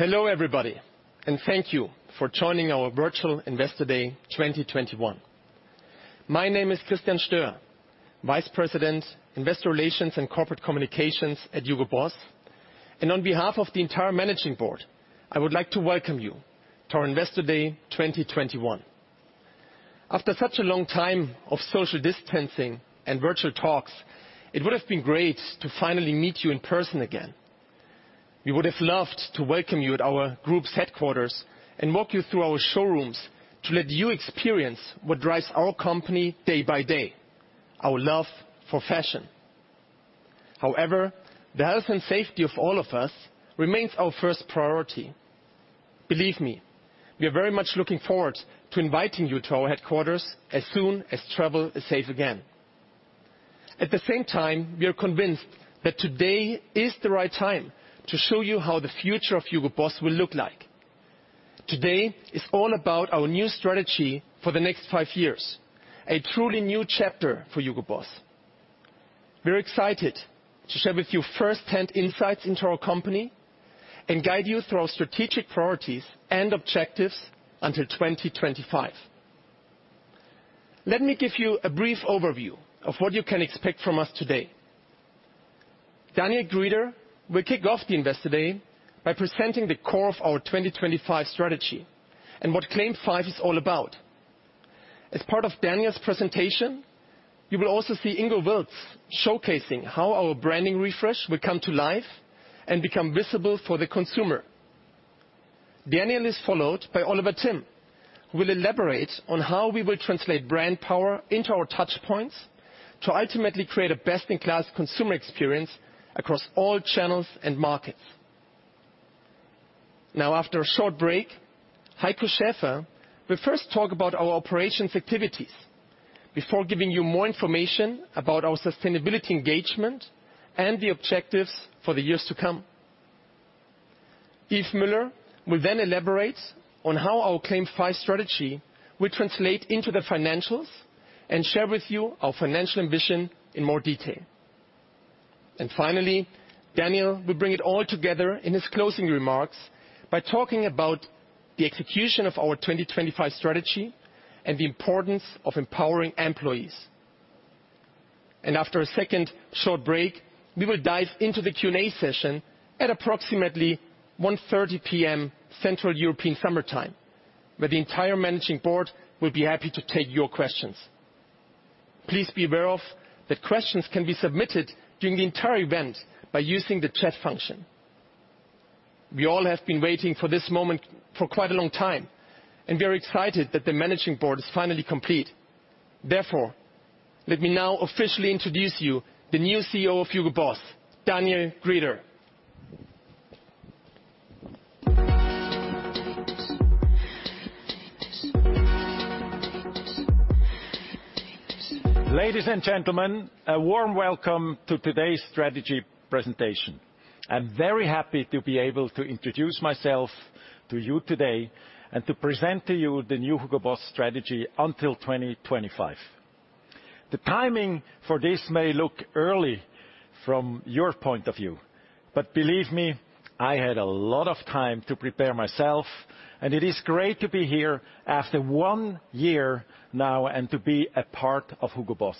Hello everybody, thank you for joining our virtual Investor Day 2021. My name is Christian Stoehr, Vice President, Investor Relations and Corporate Communications at HUGO BOSS. On behalf of the entire Managing Board, I would like to welcome you to our Investor Day 2021. After such a long time of social distancing and virtual talks, it would have been great to finally meet you in person again. We would have loved to welcome you at our group's headquarters and walk you through our showrooms to let you experience what drives our company day by day, our love for fashion. However, the health and safety of all of us remains our first priority. Believe me, we are very much looking forward to inviting you to our headquarters as soon as travel is safe again. At the same time, we are convinced that today is the right time to show you how the future of HUGO BOSS will look like. Today is all about our new strategy for the next five years, a truly new chapter for HUGO BOSS. We are excited to share with you first-hand insights into our company and guide you through our strategic priorities and objectives until 2025. Let me give you a brief overview of what you can expect from us today. Daniel Grieder will kick off the Investor Day by presenting the core of our 2025 strategy and what CLAIM 5 is all about. As part of Daniel's presentation, you will also see Ingo Wilts showcasing how our branding refresh will come to life and become visible for the consumer. Daniel is followed by Oliver Timm, who will elaborate on how we will translate brand power into our touchpoints to ultimately create a best-in-class consumer experience across all channels and markets. After a short break, Heiko Schäfer will first talk about our operations activities before giving you more information about our sustainability engagement and the objectives for the years to come. Yves Müller will elaborate on how our CLAIM 5 strategy will translate into the financials and share with you our financial ambition in more detail. Finally, Daniel will bring it all together in his closing remarks by talking about the execution of our 2025 strategy and the importance of empowering employees. After a second short break, we will dive into the Q&A session at approximately 1:30 P.M. Central European Summer Time, where the entire Managing Board will be happy to take your questions. Please be aware that questions can be submitted during the entire event by using the chat function. We all have been waiting for this moment for quite a long time, and we are excited that the managing board is finally complete. Therefore, let me now officially introduce you the new CEO of HUGO BOSS, Daniel Grieder. Ladies and gentlemen, a warm welcome to today's strategy presentation. I'm very happy to be able to introduce myself to you today and to present to you the new HUGO BOSS strategy until 2025. The timing for this may look early from your point of view, but believe me, I had a lot of time to prepare myself, and it is great to be here after one year now and to be a part of HUGO BOSS.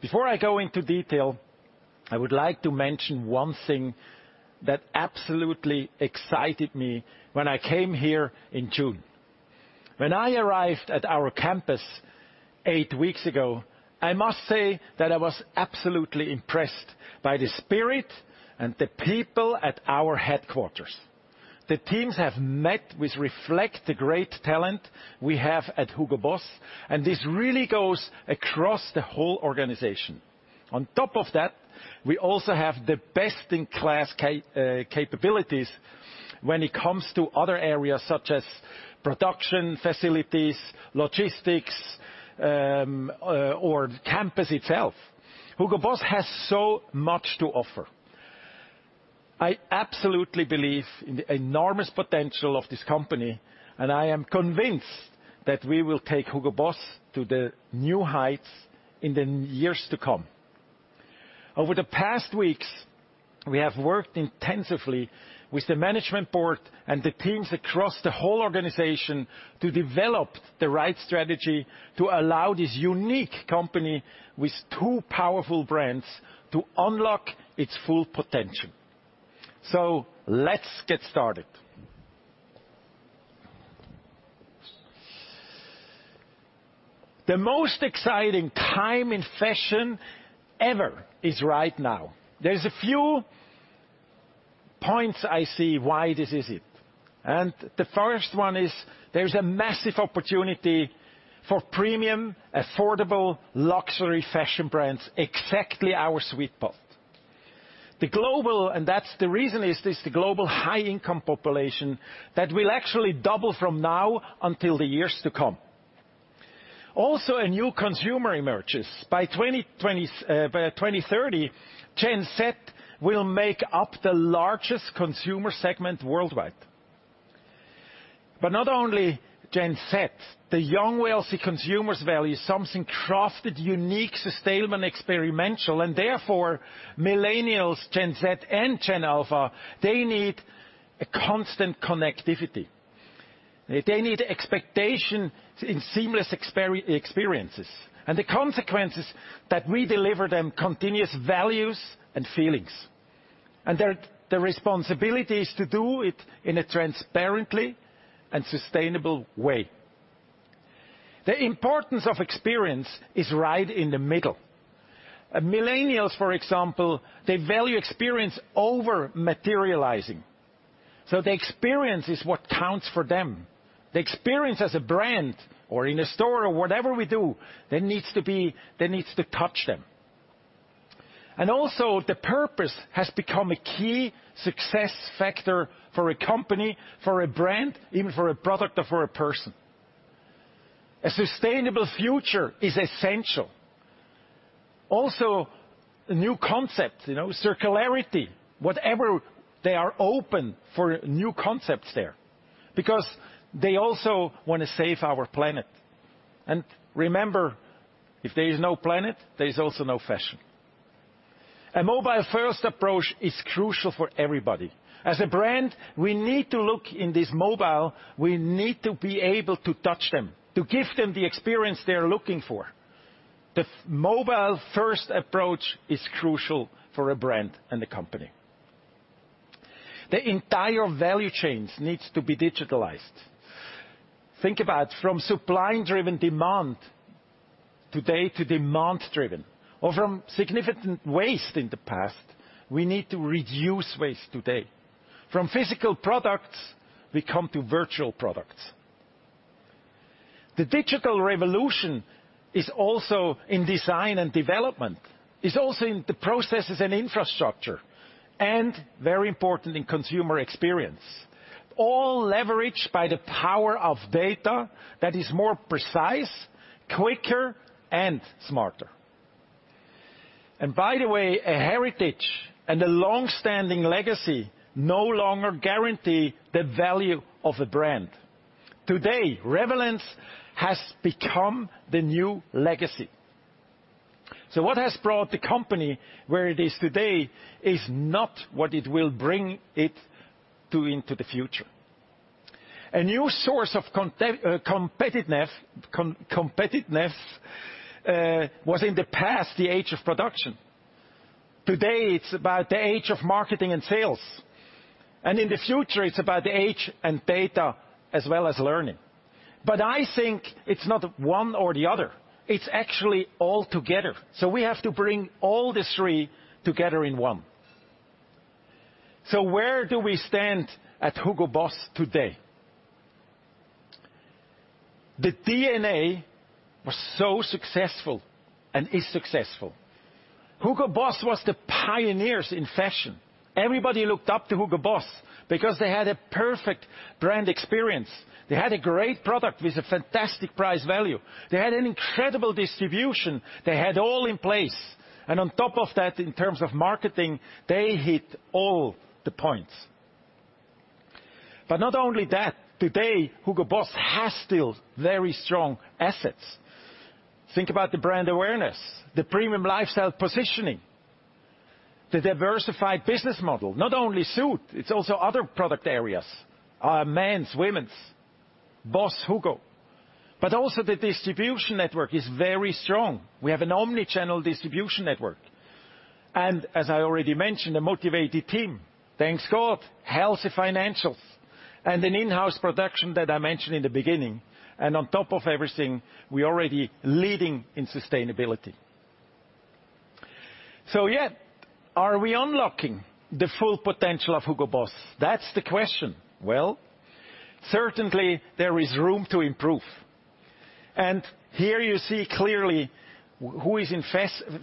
Before I go into detail, I would like to mention one thing that absolutely excited me when I came here in June. When I arrived at our campus eight weeks ago, I must say that I was absolutely impressed by the spirit and the people at our headquarters. The teams have met with reflect the great talent we have at HUGO BOSS, and this really goes across the whole organization. On top of that, we also have the best-in-class capabilities when it comes to other areas such as production facilities, logistics, or the campus itself. HUGO BOSS has so much to offer. I absolutely believe in the enormous potential of this company, I am convinced that we will take HUGO BOSS to the new heights in the years to come. Over the past weeks, we have worked intensively with the management board and the teams across the whole organization to develop the right strategy to allow this unique company with two powerful brands to unlock its full potential. Let's get started. The most exciting time in fashion ever is right now. There's a few points I see why this is it, The first one is there's a massive opportunity for premium, affordable luxury fashion brands, exactly our sweet spot. That's the reason is this the global high-income population that will actually double from now until the years to come. Also, a new consumer emerges. By 2030, Gen Z will make up the largest consumer segment worldwide. Not only Gen Z. The young wealthy consumers value something crafted, unique, sustainable, and experiential. Therefore, Millennials, Gen Z, and Gen Alpha, they need a constant connectivity. They need expectation in seamless experiences. The consequence is that we deliver them continuous values and feelings. The responsibility is to do it in a transparently and sustainable way. The importance of experience is right in the middle. Millennials, for example, they value experience over materializing. The experience is what counts for them. The experience as a brand or in a store or whatever we do, that needs to touch them. The purpose has become a key success factor for a company, for a brand, even for a product or for a person. A sustainable future is essential. New concept, circularity, whatever, they are open for new concepts there. They also want to save our planet. Remember, if there is no planet, there is also no fashion. A mobile-first approach is crucial for everybody. As a brand, we need to look in this mobile. We need to be able to touch them, to give them the experience they're looking for. The mobile-first approach is crucial for a brand and a company. The entire value chain needs to be digitalized. Think about from supply-driven demand today to demand-driven, or from significant waste in the past, we need to reduce waste today. From physical products, we come to virtual products. The digital revolution is also in design and development, is also in the processes and infrastructure, and very important in consumer experience. All leveraged by the power of data that is more precise, quicker, and smarter. By the way, a heritage and a longstanding legacy no longer guarantee the value of a brand. Today, relevance has become the new legacy. What has brought the company where it is today is not what it will bring it to into the future. A new source of competitiveness was in the past the age of production. Today, it's about the age of marketing and sales. In the future, it's about the age and data as well as learning. I think it's not one or the other. It's actually all together. We have to bring all the three together in one. Where do we stand at HUGO BOSS today? The DNA was so successful and is successful. HUGO BOSS was the pioneers in fashion. Everybody looked up to HUGO BOSS because they had a perfect brand experience. They had a great product with a fantastic price-value. They had an incredible distribution. They had all in place. On top of that, in terms of marketing, they hit all the points. Not only that, today, HUGO BOSS has still very strong assets. Think about the brand awareness, the premium lifestyle positioning, the diversified business model. Not only suit, it's also other product areas, men's, women's, BOSS, HUGO. Also the distribution network is very strong. We have an omni-channel distribution network. As I already mentioned, a motivated team. Thanks God, healthy financials and an in-house production that I mentioned in the beginning. On top of everything, we're already leading in sustainability. Yeah, are we unlocking the full potential of HUGO BOSS? That's the question. Well, certainly there is room to improve. Here you see clearly who is in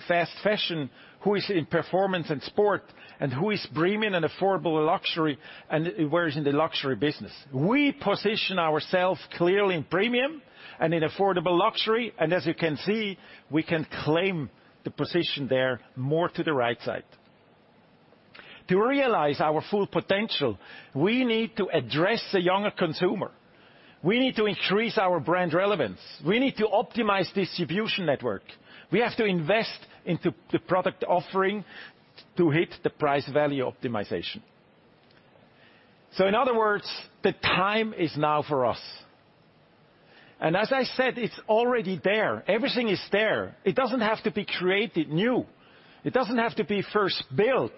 fast fashion, who is in performance and sport, and who is premium and affordable luxury, and where is in the luxury business. We position ourselves clearly in premium and in affordable luxury, and as you can see, we can claim the position there more to the right side. To realize our full potential, we need to address the younger consumer. We need to increase our brand relevance. We need to optimize distribution network. We have to invest into the product offering to hit the price-value optimization. In other words, the time is now for us. As I said, it's already there. Everything is there. It doesn't have to be created new. It doesn't have to be first built.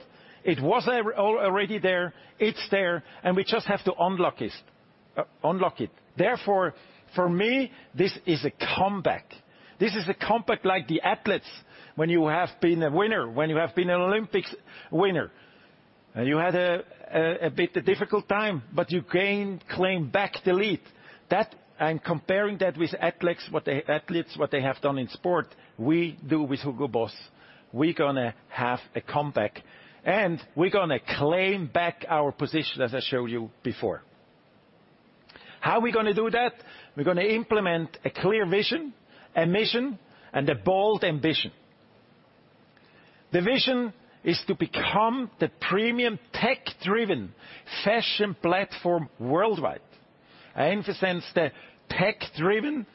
It was already there. It's there, and we just have to unlock it. Therefore, for me, this is a comeback. This is a comeback like the athletes when you have been a winner, when you have been an Olympics winner. You had a bit difficult time, but you claim back the lead. Comparing that with athletes, what they have done in sport, we do with HUGO BOSS. We're going to have a comeback. We're going to claim back our position, as I showed you before. How are we going to do that? We're going to implement a clear vision, a mission, and a bold ambition. The vision is to become the premium tech-driven fashion platform worldwide. I emphasize the tech-driven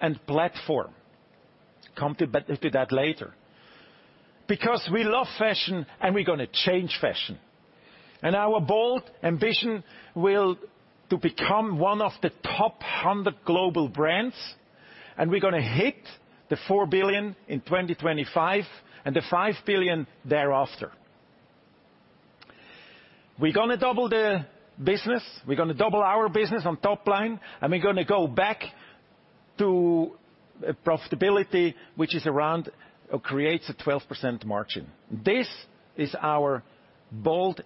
and platform. Come to that later. Because we love fashion, and we're going to change fashion. Our bold ambition will to become one of the top 100 global brands, and we're going to hit 4 billion in 2025 and 5 billion thereafter. We're going to double the business, we're going to double our business on top line, and we're going to go back to profitability, which creates a 12% margin. This is our bold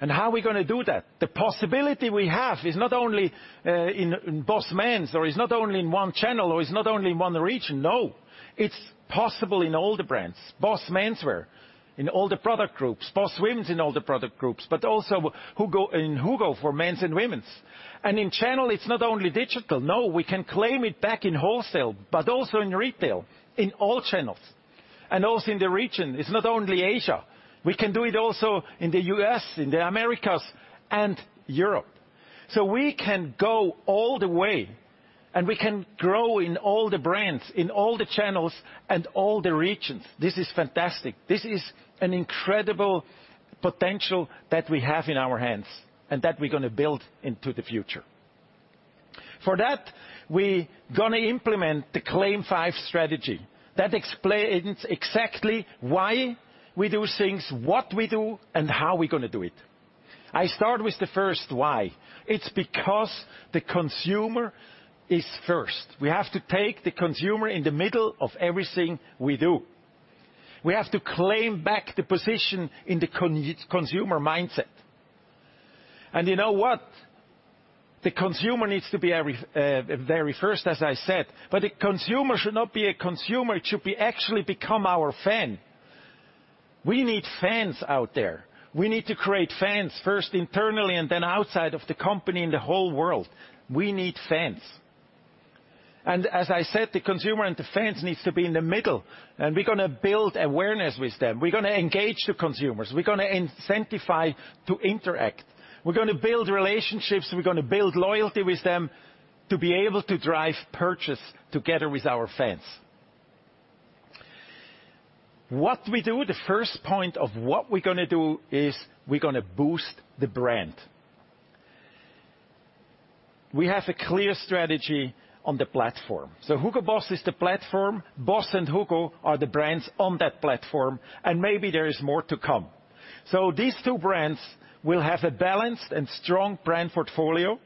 ambition. How are we going to do that? The possibility we have is not only in BOSS Men's, or is not only in one channel, or is not only in one region. No, it's possible in all the brands. BOSS Menswear in all the product groups, BOSS Women's in all the product groups, but also in HUGO for men's and women's. In channel, it's not only digital. We can claim it back in wholesale, also in retail, in all channels. Also in the region. It's not only Asia. We can do it also in the U.S., in the Americas, and Europe. We can go all the way, we can grow in all the brands, in all the channels, and all the regions. This is fantastic. This is an incredible potential that we have in our hands and that we're going to build into the future. For that, we going to implement the CLAIM 5 strategy. That explains exactly why we do things, what we do, and how we're going to do it. I start with the first why. It's because the consumer is first. We have to take the consumer in the middle of everything we do. We have to claim back the position in the consumer mindset. You know what? The consumer needs to be very first, as I said, but the consumer should not be a consumer. It should be actually become our fan. We need fans out there. We need to create fans, first internally, and then outside of the company in the whole world. We need fans. As I said, the consumer and the fans needs to be in the middle, and we're going to build awareness with them. We're going to engage the consumers. We're going to incentivize to interact. We're going to build relationships, we're going to build loyalty with them to be able to drive purchase together with our fans. What we do, the first point of what we're going to do is we're going to boost the brand. We have a clear strategy on the platform. HUGO BOSS is the platform. BOSS and HUGO are the brands on that platform, and maybe there is more to come. These two brands will have a balanced and strong brand portfolio,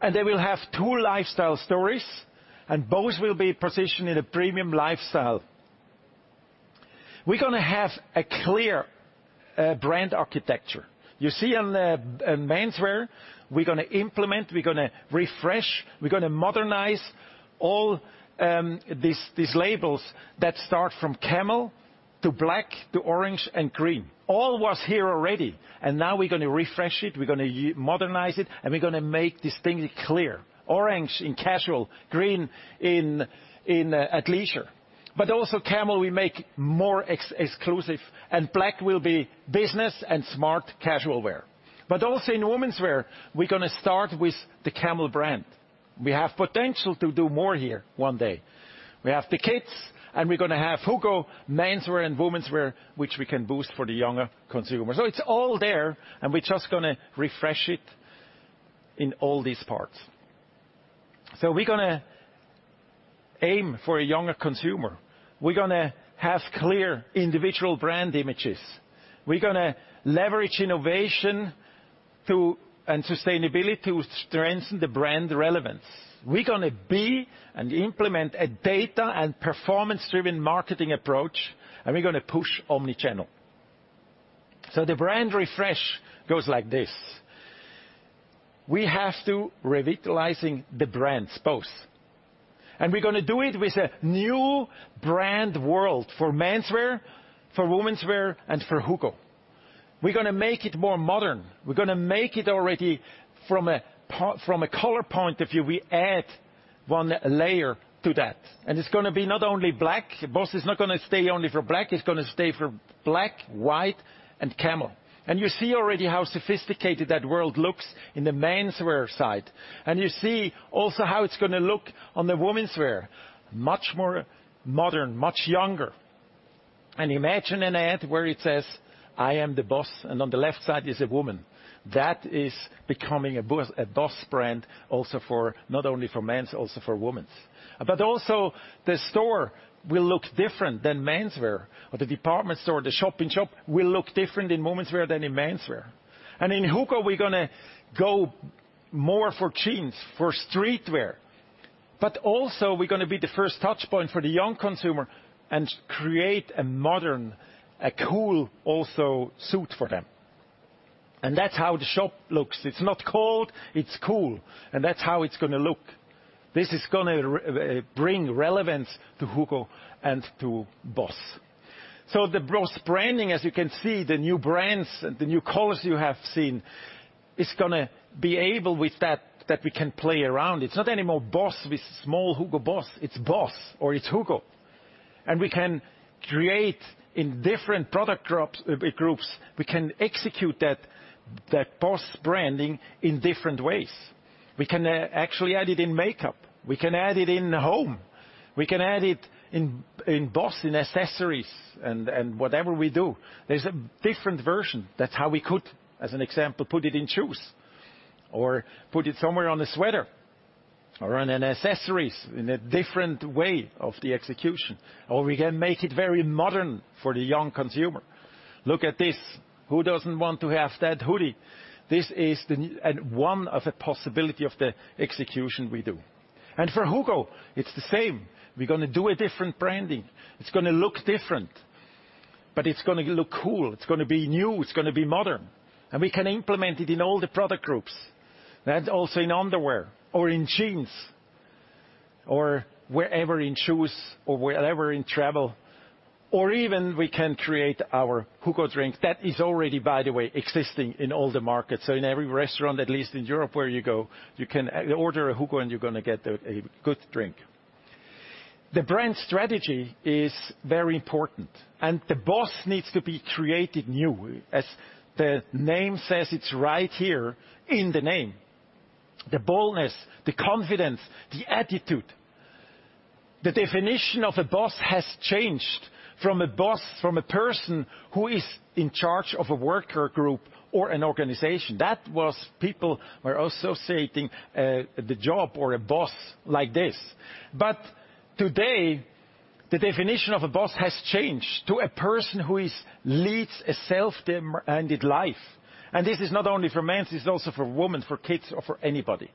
and they will have two lifestyle stories, and both will be positioned in a premium lifestyle. We're going to have a clear brand architecture. You see on menswear, we're going to implement, we're going to refresh, we're going to modernize all these labels that start from Camel to Black to Orange and Green. All was here already, and now we're going to refresh it, we're going to modernize it, and we're going to make these things clear. Orange in casual, Green in athleisure. Also Camel we make more exclusive, and Black will be business and smart casual wear. Also in womenswear, we're going to start with the Camel brand. We have potential to do more here one day. We have the kids, we're going to have HUGO Menswear and womenswear, which we can boost for the younger consumers. It's all there, we're just going to refresh it in all these parts. We're going to aim for a younger consumer. We're going to have clear individual brand images. We're going to leverage innovation and sustainability to strengthen the brand relevance. We're going to implement a data and performance-driven marketing approach, we're going to push omnichannel. The brand refresh goes like this. We have to revitalize the brands, both. We're going to do it with a new brand world for menswear, for womenswear, and for HUGO. We're going to make it more modern. We're going to make it already from a color point of view, we add one layer to that. It's going to be not only black. BOSS is not going to stay only for black, it's going to stay for black, white, and camel. You see already how sophisticated that world looks in the menswear side. You see also how it's going to look on the womenswear. Much more modern, much younger. Imagine an ad where it says, "I am the boss," and on the left side is a woman. That is becoming a BOSS brand also for not only for men's, also for women's. Also the store will look different than menswear, or the department store, the shop in shop will look different in womenswear than in menswear. In HUGO, we're going to go more for jeans, for streetwear. Also, we're going to be the first touchpoint for the young consumer and create a modern, a cool also suit for them. That's how the shop looks. It's not cold, it's cool. That's how it's going to look. This is going to bring relevance to HUGO and to BOSS. The BOSS branding, as you can see, the new brands, the new colors you have seen is going to be able with that we can play around. It's not anymore BOSS with small HUGO BOSS, it's BOSS, or it's HUGO. We can create in different product groups, we can execute that BOSS branding in different ways. We can actually add it in makeup. We can add it in the home. We can add it in BOSS in accessories and whatever we do. There's a different version. That's how we could, as an example, put it in shoes or put it somewhere on a sweater or on an accessories in a different way of the execution. We can make it very modern for the young consumer. Look at this. Who doesn't want to have that hoodie? This is one of the possibility of the execution we do. For HUGO, it's the same. We're going to do a different branding. It's going to look different, but it's going to look cool. It's going to be new, it's going to be modern, and we can implement it in all the product groups. That's also in underwear or in jeans, or wherever in shoes or wherever in travel, or even we can create our HUGO drink. That is already, by the way, existing in all the markets. In every restaurant, at least in Europe where you go, you can order a HUGO and you're going to get a good drink. The brand strategy is very important, and the BOSS needs to be created new. As the name says, it's right here in the name. The boldness, the confidence, the attitude. The definition of a boss has changed from a boss, from a person who is in charge of a worker group or an organization. That was people were associating the job or a boss like this. Today, the definition of a boss has changed to a person who leads a self-directed life. This is not only for men, this is also for women, for kids, or for anybody.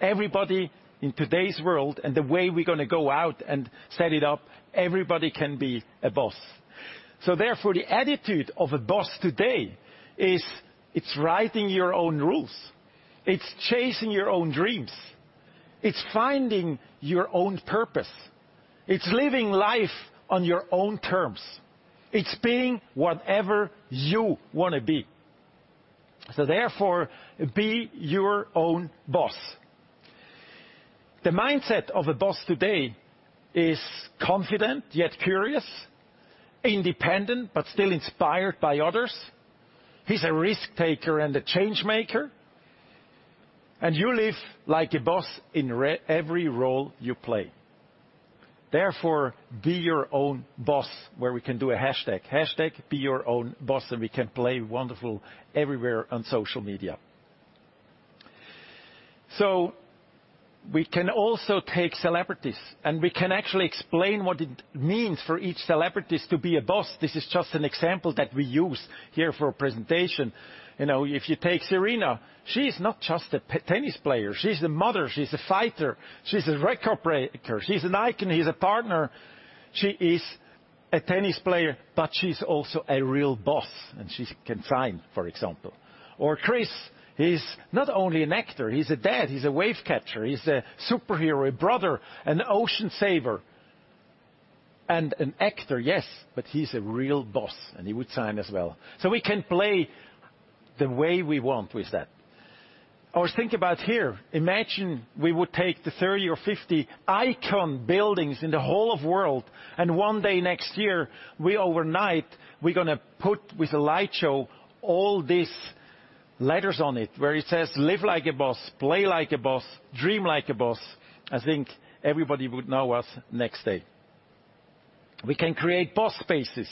Everybody in today's world and the way we're going to go out and set it up, everybody can be a boss. Therefore, the attitude of a boss today is it's writing your own rules. It's chasing your own dreams. It's finding your own purpose. It's living life on your own terms. It's being whatever you want to be. Therefore, Be Your Own BOSS. The mindset of a boss today is confident yet curious, independent, but still inspired by others. He's a risk-taker and a change-maker, and you live like a boss in every role you play. Therefore, Be Your Own BOSS where we can do a hashtag. #BeYourOwnBoss, we can play wonderful everywhere on social media. We can also take celebrities, and we can actually explain what it means for each celebrity to be a boss. This is just an example that we use here for a presentation. If you take Serena, she's not just a tennis player. She's a mother. She's a fighter. She's a record-breaker. She's an icon. She's a partner. She is a tennis player, but she's also a real boss, and she can sign, for example. Chris, he's not only an actor. He's a dad. He's a wave catcher. He's a superhero, a brother, an ocean saver, and an actor, yes, but he's a real BOSS, and he would sign as well. We can play the way we want with that. Think about here, imagine we would take the 30 or 50 icon buildings in the whole of world, and one day next year, we overnight, we're going to put with a light show all these letters on it where it says, "Live like a BOSS. Play like a BOSS. Dream like a BOSS." I think everybody would know us next day. We can create BOSS spaces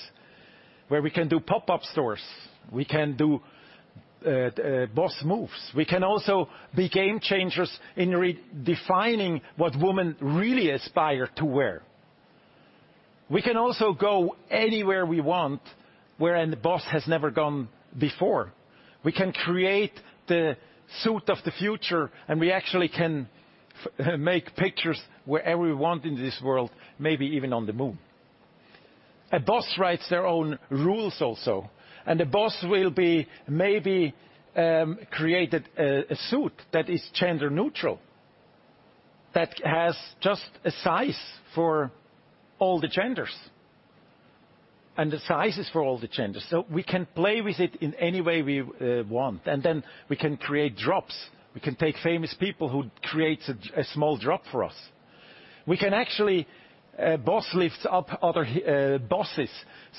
where we can do pop-up stores. We can do BOSS moves. We can also be game-changers in redefining what women really aspire to wear. We can also go anywhere we want where a BOSS has never gone before. We can create the suit of the future, and we actually can make pictures wherever we want in this world, maybe even on the moon. A BOSS writes their own rules also. A BOSS will be, maybe, created a suit that is gender-neutral, that has just a size for all the genders, and the sizes for all the genders. We can play with it in any way we want, and then we can create drops. We can take famous people who create a small drop for us. We can actually, BOSS lifts up other BOSSes.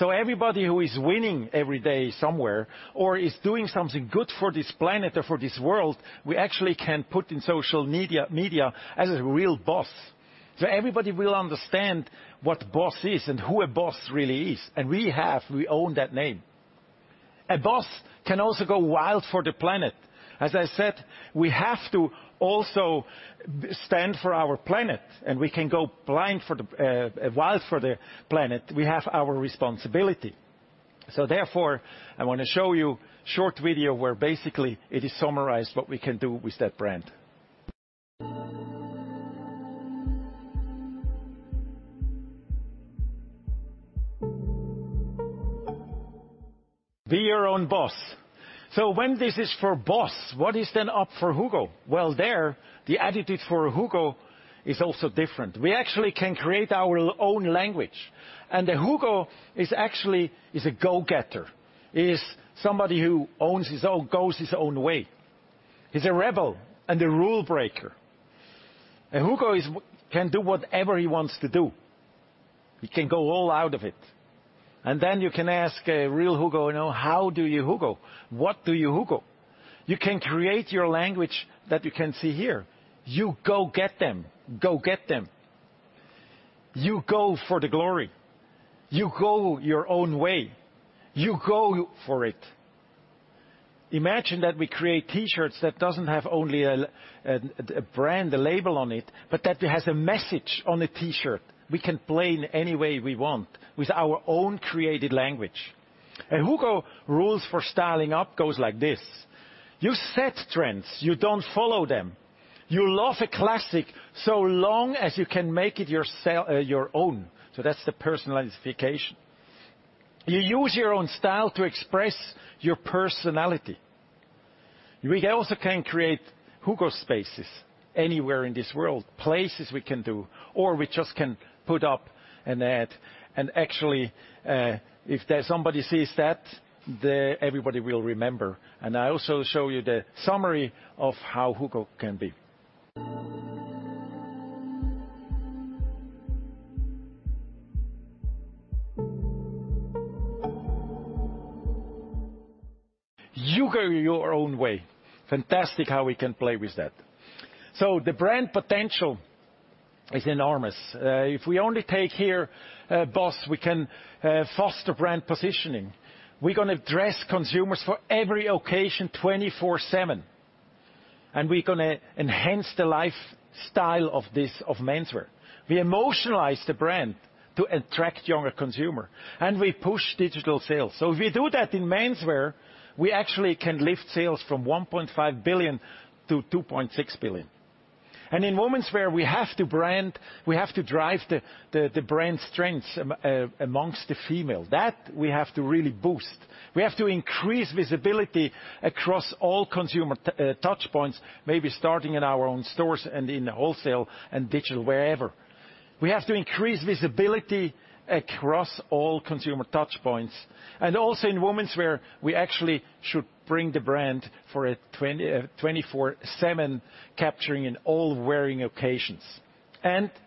Everybody who is winning every day somewhere or is doing something good for this planet or for this world, we actually can put in social media as a real BOSS. Everybody will understand what BOSS is and who a BOSS really is, and we have, we own that name. A BOSS can also go wild for the planet. As I said, we have to also stand for our planet, and we can go wild for the planet. We have our responsibility. Therefore, I want to show you short video where basically it is summarized what we can do with that brand. Be your own BOSS. When this is for BOSS, what is then up for HUGO? Well, there, the attitude for HUGO is also different. We actually can create our own language, and the HUGO is actually a go-getter, is somebody who owns his own, goes his own way. He's a rebel and a rule-breaker. A HUGO can do whatever he wants to do. He can go all out with it. You can ask a real HUGO, "How do you HUGO? What do you HUGO?" You can create your language that you can see here. HUGO get them. Go get them. HUGO for the glory. HUGO your own way. HUGO for it. Imagine that we create T-shirts that doesn't have only a brand, a label on it, but that has a message on the T-shirt. We can play in any way we want with our own created language. A HUGO rules for styling up goes like this. You set trends, you don't follow them. You love a classic so long as you can make it your own. So that's the personalization. You use your own style to express your personality. We also can create HUGO spaces anywhere in this world, places we can do, or we just can put up an ad. And actually, if there somebody sees that, everybody will remember. And I also show you the summary of how HUGO can be. HUGO your own way. Fantastic how we can play with that. The brand potential is enormous. If we only take here BOSS, we can foster brand positioning. We're going to dress consumers for every occasion 24/7. We're going to enhance the lifestyle of menswear. We emotionalize the brand to attract younger consumer, and we push digital sales. If we do that in menswear, we actually can lift sales from 1.5 billion to 2.6 billion. In womenswear, we have to drive the brand strengths amongst the female. That, we have to really boost. We have to increase visibility across all consumer touch points, maybe starting in our own stores and in the wholesale and digital, wherever. We have to increase visibility across all consumer touch points. Also in womenswear, we actually should bring the brand for a 24/7 capturing in all wearing occasions.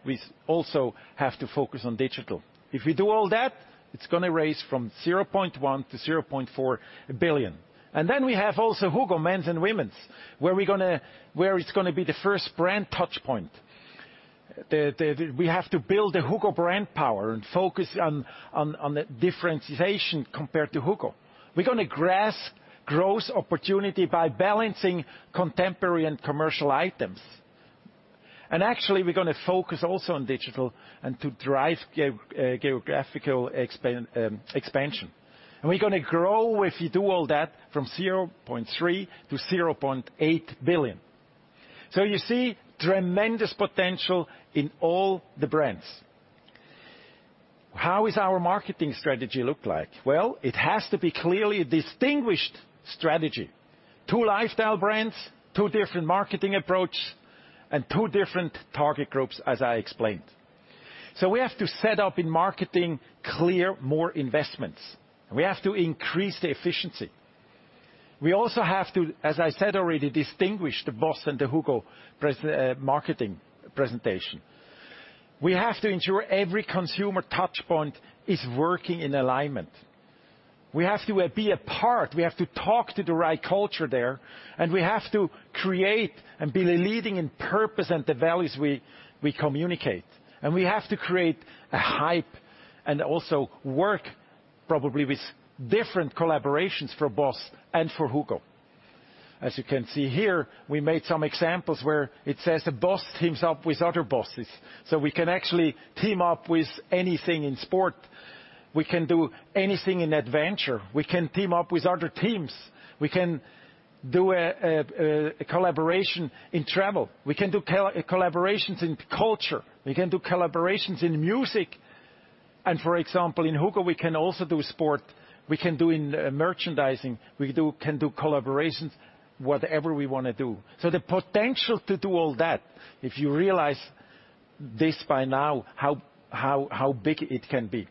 We also have to focus on digital. If we do all that, it's going to raise from 0.1 billion to 0.4 billion. We have also HUGO, men's and women's, where it's going to be the first brand touch point. We have to build a HUGO brand power and focus on the differentiation compared to HUGO. We're going to grasp growth opportunity by balancing contemporary and commercial items. Actually, we're going to focus also on digital and to drive geographical expansion. We're going to grow, if you do all that, from 0.3 billion-0.8 billion. You see tremendous potential in all the brands. How is our marketing strategy look like? Well, it has to be clearly distinguished strategy. Two lifestyle brands, two different marketing approach, and two different target groups, as I explained. We have to set up in marketing clear more investments, and we have to increase the efficiency. We also have to, as I said already, distinguish the BOSS and the HUGO marketing presentation. We have to ensure every consumer touch point is working in alignment. We have to be a part, we have to talk to the right culture there, and we have to create and be the leading in purpose and the values we communicate. We have to create a hype and also work probably with different collaborations for BOSS and for HUGO. As you can see here, we made some examples where it says the BOSS teams up with other bosses. We can actually team up with anything in sport. We can do anything in adventure. We can team up with other teams. We can do a collaboration in travel. We can do collaborations in culture. We can do collaborations in music. For example, in HUGO, we can also do sport. We can do in merchandising. We can do collaborations, whatever we want to do. The potential to do all that, if you realize this by now, how big it can be.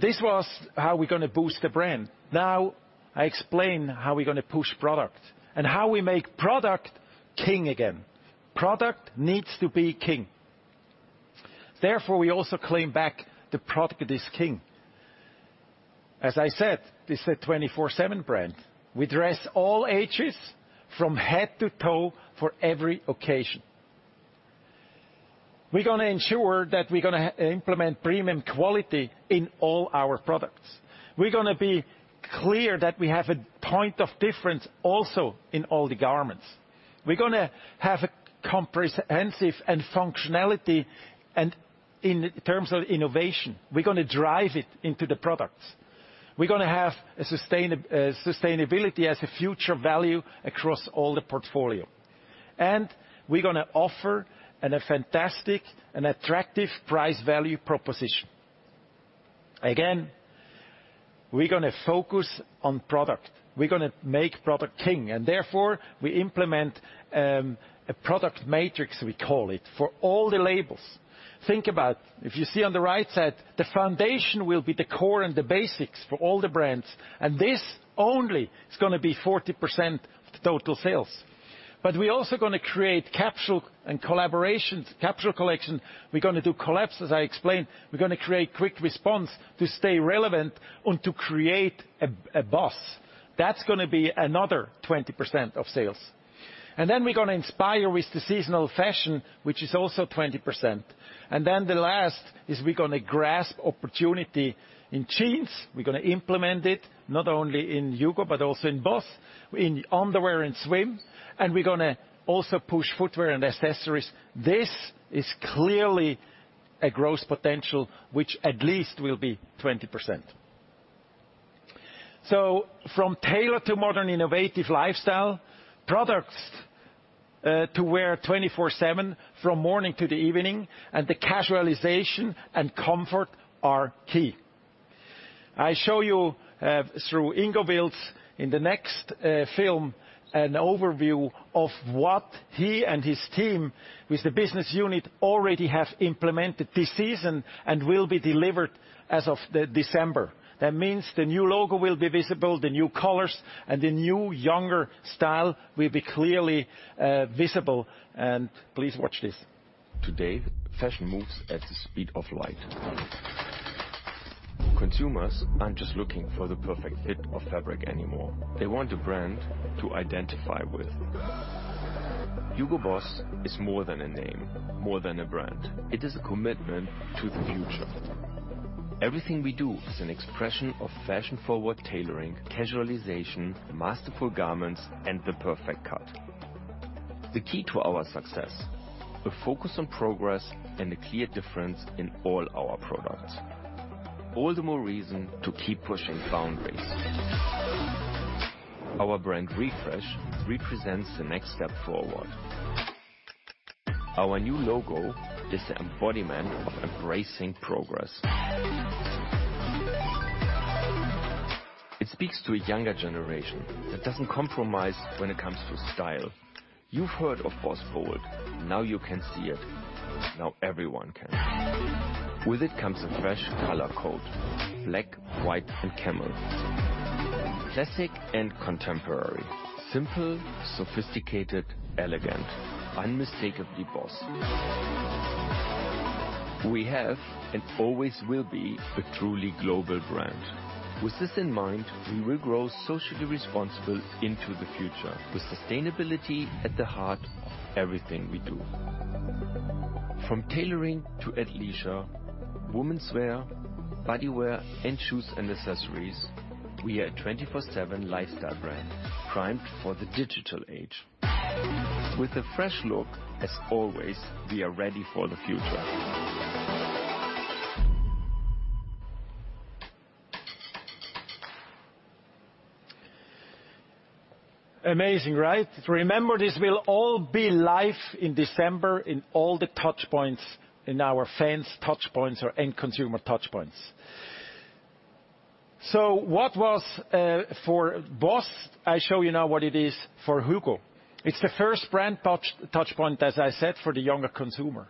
This was how we're going to boost the brand. I explain how we're going to push product and how we make product king again. Product needs to be king. We also claim back the product is king. As I said, this is a 24/7 brand. We dress all ages from head to toe for every occasion. We're going to ensure that we're going to implement premium quality in all our products. We're going to be clear that we have a point of difference also in all the garments. We're going to have a comprehensive and functionality and in terms of innovation, we're going to drive it into the products. We're going to have sustainability as a future value across all the portfolio. We're going to offer a fantastic and attractive price-value proposition. Again, we're going to focus on product. We're going to make product king, and therefore, we implement a product matrix, we call it, for all the labels. Think about, if you see on the right side, the foundation will be the core and the basics for all the brands. This only is going to be 40% of the total sales. We're also going to create capsule and collaborations, capsule collection. We're going to do collabs, as I explained. We're going to create quick response to stay relevant and to create a BOSS. That's going to be another 20% of sales. We're going to inspire with the seasonal fashion, which is also 20%. The last is we're going to grasp opportunity in jeans. We're going to implement it not only in HUGO, but also in BOSS, in underwear and swim. We're going to also push footwear and accessories. This is clearly a growth potential, which at least will be 20%. From tailored to modern innovative lifestyle, products to wear 24/7, from morning to the evening, and the casualization and comfort are key. I show you, through Ingo Wilts, in the next film, an overview of what he and his team with the business unit already have implemented this season and will be delivered as of December. That means the new logo will be visible, the new colors, and the new, younger style will be clearly visible. Please watch this. Today, fashion moves at the speed of light. Consumers aren't just looking for the perfect fit of fabric anymore. They want a brand to identify with. HUGO BOSS is more than a name, more than a brand. It is a commitment to the future. Everything we do is an expression of fashion-forward tailoring, casualization, masterful garments, and the perfect cut. The key to our success, a focus on progress and a clear difference in all our products. All the more reason to keep pushing boundaries. Our brand refresh represents the next step forward. Our new logo is the embodiment of embracing progress. It speaks to a younger generation that doesn't compromise when it comes to style. You've heard of BOSS Bold. Now you can see it. Now everyone can. With it comes a fresh color code: black, white, and camel. Classic and contemporary. Simple, sophisticated, elegant. Unmistakably BOSS. We have and always will be a truly global brand. With this in mind, we will grow socially responsible into the future, with sustainability at the heart of everything we do. From tailoring to athleisure, womenswear, bodywear, and shoes and accessories, we are a 24/7 lifestyle brand primed for the digital age. With a fresh look, as always, we are ready for the future. Amazing, right? Remember, this will all be live in December in all the touch points in our fans touch points or end consumer touch points. What was for BOSS, I show you now what it is for HUGO. It's the first brand touch point, as I said, for the younger consumer.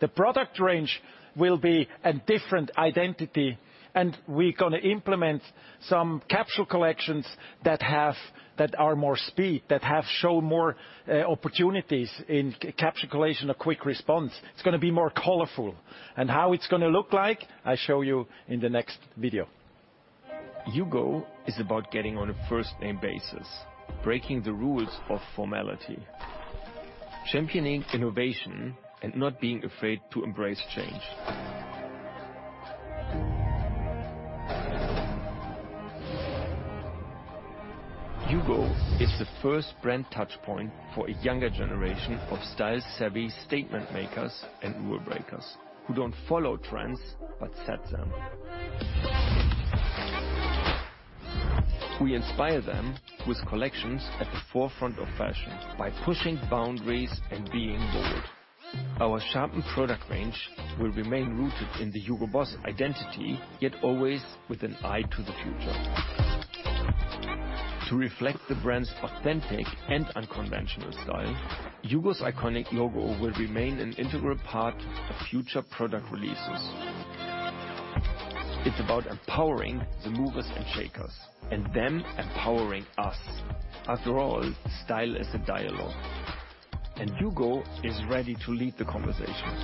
The product range will be a different identity, and we're going to implement some capsule collections that are more speed, that have shown more opportunities in capsule collection a quick response. It's going to be more colorful. How it's going to look like, I show you in the next video. HUGO is about getting on a first-name basis, breaking the rules of formality, championing innovation and not being afraid to embrace change. HUGO is the first brand touchpoint for a younger generation of style-savvy statement makers and rule breakers who don't follow trends but set them. We inspire them with collections at the forefront of fashion by pushing boundaries and being bold. Our sharpened product range will remain rooted in the HUGO BOSS identity, yet always with an eye to the future. To reflect the brand's authentic and unconventional style, HUGO's iconic logo will remain an integral part of future product releases. It's about empowering the movers and shakers and them empowering us. After all, style is a dialogue, and HUGO is ready to lead the conversation.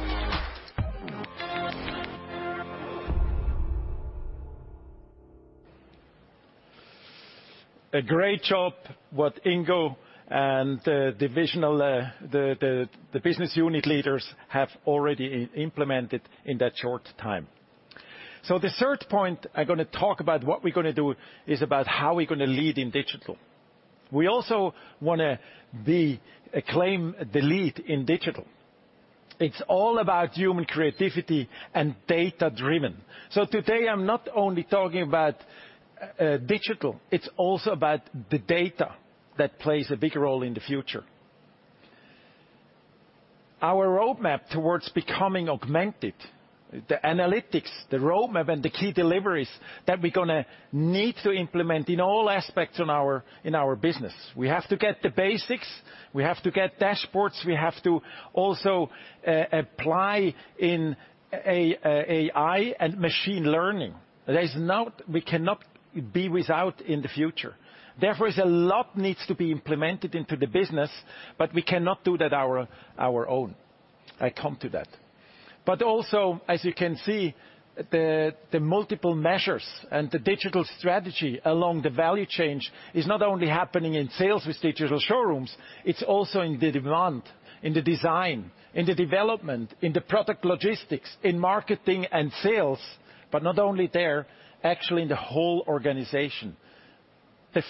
A great job, what Ingo and the business unit leaders have already implemented in that short time. The third point I'm going to talk about what we're going to do is about how we're going to lead in digital. We also want to claim the lead in digital. It's all about human creativity and data-driven. Today, I'm not only talking about digital, it's also about the data that plays a big role in the future. Our roadmap towards becoming augmented analytics, the roadmap, and the key deliveries that we're going to need to implement in all aspects in our business. We have to get the basics. We have to get dashboards. We have to also apply in AI and machine learning. We cannot be without in the future. A lot needs to be implemented into the business, but we cannot do that our own. I come to that. Also, as you can see, the multiple measures and the digital strategy along the value chain is not only happening in sales with digital showrooms, it's also in the demand, in the design, in the development, in the product logistics, in marketing and sales. Not only there, actually in the whole organization. The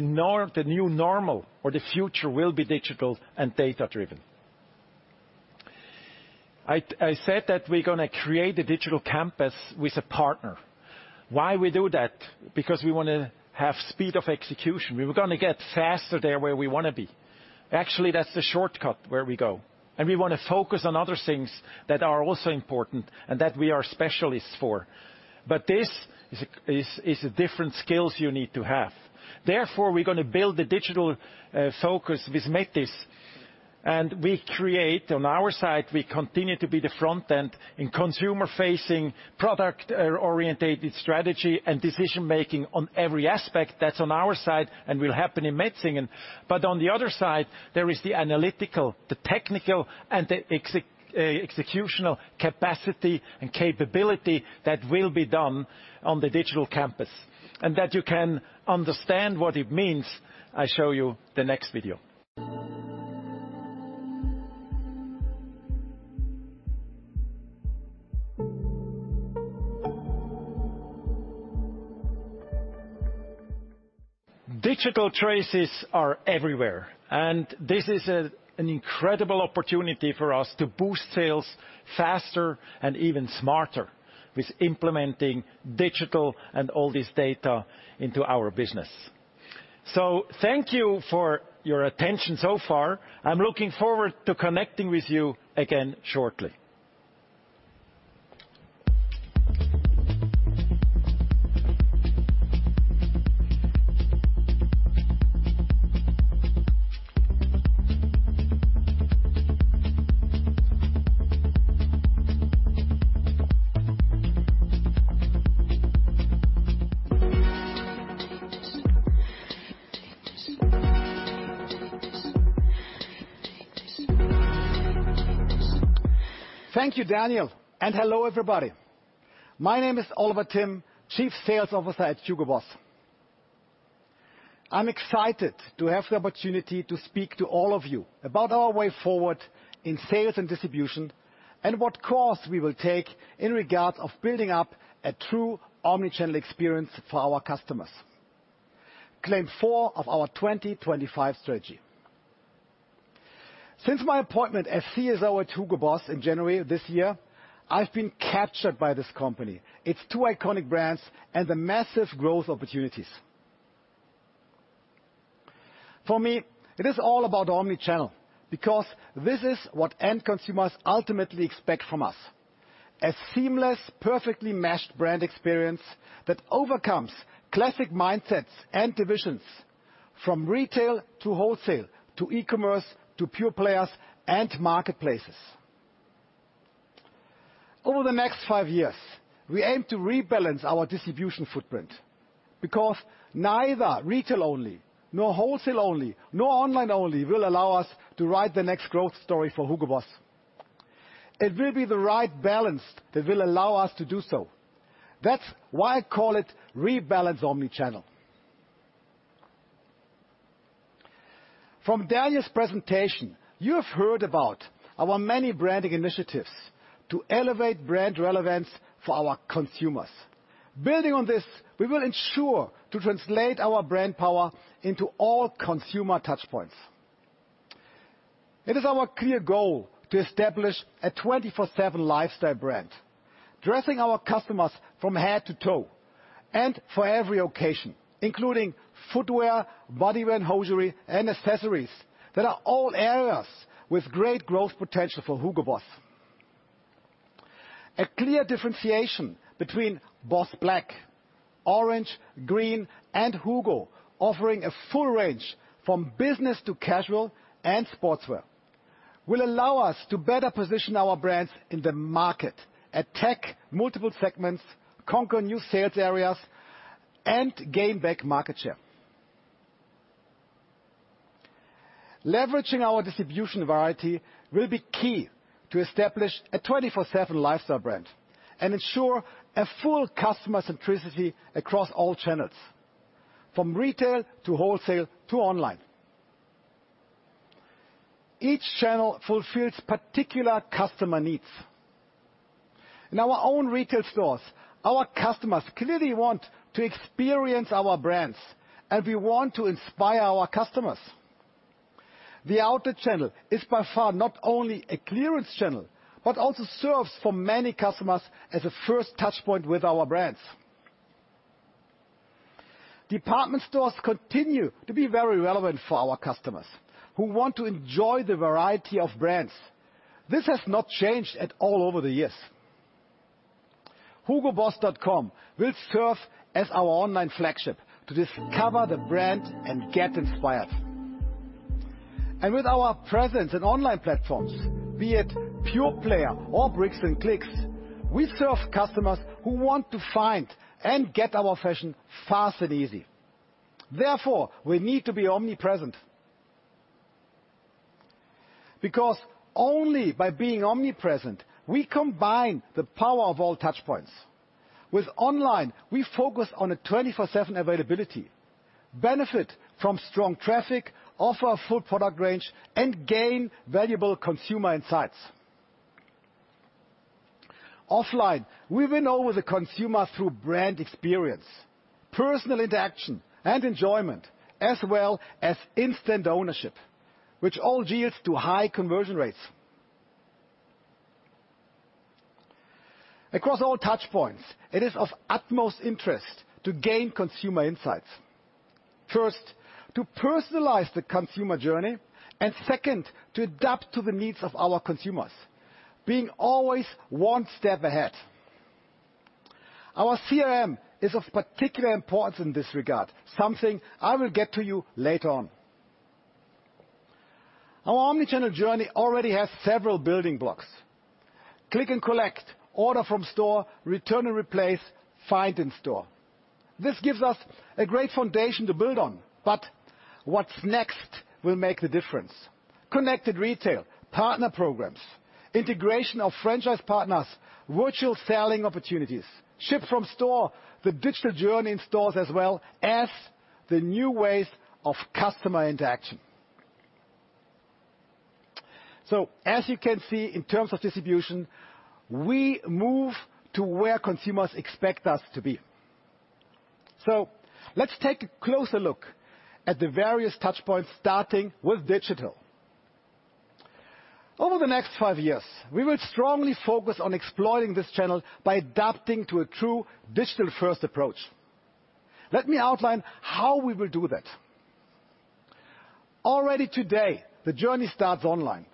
new normal or the future will be digital and data-driven. I said that we're going to create a Digital Campus with a partner. Why we do that? Because we want to have speed of execution. We were going to get faster there where we want to be. Actually, that's the shortcut where we go. We want to focus on other things that are also important and that we are specialists for. This is a different skills you need to have. Therefore, we're going to build a digital focus with Metyis, and we create on our side, we continue to be the front end in consumer-facing, product-orientated strategy, and decision-making on every aspect that's on our side and will happen in Metzingen. On the other side, there is the analytical, the technical, and the executional capacity and capability that will be done on the Digital Campus. That you can understand what it means, I show you the next video. Digital traces are everywhere, and this is an incredible opportunity for us to boost sales faster and even smarter with implementing digital and all this data into our business. Thank you for your attention so far. I'm looking forward to connecting with you again shortly. Thank you, Daniel, and hello, everybody. My name is Oliver Timm, Chief Sales Officer at HUGO BOSS. I'm excited to have the opportunity to speak to all of you about our way forward in sales and distribution, and what course we will take in regard of building up a true omni-channel experience for our customers. CLAIM 4 of our 2025 strategy. Since my appointment as CSO at HUGO BOSS in January of this year, I've been captured by this company, its two iconic brands, and the massive growth opportunities. For me, it is all about omni-channel because this is what end consumers ultimately expect from us. A seamless, perfectly meshed brand experience that overcomes classic mindsets and divisions from retail, to wholesale, to e-commerce, to pure players and marketplaces. Over the next five years, we aim to rebalance our distribution footprint because neither retail only, nor wholesale only, nor online only will allow us to write the next growth story for HUGO BOSS. It will be the right balance that will allow us to do so. That's why I call it rebalance omni-channel. From Daniel's presentation, you have heard about our many branding initiatives to elevate brand relevance for our consumers. Building on this, we will ensure to translate our brand power into all consumer touch points. It is our clear goal to establish a 24/7 lifestyle brand, dressing our customers from head to toe and for every occasion, including footwear, bodywear and hosiery, and accessories that are all areas with great growth potential for HUGO BOSS. A clear differentiation between BOSS Black, BOSS Orange, BOSS Green, and HUGO offering a full range from business to casual and sportswear, will allow us to better position our brands in the market, attack multiple segments, conquer new sales areas, and gain back market share. Leveraging our distribution variety will be key to establish a 24/7 lifestyle brand and ensure a full customer centricity across all channels, from retail to wholesale to online. Each channel fulfills particular customer needs. In our own retail stores, our customers clearly want to experience our brands, and we want to inspire our customers. The outlet channel is by far not only a clearance channel, but also serves for many customers as a first touch point with our brands. Department stores continue to be very relevant for our customers who want to enjoy the variety of brands. This has not changed at all over the years. hugoboss.com will serve as our online flagship to discover the brand and get inspired. With our presence in online platforms, be it pure player or bricks and clicks, we serve customers who want to find and get our fashion fast and easy. Therefore, we need to be omnipresent. Only by being omnipresent, we combine the power of all touch points. With online, we focus on a 24/7 availability, benefit from strong traffic, offer a full product range, and gain valuable consumer insights. Offline, we win over the consumer through brand experience, personal interaction, and enjoyment, as well as instant ownership, which all yields to high conversion rates. Across all touch points, it is of utmost interest to gain consumer insights. First, to personalize the consumer journey, and second, to adapt to the needs of our consumers. Being always one step ahead. Our CRM is of particular importance in this regard, something I will get to later on. Our omnichannel journey already has several building blocks. Click and collect, order from store, return and replace, find in store. This gives us a great foundation to build on. What's next will make the difference. Connected retail, partner programs, integration of franchise partners, virtual selling opportunities, ship from store, the digital journey in stores as well as the new ways of customer interaction. As you can see in terms of distribution, we move to where consumers expect us to be. Let's take a closer look at the various touch points, starting with digital. Over the next five years, we will strongly focus on exploiting this channel by adapting to a true digital-first approach. Let me outline how we will do that. Already today, the journey starts online.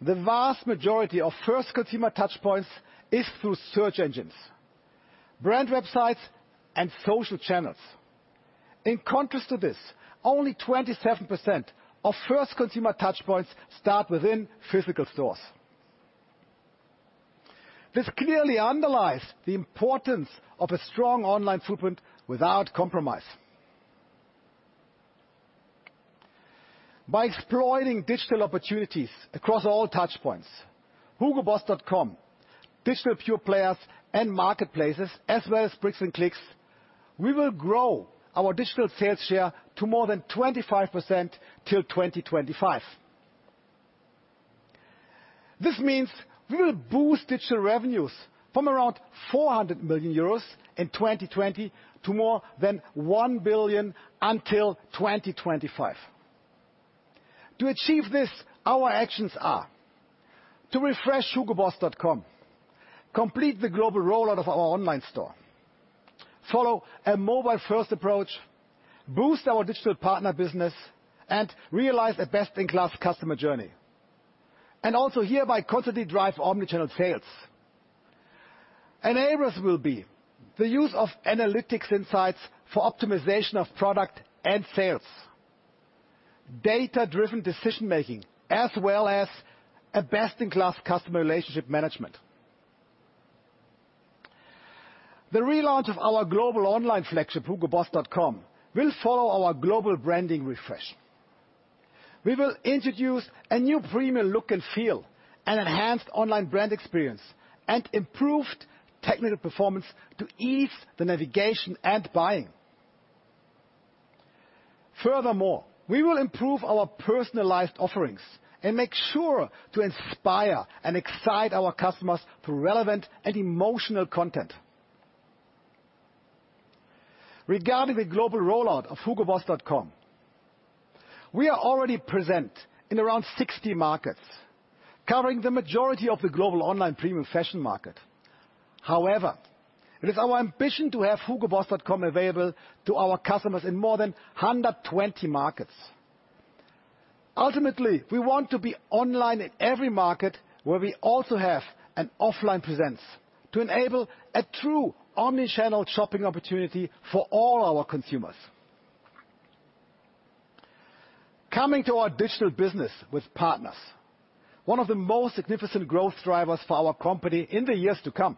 The vast majority of first consumer touch points is through search engines, brand websites, and social channels. In contrast to this, only 27% of first consumer touch points start within physical stores. This clearly underlies the importance of a strong online footprint without compromise. By exploiting digital opportunities across all touch points, hugoboss.com, digital pure players and marketplaces, as well as bricks and clicks, we will grow our digital sales share to more than 25% till 2025. This means we will boost digital revenues from around 400 million euros in 2020 to more than 1 billion until 2025. To achieve this, our actions are to refresh hugoboss.com, complete the global rollout of our online store, follow a mobile-first approach, boost our digital partner business, and realize a best-in-class customer journey. Also hereby constantly drive omnichannel sales. Enablers will be the use of analytics insights for optimization of product and sales. Data-driven decision-making as well as a best-in-class customer relationship management. The relaunch of our global online flagship, hugoboss.com, will follow our global branding refresh. We will introduce a new premium look and feel, an enhanced online brand experience, and improved technical performance to ease the navigation and buying. Furthermore, we will improve our personalized offerings and make sure to inspire and excite our customers through relevant and emotional content. Regarding the global rollout of hugoboss.com, we are already present in around 60 markets, covering the majority of the global online premium fashion market. However, it is our ambition to have hugoboss.com available to our customers in more than 120 markets. Ultimately, we want to be online in every market where we also have an offline presence to enable a true omnichannel shopping opportunity for all our consumers. Coming to our digital business with partners, one of the most significant growth drivers for our company in the years to come.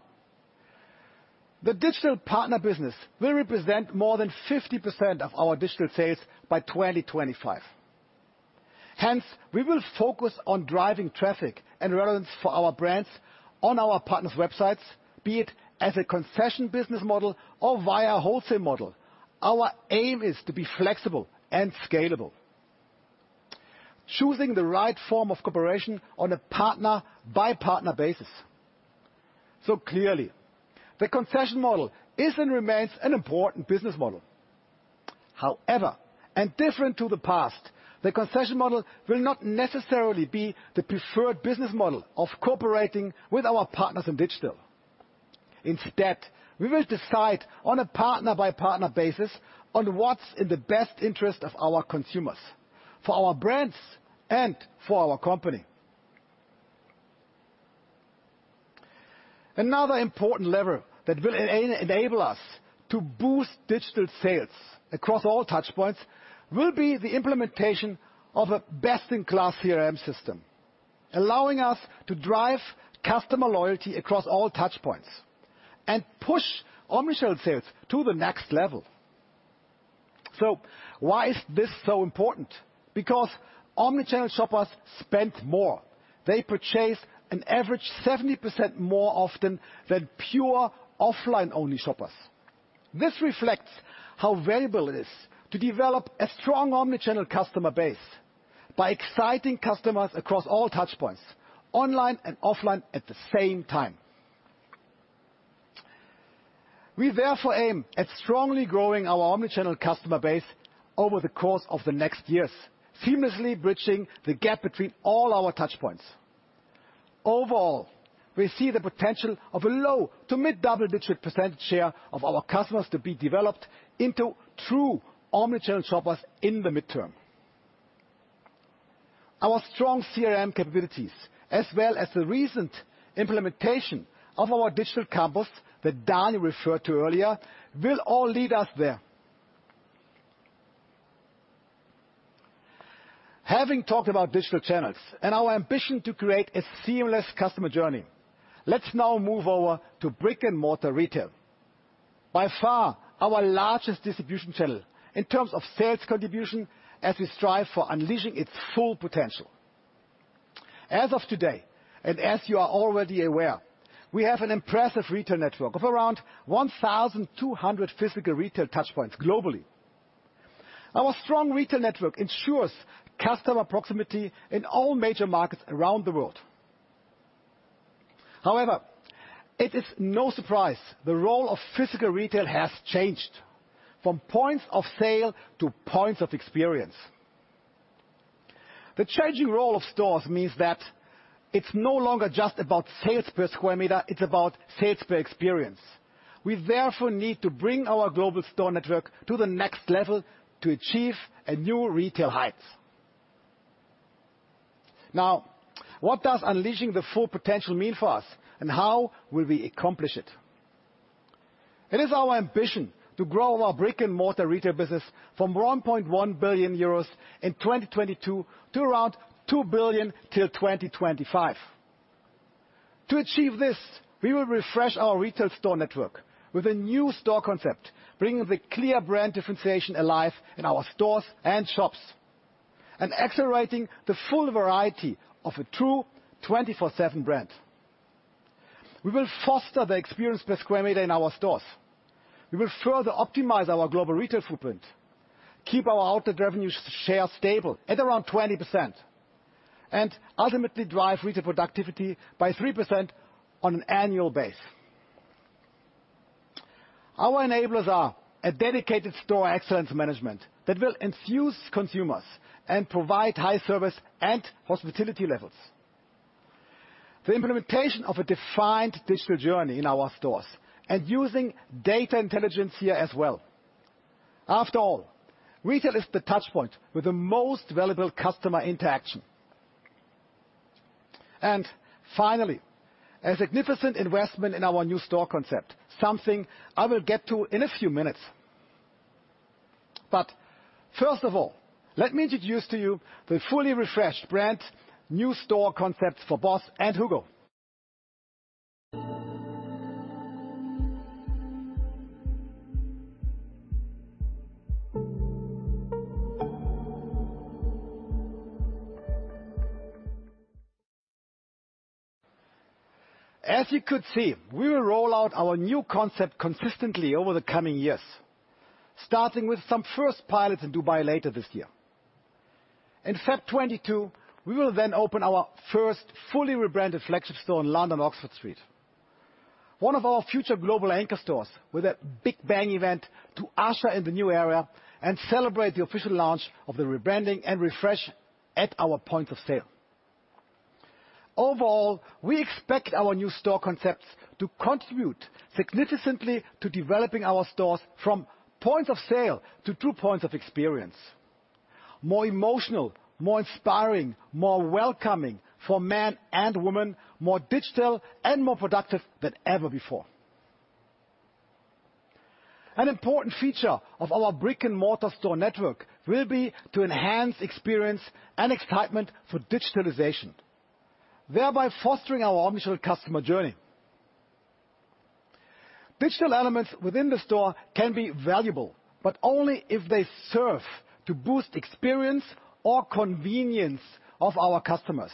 The digital partner business will represent more than 50% of our digital sales by 2025. Hence, we will focus on driving traffic and relevance for our brands on our partners' websites, be it as a concession business model or via a wholesale model. Our aim is to be flexible and scalable. Choosing the right form of cooperation on a partner-by-partner basis. Clearly, the concession model is and remains an important business model. However, different to the past, the concession model will not necessarily be the preferred business model of cooperating with our partners in digital. Instead, we will decide on a partner-by-partner basis on what's in the best interest of our consumers, for our brands, and for our company. Another important lever that will enable us to boost digital sales across all touch points will be the implementation of a best-in-class CRM system, allowing us to drive customer loyalty across all touch points and push omni-channel sales to the next level. Why is this so important? Because omni-channel shoppers spend more. They purchase an average 70% more often than pure offline-only shoppers. This reflects how valuable it is to develop a strong omni-channel customer base by exciting customers across all touch points, online and offline, at the same time. We therefore aim at strongly growing our omni-channel customer base over the course of the next years, seamlessly bridging the gap between all our touch points. Overall, we see the potential of a low to mid double-digit percent share of our customers to be developed into true omni-channel shoppers in the midterm. Our strong CRM capabilities, as well as the recent implementation of our Digital Campus that Dani referred to earlier, will all lead us there. Having talked about digital channels and our ambition to create a seamless customer journey, let's now move over to brick-and-mortar retail, by far our largest distribution channel in terms of sales contribution, as we strive for unleashing its full potential. As of today, and as you are already aware, we have an impressive retail network of around 1,200 physical retail touch points globally. Our strong retail network ensures customer proximity in all major markets around the world. It is no surprise the role of physical retail has changed from points of sale to points of experience. The changing role of stores means that it's no longer just about sales per square meter, it's about sales per experience. We therefore need to bring our global store network to the next level to achieve new retail heights. What does unleashing the full potential mean for us, and how will we accomplish it? It is our ambition to grow our brick-and-mortar retail business from 1.1 billion euros in 2022 to around 2 billion till 2025. To achieve this, we will refresh our retail store network with a new store concept, bringing the clear brand differentiation alive in our stores and shops, and accelerating the full variety of a true 24/7 brand. We will foster the experience per square meter in our stores. We will further optimize our global retail footprint, keep our outlet revenue share stable at around 20%, and ultimately drive retail productivity by 3% on an annual base. Our enablers are a dedicated store excellence management that will enthuse consumers and provide high service and hospitality levels. The implementation of a defined digital journey in our stores and using data intelligence here as well. After all, retail is the touch point with the most valuable customer interaction. Finally, a significant investment in our new store concept, something I will get to in a few minutes. First of all, let me introduce to you the fully refreshed brand new store concepts for BOSS and HUGO. As you could see, we will roll out our new concept consistently over the coming years, starting with some first pilots in Dubai later this year. In February 2022, we will then open our first fully rebranded flagship store in London, Oxford Street, one of our future global anchor stores, with a big bang event to usher in the new era and celebrate the official launch of the rebranding and refresh at our point of sale. Overall, we expect our new store concepts to contribute significantly to developing our stores from points of sale to true points of experience. More emotional, more inspiring, more welcoming for men and women, more digital, and more productive than ever before. An important feature of our brick-and-mortar store network will be to enhance experience and excitement for digitalization, thereby fostering our omni-channel customer journey. Digital elements within the store can be valuable, but only if they serve to boost experience or convenience of our customers.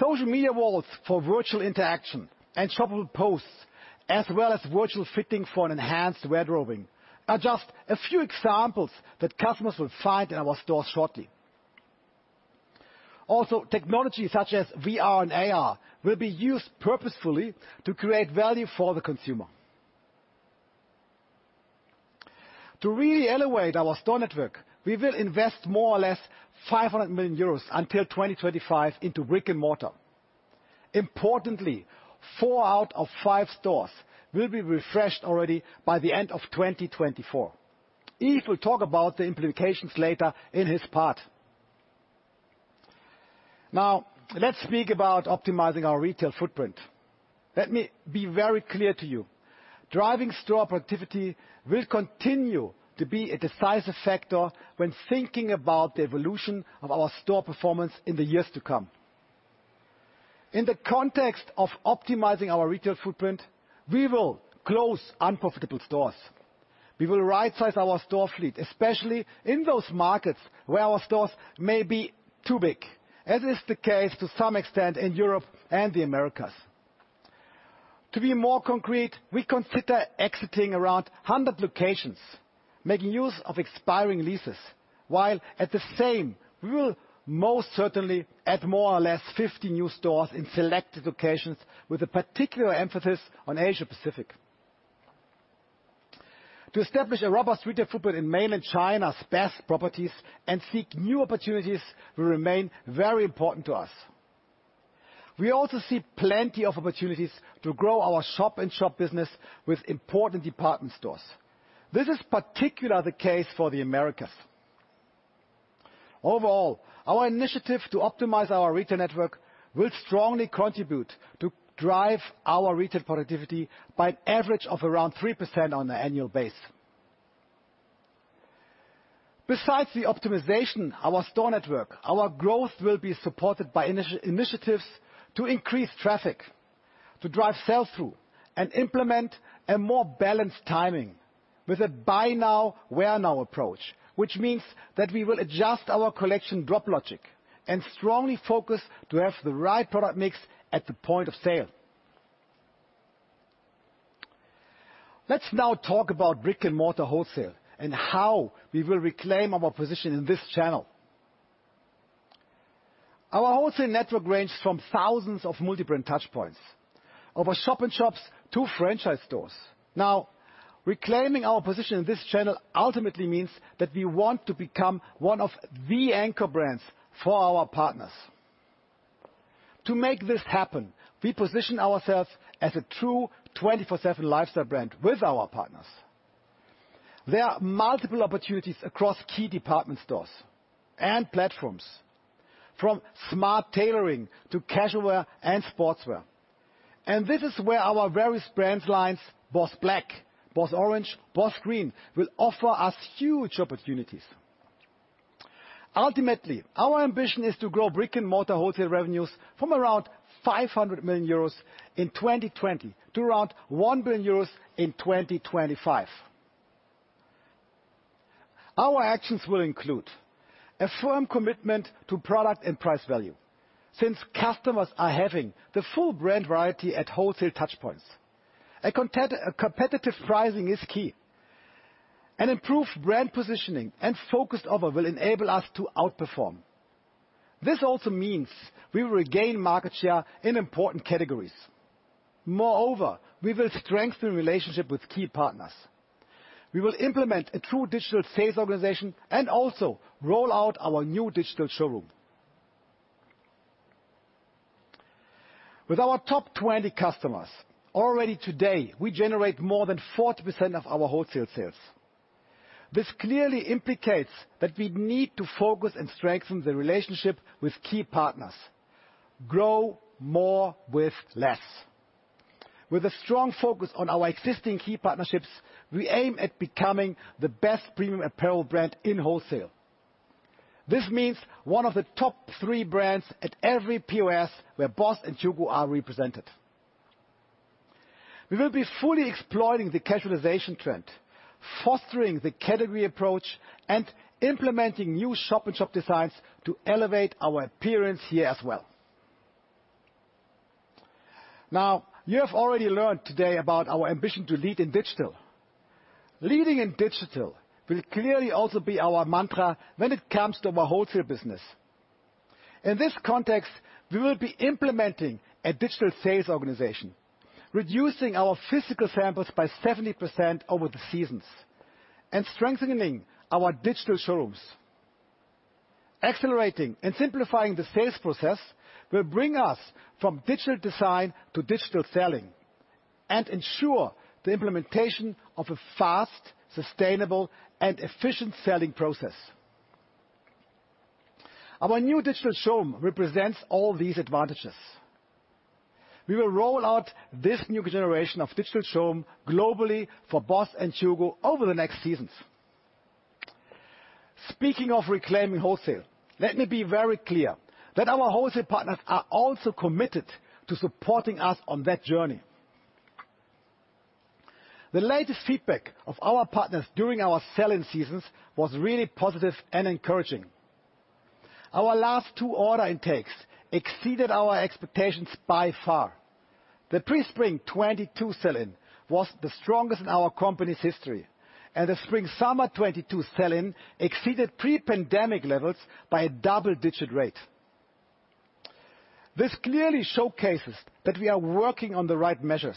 Social media walls for virtual interaction and shoppable posts, as well as virtual fitting for an enhanced wardrobing, are just a few examples that customers will find in our stores shortly. Technology such as VR and AR will be used purposefully to create value for the consumer. To really elevate our store network, we will invest more or less 500 million euros until 2025 into brick-and-mortar. Importantly, 4/5 stores will be refreshed already by the end of 2024. Yves will talk about the implications later in his part. Let's speak about optimizing our retail footprint. Let me be very clear to you. Driving store productivity will continue to be a decisive factor when thinking about the evolution of our store performance in the years to come. In the context of optimizing our retail footprint, we will close unprofitable stores. We will rightsize our store fleet, especially in those markets where our stores may be too big, as is the case to some extent in Europe and the Americas. To be more concrete, we consider exiting around 100 locations, making use of expiring leases, while at the same, we will most certainly add more or less 50 new stores in selected locations with a particular emphasis on Asia-Pacific. To establish a robust retail footprint in Mainland China's best properties and seek new opportunities will remain very important to us. We also see plenty of opportunities to grow our shop-in-shop business with important department stores. This is particular the case for the Americas. Overall, our initiative to optimize our retail network will strongly contribute to drive our retail productivity by an average of around 3% on an annual base. Besides the optimization our store network, our growth will be supported by initiatives to increase traffic, to drive sell-through, and implement a more balanced timing with a buy now, wear now approach, which means that we will adjust our collection drop logic and strongly focus to have the right product mix at the point of sale. Let's now talk about brick-and-mortar wholesale and how we will reclaim our position in this channel. Our wholesale network ranges from thousands of multi-brand touchpoints over shop-in-shops to franchise stores. Now, reclaiming our position in this channel ultimately means that we want to become one of the anchor brands for our partners. To make this happen, we position ourselves as a true 24/7 lifestyle brand with our partners. There are multiple opportunities across key department stores and platforms, from smart tailoring to casual wear and sportswear. This is where our various brand lines, BOSS Black, BOSS Orange, BOSS Green, will offer us huge opportunities. Ultimately, our ambition is to grow brick-and-mortar wholesale revenues from around 500 million euros in 2020 to around 1 billion euros in 2025. Our actions will include a firm commitment to product and price value, since customers are having the full brand variety at wholesale touchpoints. A competitive pricing is key. An improved brand positioning and focused offer will enable us to outperform. This also means we will regain market share in important categories. Moreover, we will strengthen relationship with key partners. We will implement a true digital sales organization and also roll out our new digital showroom. With our top 20 customers, already today, we generate more than 40% of our wholesale sales. This clearly implicates that we need to focus and strengthen the relationship with key partners. Grow more with less. With a strong focus on our existing key partnerships, we aim at becoming the best premium apparel brand in wholesale. This means one of the top three brands at every POS where BOSS and HUGO are represented. We will be fully exploiting the casualization trend, fostering the category approach, and implementing new shop-in-shop designs to elevate our appearance here as well. Now, you have already learned today about our ambition to lead in digital. Leading in digital will clearly also be our mantra when it comes to our wholesale business. In this context, we will be implementing a digital sales organization, reducing our physical samples by 70% over the seasons and strengthening our digital showrooms. Accelerating and simplifying the sales process will bring us from digital design to digital selling and ensure the implementation of a fast, sustainable, and efficient selling process. Our new digital showroom represents all these advantages. We will roll out this new generation of digital showroom globally for BOSS and HUGO over the next seasons. Speaking of reclaiming wholesale, let me be very clear that our wholesale partners are also committed to supporting us on that journey. The latest feedback of our partners during our sell-in seasons was really positive and encouraging. Our last two order intakes exceeded our expectations by far. The pre-spring 2022 sell-in was the strongest in our company's history, and the spring summer 2022 sell-in exceeded pre-pandemic levels by a double-digit rate. This clearly showcases that we are working on the right measures,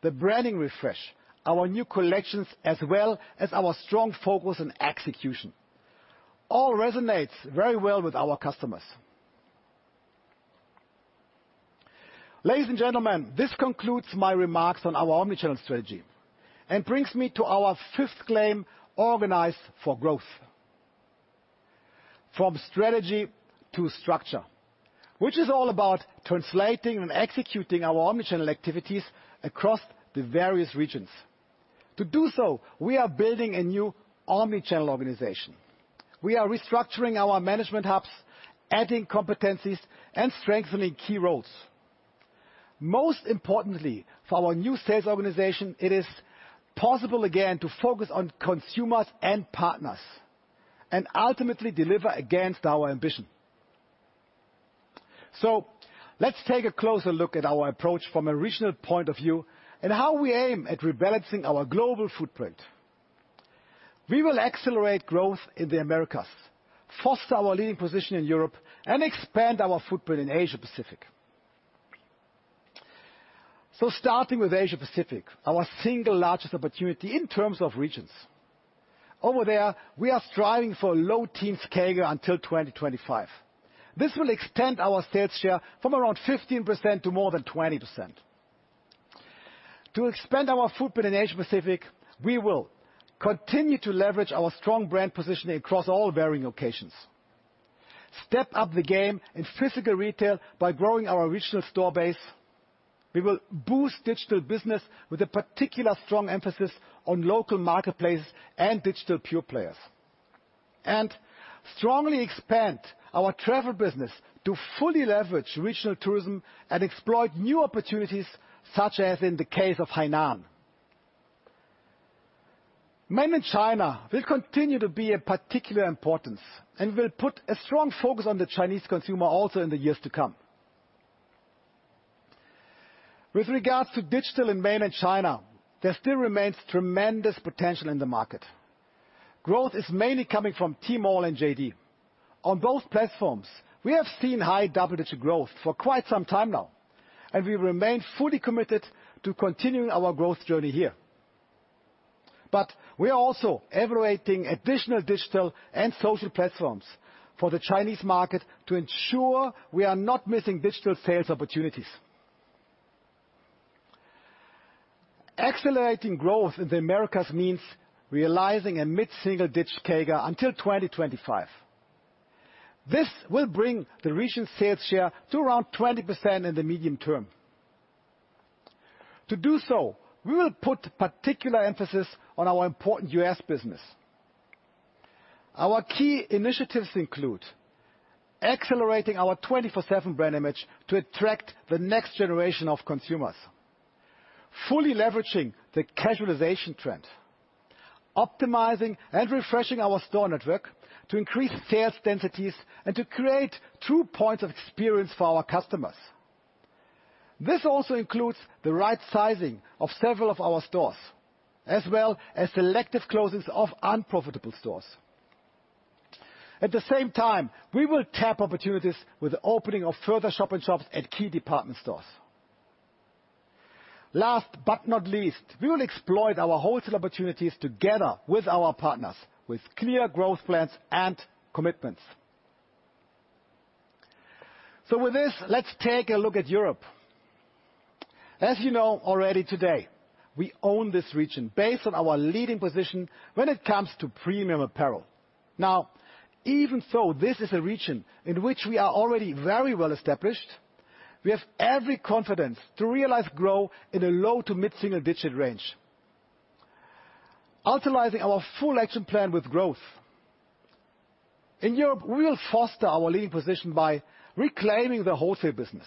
the branding refresh, our new collections, as well as our strong focus on execution. All resonates very well with our customers. Ladies and gentlemen, this concludes my remarks on our omnichannel strategy and brings me to our fifth claim, organized for growth. From strategy to structure, which is all about translating and executing our omnichannel activities across the various regions. To do so, we are building a new omnichannel organization. We are restructuring our management hubs, adding competencies, and strengthening key roles. Most importantly, for our new sales organization, it is possible again to focus on consumers and partners, and ultimately deliver against our ambition. Let's take a closer look at our approach from a regional point of view and how we aim at rebalancing our global footprint. We will accelerate growth in the Americas, foster our leading position in Europe, and expand our footprint in Asia-Pacific. Starting with Asia-Pacific, our single largest opportunity in terms of regions. Over there, we are striving for a low-teens CAGR until 2025. This will extend our sales share from around 15% to more than 20%. To expand our footprint in Asia-Pacific, we will continue to leverage our strong brand positioning across all varying locations. Step up the game in physical retail by growing our regional store base. We will boost digital business with a particular strong emphasis on local marketplaces and digital pure players. Strongly expand our travel business to fully leverage regional tourism and explore new opportunities, such as in the case of Hainan. Mainland China will continue to be of particular importance and will put a strong focus on the Chinese consumer also in the years to come. With regards to digital in mainland China, there still remains tremendous potential in the market. Growth is mainly coming from Tmall and JD.com. On both platforms, we have seen high double-digit growth for quite some time now, and we remain fully committed to continuing our growth journey here. We are also evaluating additional digital and social platforms for the Chinese market to ensure we are not missing digital sales opportunities. Accelerating growth in the Americas means realizing a mid-single-digit CAGR until 2025. This will bring the region's sales share to around 20% in the medium term. To do so, we will put particular emphasis on our important U.S. business. Our key initiatives include accelerating our 24/7 brand image to attract the next generation of consumers. Fully leveraging the casualization trend. Optimizing and refreshing our store network to increase sales densities and to create true points of experience for our customers. This also includes the right sizing of several of our stores, as well as selective closings of unprofitable stores. At the same time, we will tap opportunities with the opening of further shop-in-shops at key department stores. Last but not least, we will exploit our wholesale opportunities together with our partners with clear growth plans and commitments. With this, let's take a look at Europe. As you know already today, we own this region based on our leading position when it comes to premium apparel. Even though this is a region in which we are already very well-established, we have every confidence to realize growth in a low to mid-single-digit range. Utilizing our full action plan with growth. In Europe, we will foster our leading position by reclaiming the wholesale business,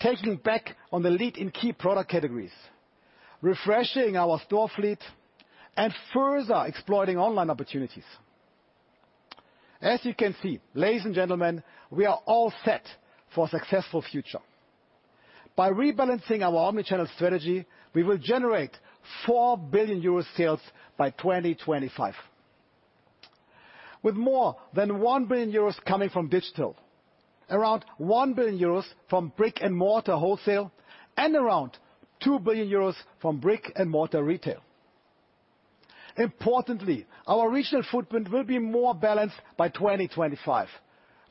taking back on the lead in key product categories, refreshing our store fleet, and further exploiting online opportunities. As you can see, ladies and gentlemen, we are all set for a successful future. By rebalancing our omnichannel strategy, we will generate 4 billion euro sales by 2025, with more than 1 billion euros coming from digital, around 1 billion euros from brick-and-mortar wholesale, and around 2 billion euros from brick-and-mortar retail. Our regional footprint will be more balanced by 2025,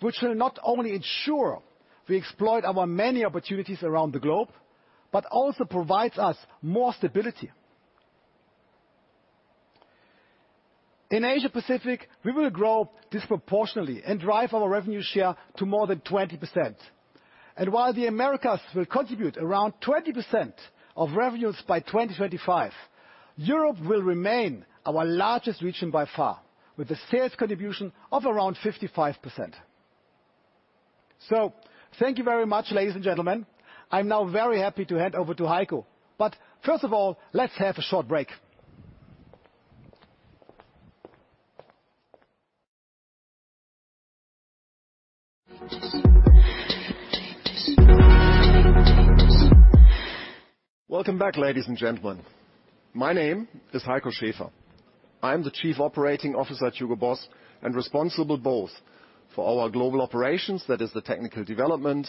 which will not only ensure we exploit our many opportunities around the globe, but also provides us more stability. In Asia-Pacific, we will grow disproportionately and drive our revenue share to more than 20%. While the Americas will contribute around 20% of revenues by 2025, Europe will remain our largest region by far, with a sales contribution of around 55%. Thank you very much, ladies and gentlemen. I'm now very happy to hand over to Heiko. First of all, let's have a short break. Welcome back, ladies and gentlemen. My name is Heiko Schäfer. I am the Chief Operating Officer at HUGO BOSS and responsible both for our global operations, that is the technical development,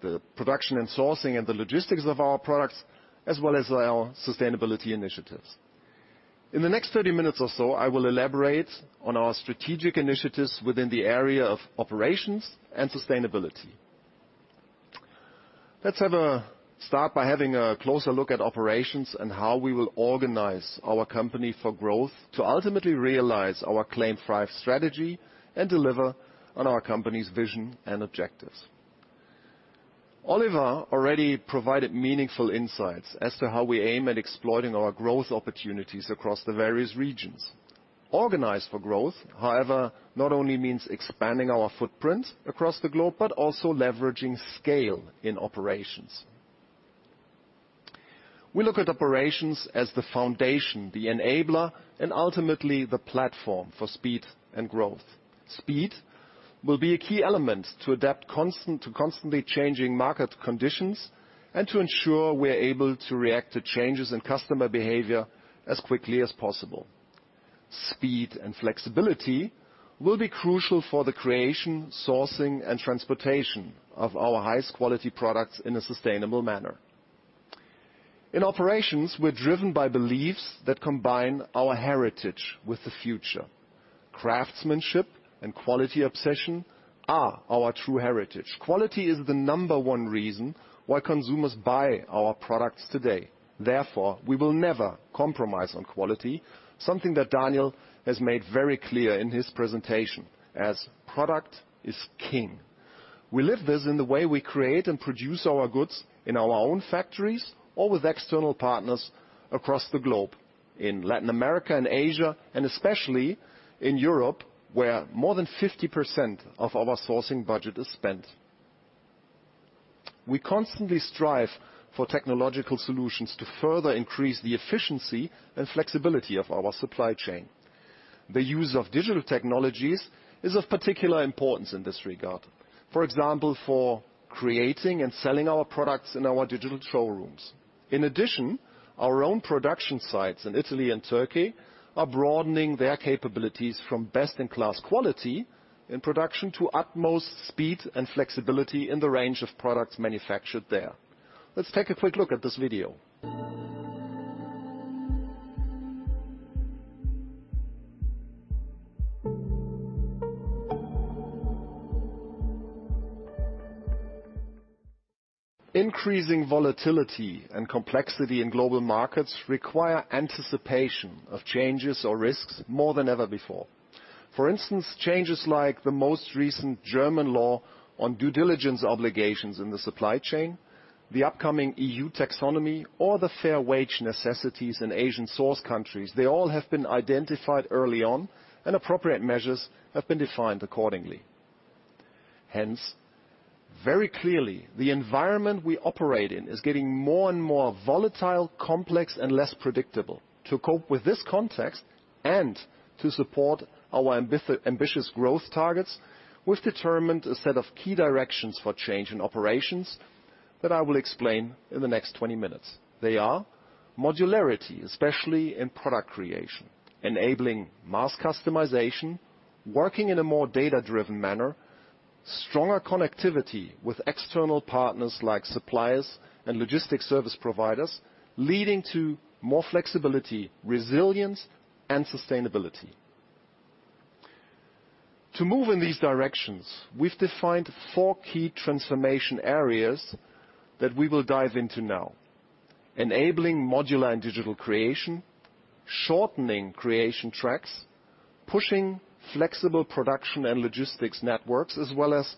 the production and sourcing, and the logistics of our products, as well as our sustainability initiatives. In the next 30 minutes or so, I will elaborate on our strategic initiatives within the area of operations and sustainability. Let's have a start by having a closer look at operations and how we will organize our company for growth to ultimately realize our CLAIM 5 strategy and deliver on our company's vision and objectives. Oliver already provided meaningful insights as to how we aim at exploiting our growth opportunities across the various regions. Organize for growth, however, not only means expanding our footprint across the globe, but also leveraging scale in operations. We look at operations as the foundation, the enabler, and ultimately the platform for speed and growth. Speed will be a key element to adapt to constantly changing market conditions and to ensure we are able to react to changes in customer behavior as quickly as possible. Speed and flexibility will be crucial for the creation, sourcing, and transportation of our highest quality products in a sustainable manner. In operations, we are driven by beliefs that combine our heritage with the future. Craftsmanship and quality obsession are our true heritage. Quality is the number one reason why consumers buy our products today. Therefore, we will never compromise on quality. Something that Daniel has made very clear in his presentation as product is king. We live this in the way we create and produce our goods in our own factories or with external partners across the globe, in Latin America and Asia, and especially in Europe, where more than 50% of our sourcing budget is spent. We constantly strive for technological solutions to further increase the efficiency and flexibility of our supply chain. The use of digital technologies is of particular importance in this regard. For example, for creating and selling our products in our digital showrooms. In addition, our own production sites in Italy and Turkey are broadening their capabilities from best-in-class quality in production to utmost speed and flexibility in the range of products manufactured there. Let's take a quick look at this video. Increasing volatility and complexity in global markets require anticipation of changes or risks more than ever before. For instance, changes like the most recent German law on due diligence obligations in the supply chain, the upcoming EU taxonomy, or the fair wage necessities in Asian source countries. They all have been identified early on, and appropriate measures have been defined accordingly. Very clearly, the environment we operate in is getting more and more volatile, complex, and less predictable. To cope with this context and to support our ambitious growth targets, we've determined a set of key directions for change in operations that I will explain in the next 20 minutes. They are modularity, especially in product creation, enabling mass customization, working in a more data-driven manner, stronger connectivity with external partners like suppliers and logistics service providers, leading to more flexibility, resilience, and sustainability. To move in these directions, we've defined four key transformation areas that we will dive into now. Enabling modular and digital creation, shortening creation tracks, pushing flexible production and logistics networks, as well as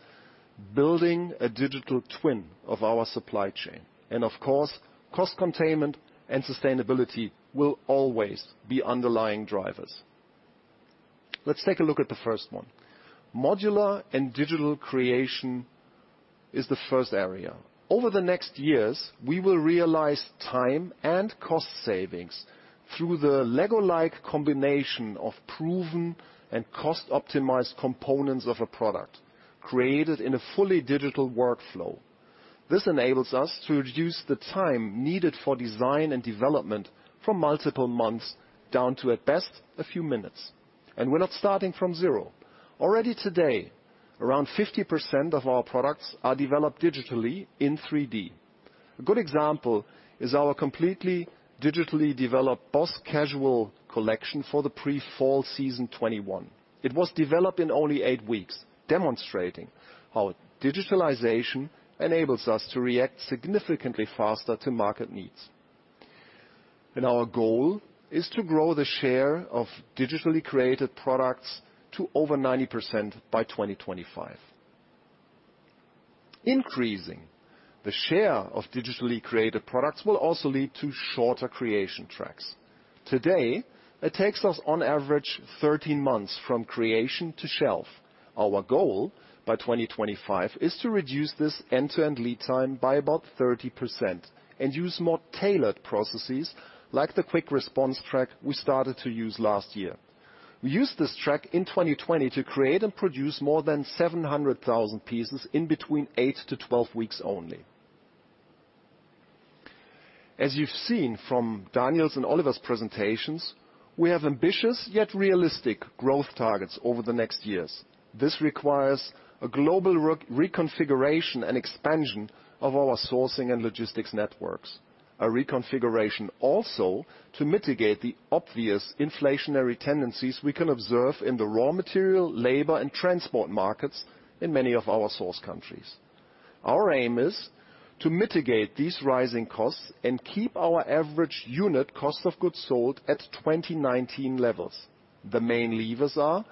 building a digital twin of our supply chain. Of course, cost containment and sustainability will always be underlying drivers. Let's take a look at the first one. Modular and digital creation is the first area. Over the next years, we will realize time and cost savings through the LEGO-like combination of proven and cost-optimized components of a product created in a fully digital workflow. This enables us to reduce the time needed for design and development from multiple months down to, at best, a few minutes. We're not starting from zero. Already today, around 50% of our products are developed digitally in 3D. A good example is our completely digitally developed BOSS Casual collection for the pre-fall season 2021. It was developed in only eight weeks, demonstrating how digitalization enables us to react significantly faster to market needs. Our goal is to grow the share of digitally created products to over 90% by 2025. Increasing the share of digitally created products will also lead to shorter creation tracks. Today, it takes us on average 13 months from creation to shelf. Our goal by 2025 is to reduce this end-to-end lead time by about 30% and use more tailored processes like the quick response track we started to use last year. We used this track in 2020 to create and produce more than 700,000 pieces in between 8-12 weeks only. As you've seen from Daniel's and Oliver's presentations, we have ambitious yet realistic growth targets over the next years. This requires a global reconfiguration and expansion of our sourcing and logistics networks. A reconfiguration also to mitigate the obvious inflationary tendencies we can observe in the raw material, labor, and transport markets in many of our source countries. Our aim is to mitigate these rising costs and keep our average unit cost of goods sold at 2019 levels. The main levers are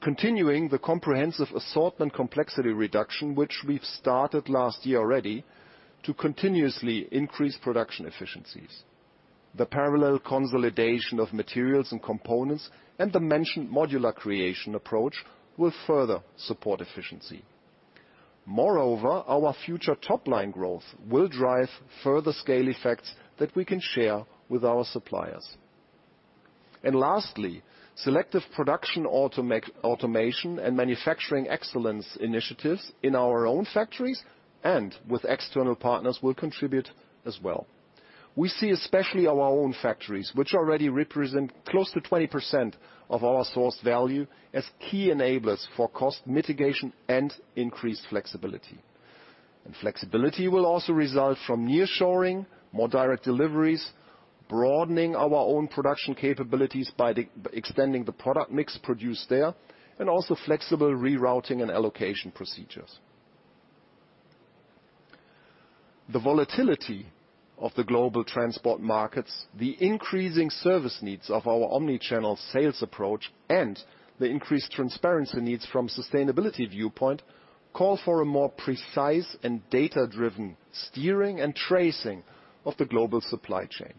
continuing the comprehensive assortment complexity reduction, which we've started last year already, to continuously increase production efficiencies. The parallel consolidation of materials and components and the mentioned modular creation approach will further support efficiency. Moreover, our future top-line growth will drive further scale effects that we can share with our suppliers. Lastly, selective production automation and manufacturing excellence initiatives in our own factories and with external partners will contribute as well. We see especially our own factories, which already represent close to 20% of our source value, as key enablers for cost mitigation and increased flexibility. Flexibility will also result from nearshoring, more direct deliveries, broadening our own production capabilities by extending the product mix produced there, and also flexible rerouting and allocation procedures. The volatility of the global transport markets, the increasing service needs of our omni-channel sales approach, and the increased transparency needs from sustainability viewpoint, call for a more precise and data-driven steering and tracing of the global supply chain.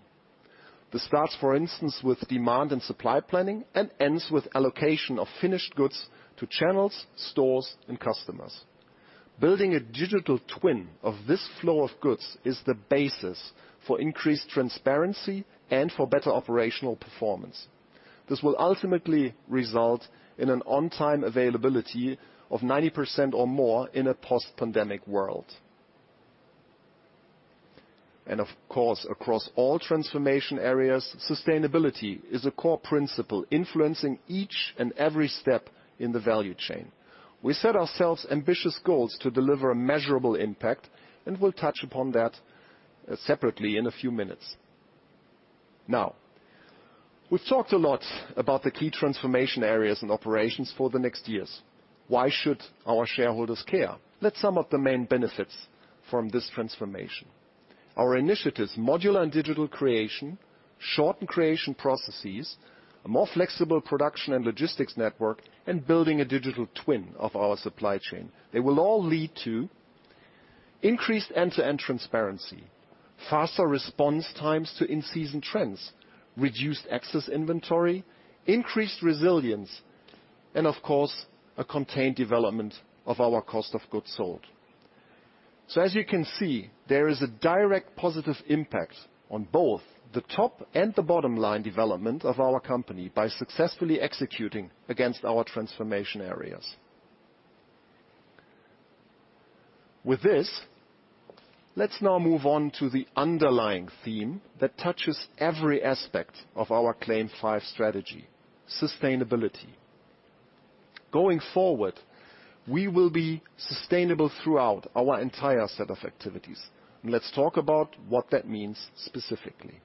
This starts, for instance, with demand and supply planning and ends with allocation of finished goods to channels, stores, and customers. Building a digital twin of this flow of goods is the basis for increased transparency and for better operational performance. This will ultimately result in an on-time availability of 90% or more in a post-pandemic world. Of course, across all transformation areas, sustainability is a core principle influencing each and every step in the value chain. We set ourselves ambitious goals to deliver a measurable impact, and we'll touch upon that separately in a few minutes. We've talked a lot about the key transformation areas and operations for the next years. Why should our shareholders care? Let's sum up the main benefits from this transformation. Our initiatives, modular and digital creation, shortened creation processes, a more flexible production and logistics network, and building a digital twin of our supply chain. They will all lead to increased end-to-end transparency, faster response times to in-season trends, reduced excess inventory, increased resilience, and of course, a contained development of our cost of goods sold. As you can see, there is a direct positive impact on both the top and the bottom-line development of our company by successfully executing against our transformation areas. With this, let's now move on to the underlying theme that touches every aspect of our CLAIM 5 strategy, sustainability. Going forward, we will be sustainable throughout our entire set of activities. Let's talk about what that means specifically.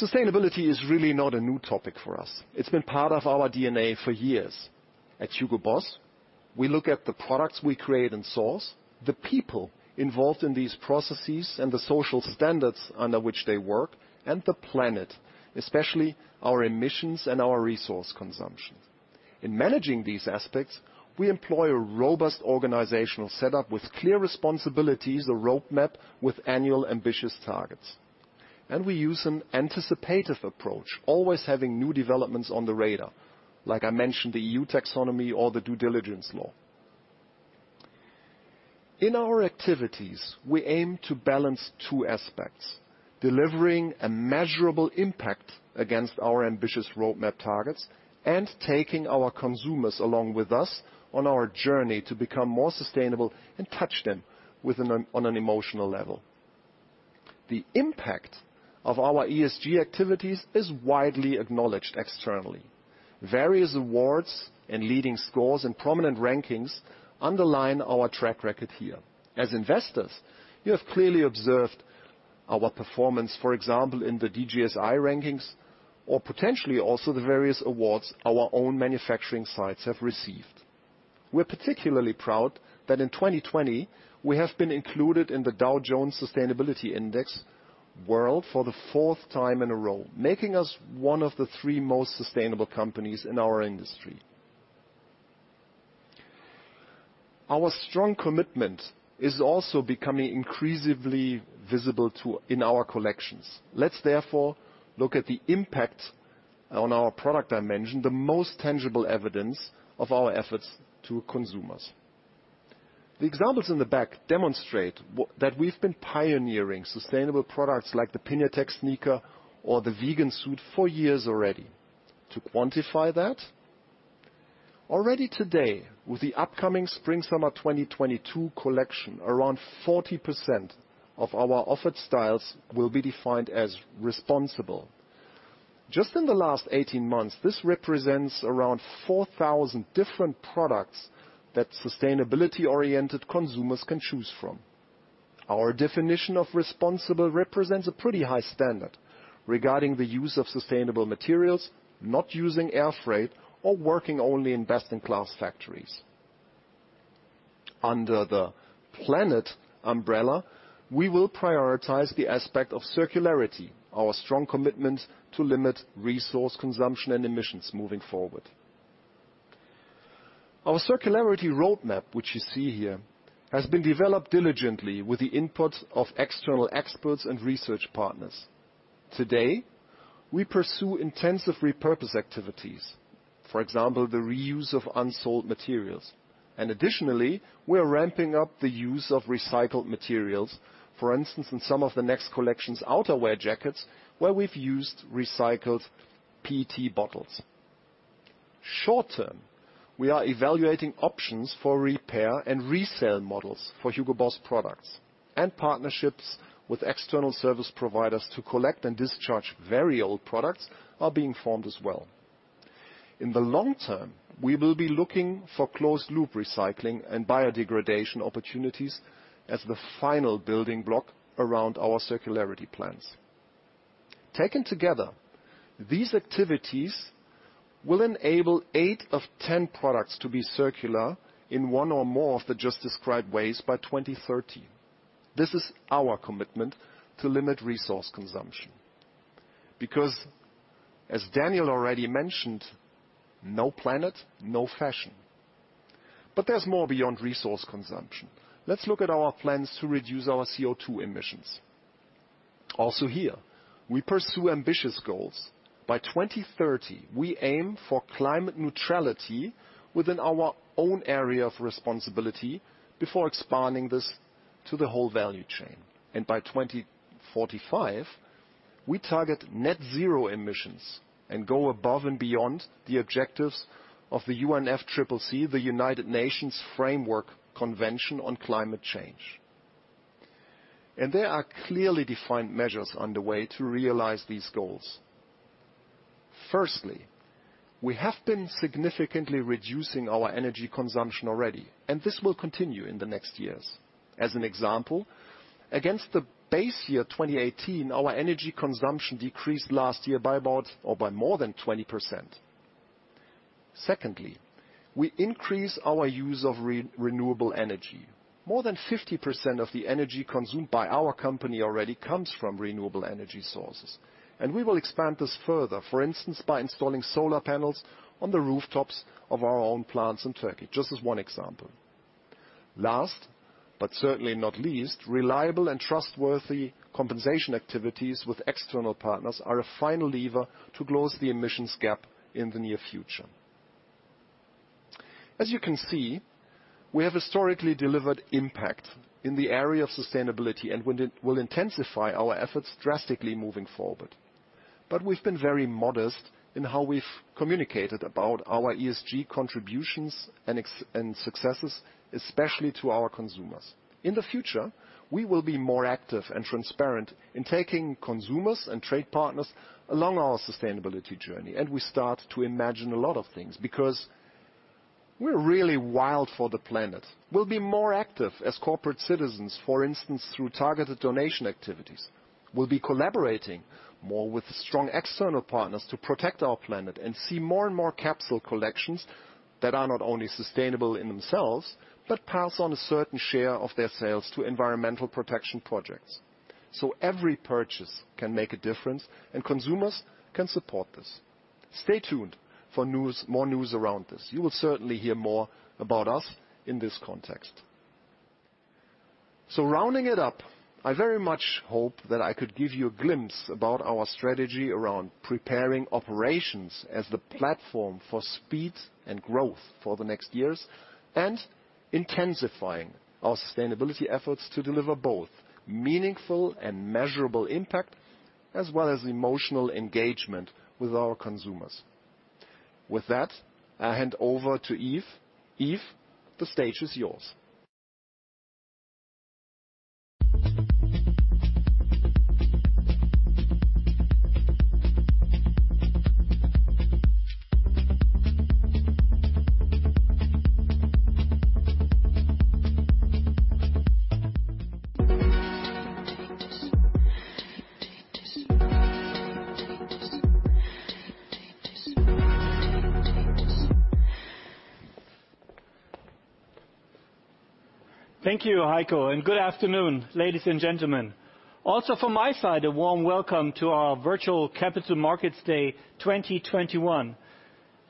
Sustainability is really not a new topic for us. It's been part of our DNA for years. At HUGO BOSS, we look at the products we create and source, the people involved in these processes, and the social standards under which they work, and the planet, especially our emissions and our resource consumption. In managing these aspects, we employ a robust organizational setup with clear responsibilities, a roadmap with annual ambitious targets. We use an anticipative approach, always having new developments on the radar, like I mentioned, the EU taxonomy or the due diligence law. In our activities, we aim to balance two aspects. Delivering a measurable impact against our ambitious roadmap targets and taking our consumers along with us on our journey to become more sustainable and touch them on an an emotional level. The impact of our ESG activities is widely acknowledged externally. Various awards and leading scores and prominent rankings underline our track record here. As investors, you have clearly observed our performance, for example, in the DJSI rankings or potentially also the various awards our own manufacturing sites have received. We're particularly proud that in 2020, we have been included in the Dow Jones Sustainability Index World for the fourth time in a row, making us one of the three most sustainable companies in our industry. Our strong commitment is also becoming increasingly visible in our collections. Let's therefore look at the impact on our product dimension, the most tangible evidence of our efforts to consumers. The examples in the back demonstrate that we've been pioneering sustainable products like the Piñatex sneaker or the vegan suit for years already. To quantify that, already today with the upcoming spring summer 2022 collection, around 40% of our offered styles will be defined as responsible. Just in the last 18 months, this represents around 4,000 different products that sustainability-oriented consumers can choose from. Our definition of responsible represents a pretty high standard regarding the use of sustainable materials, not using air freight, or working only in best-in-class factories. Under the planet umbrella, we will prioritize the aspect of circularity, our strong commitment to limit resource consumption and emissions moving forward. Our circularity roadmap, which you see here, has been developed diligently with the input of external experts and research partners. Today, we pursue intensive repurpose activities. For example, the reuse of unsold materials. Additionally, we are ramping up the use of recycled materials. For instance, in some of the next collection's outerwear jackets, where we've used recycled PET bottles. Short-term, we are evaluating options for repair and resale models for HUGO BOSS products, and partnerships with external service providers to collect and discharge very old products are being formed as well. In the long term, we will be looking for closed loop recycling and biodegradation opportunities as the final building block around our circularity plans. Taken together, these activities will enable 8/10 products to be circular in one or more of the just described ways by 2030. This is our commitment to limit resource consumption. Because, as Daniel already mentioned, no planet, no fashion. There's more beyond resource consumption. Let's look at our plans to reduce our CO2 emissions. Here, we pursue ambitious goals. By 2030, we aim for climate neutrality within our own area of responsibility before expanding this to the whole value chain. By 2045, we target net zero emissions and go above and beyond the objectives of the UNFCCC, the United Nations Framework Convention on Climate Change. There are clearly defined measures underway to realize these goals. Firstly, we have been significantly reducing our energy consumption already, and this will continue in the next years. As an example, against the base year 2018, our energy consumption decreased last year by about or by more than 20%. Secondly, we increase our use of renewable energy. More than 50% of the energy consumed by our company already comes from renewable energy sources. We will expand this further, for instance, by installing solar panels on the rooftops of our own plants in Turkey, just as one example. Last, but certainly not least, reliable and trustworthy compensation activities with external partners are a final lever to close the emissions gap in the near future. As you can see, we have historically delivered impact in the area of sustainability and we'll intensify our efforts drastically moving forward. We've been very modest in how we've communicated about our ESG contributions and successes, especially to our consumers. In the future, we will be more active and transparent in taking consumers and trade partners along our sustainability journey, and we start to imagine a lot of things. We're really wild for the planet. We'll be more active as corporate citizens, for instance, through targeted donation activities. We'll be collaborating more with strong external partners to protect our planet. See more and more capsule collections that are not only sustainable in themselves, but pass on a certain share of their sales to environmental protection projects. Every purchase can make a difference. Consumers can support this. Stay tuned for more news around this. You will certainly hear more about us in this context. Rounding it up, I very much hope that I could give you a glimpse about our strategy around preparing operations as the platform for speed and growth for the next years, intensifying our sustainability efforts to deliver both meaningful and measurable impact, as well as emotional engagement with our consumers. With that, I hand over to Yves. Yves, the stage is yours. Thank you, Heiko, and good afternoon, ladies and gentlemen. Also from my side, a warm welcome to our virtual Capital Markets Day 2021.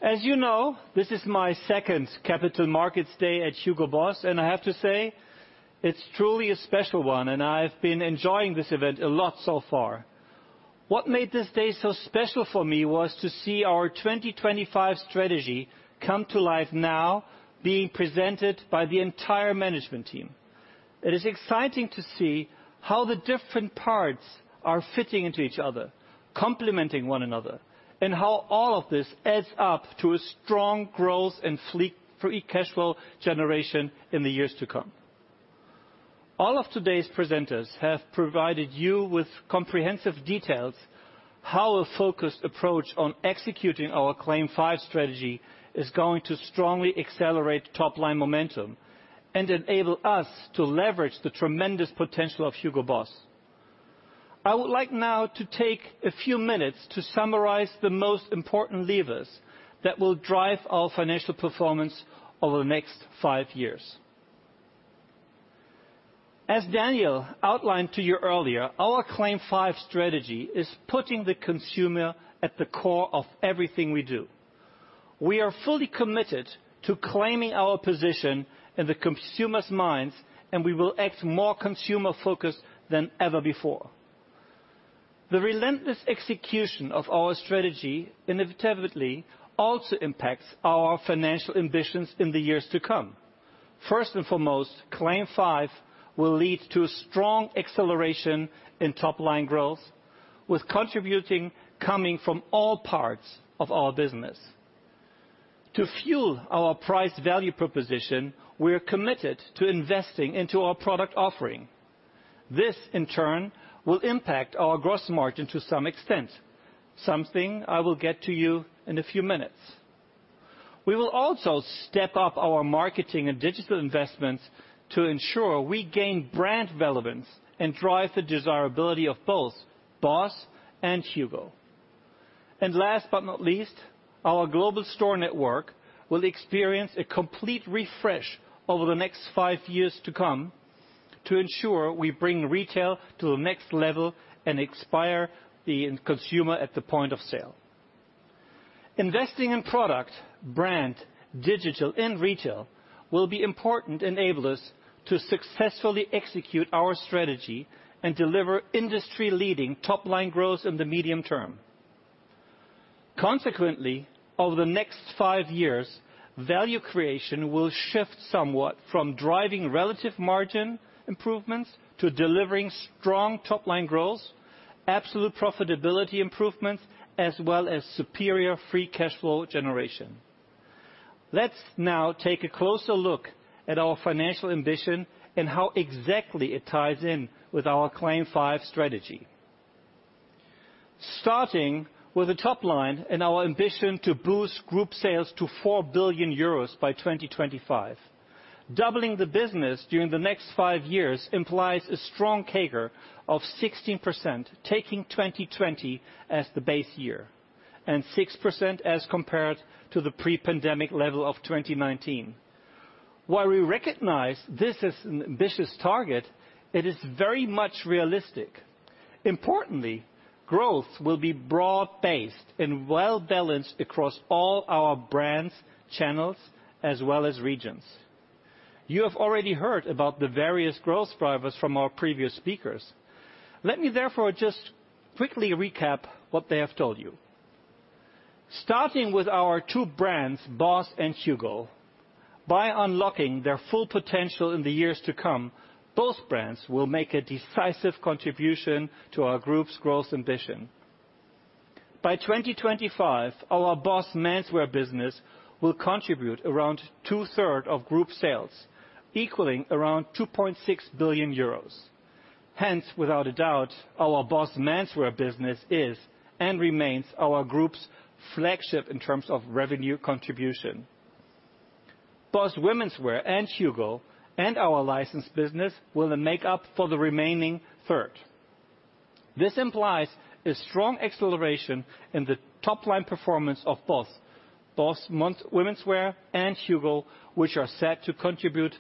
As you know, this is my second Capital Markets Day at HUGO BOSS, and I have to say, it's truly a special one and I've been enjoying this event a lot so far. What made this day so special for me was to see our 2025 strategy come to life now, being presented by the entire management team. It is exciting to see how the different parts are fitting into each other, complementing one another, and how all of this adds up to a strong growth and free cash flow generation in the years to come. All of today's presenters have provided you with comprehensive details how a focused approach on executing our CLAIM 5 strategy is going to strongly accelerate top-line momentum and enable us to leverage the tremendous potential of HUGO BOSS. I would like now to take a few minutes to summarize the most important levers that will drive our financial performance over the next five years. As Daniel outlined to you earlier, our CLAIM 5 strategy is putting the consumer at the core of everything we do. We are fully committed to claiming our position in the consumer's minds, and we will act more consumer-focused than ever before. The relentless execution of our strategy inevitably also impacts our financial ambitions in the years to come. First and foremost, CLAIM 5 will lead to a strong acceleration in top-line growth, with contribution coming from all parts of our business. To fuel our price-value proposition, we are committed to investing into our product offering. This, in turn, will impact our gross margin to some extent, something I will get to you in a few minutes. We will also step up our marketing and digital investments to ensure we gain brand relevance and drive the desirability of both BOSS and HUGO. Last but not least, our global store network will experience a complete refresh over the next five years to come to ensure we bring retail to the next level and inspire the consumer at the point of sale. Investing in product, brand, digital, and retail will be important enablers to successfully execute our strategy and deliver industry-leading top-line growth in the medium term. Consequently, over the next five years, value creation will shift somewhat from driving relative margin improvements to delivering strong top-line growth, absolute profitability improvements, as well as superior free cash flow generation. Let's now take a closer look at our financial ambition and how exactly it ties in with our CLAIM 5 strategy. Starting with the top line and our ambition to boost group sales to 4 billion euros by 2025. Doubling the business during the next five years implies a strong CAGR of 16%, taking 2020 as the base year, and 6% as compared to the pre-pandemic level of 2019. While we recognize this is an ambitious target, it is very much realistic. Importantly, growth will be broad-based and well-balanced across all our brands, channels, as well as regions. You have already heard about the various growth drivers from our previous speakers. Let me therefore just quickly recap what they have told you. Starting with our two brands, BOSS and HUGO. By unlocking their full potential in the years to come, both brands will make a decisive contribution to our group's growth ambition. By 2025, our BOSS menswear business will contribute around 2/3 of group sales, equaling around 2.6 billion euros. Hence, without a doubt, our BOSS menswear business is and remains our group's flagship in terms of revenue contribution. BOSS womenswear and HUGO and our licensed business will then make up for the remaining 1/3. This implies a strong acceleration in the top-line performance of both BOSS womenswear and HUGO, which are set to contribute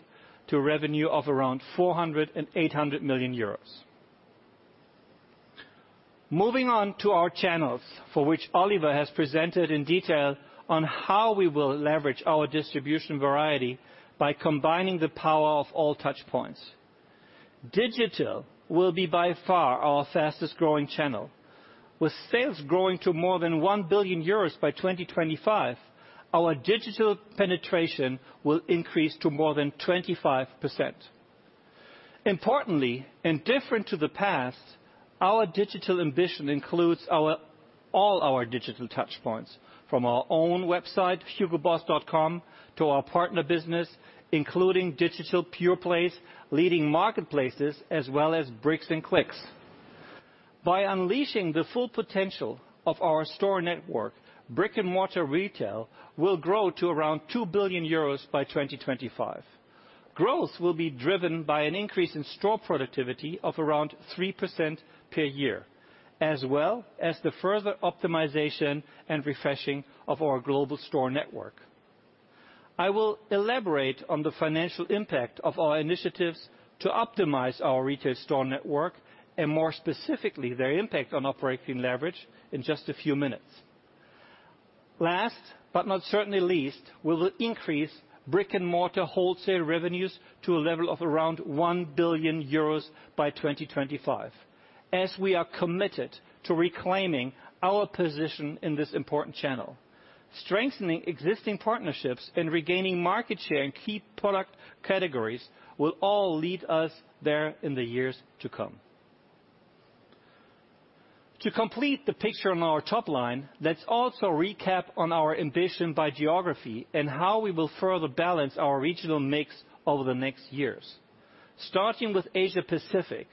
to revenue of around 400 million euros and 800 million euros. Moving on to our channels, for which Oliver has presented in detail on how we will leverage our distribution variety by combining the power of all touchpoints. Digital will be by far our fastest-growing channel. With sales growing to more than 1 billion euros by 2025, our digital penetration will increase to more than 25%. Importantly, and different to the past, our digital ambition includes all our digital touchpoints, from our own website, hugoboss.com, to our partner business, including digital pure plays, leading marketplaces, as well as bricks and clicks. By unleashing the full potential of our store network, brick-and-mortar retail will grow to around 2 billion euros by 2025. Growth will be driven by an increase in store productivity of around 3% per year, as well as the further optimization and refreshing of our global store network. I will elaborate on the financial impact of our initiatives to optimize our retail store network, and more specifically, their impact on operating leverage in just a few minutes. Last, but not certainly least, we will increase brick-and-mortar wholesale revenues to a level of around 1 billion euros by 2025, as we are committed to reclaiming our position in this important channel. Strengthening existing partnerships and regaining market share in key product categories will all lead us there in the years to come. To complete the picture on our top line, let's also recap on our ambition by geography and how we will further balance our regional mix over the next years. Starting with Asia-Pacific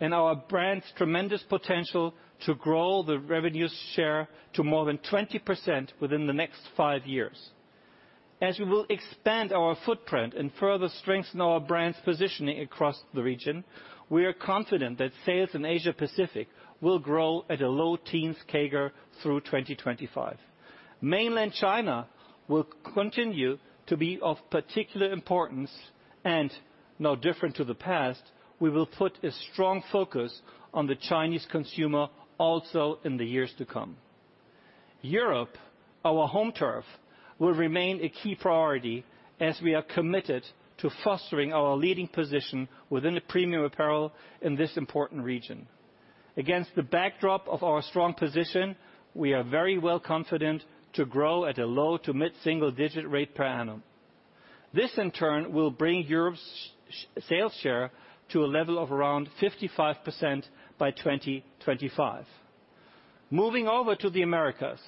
and our brand's tremendous potential to grow the revenue share to more than 20% within the next five years. As we will expand our footprint and further strengthen our brand's positioning across the region, we are confident that sales in Asia-Pacific will grow at a low teens CAGR through 2025. Mainland China will continue to be of particular importance and, no different to the past, we will put a strong focus on the Chinese consumer also in the years to come. Europe, our home turf, will remain a key priority as we are committed to fostering our leading position within the premium apparel in this important region. Against the backdrop of our strong position, we are very well confident to grow at a low to mid-single digit rate per annum. This, in turn, will bring Europe's sales share to a level of around 55% by 2025. Moving over to the Americas,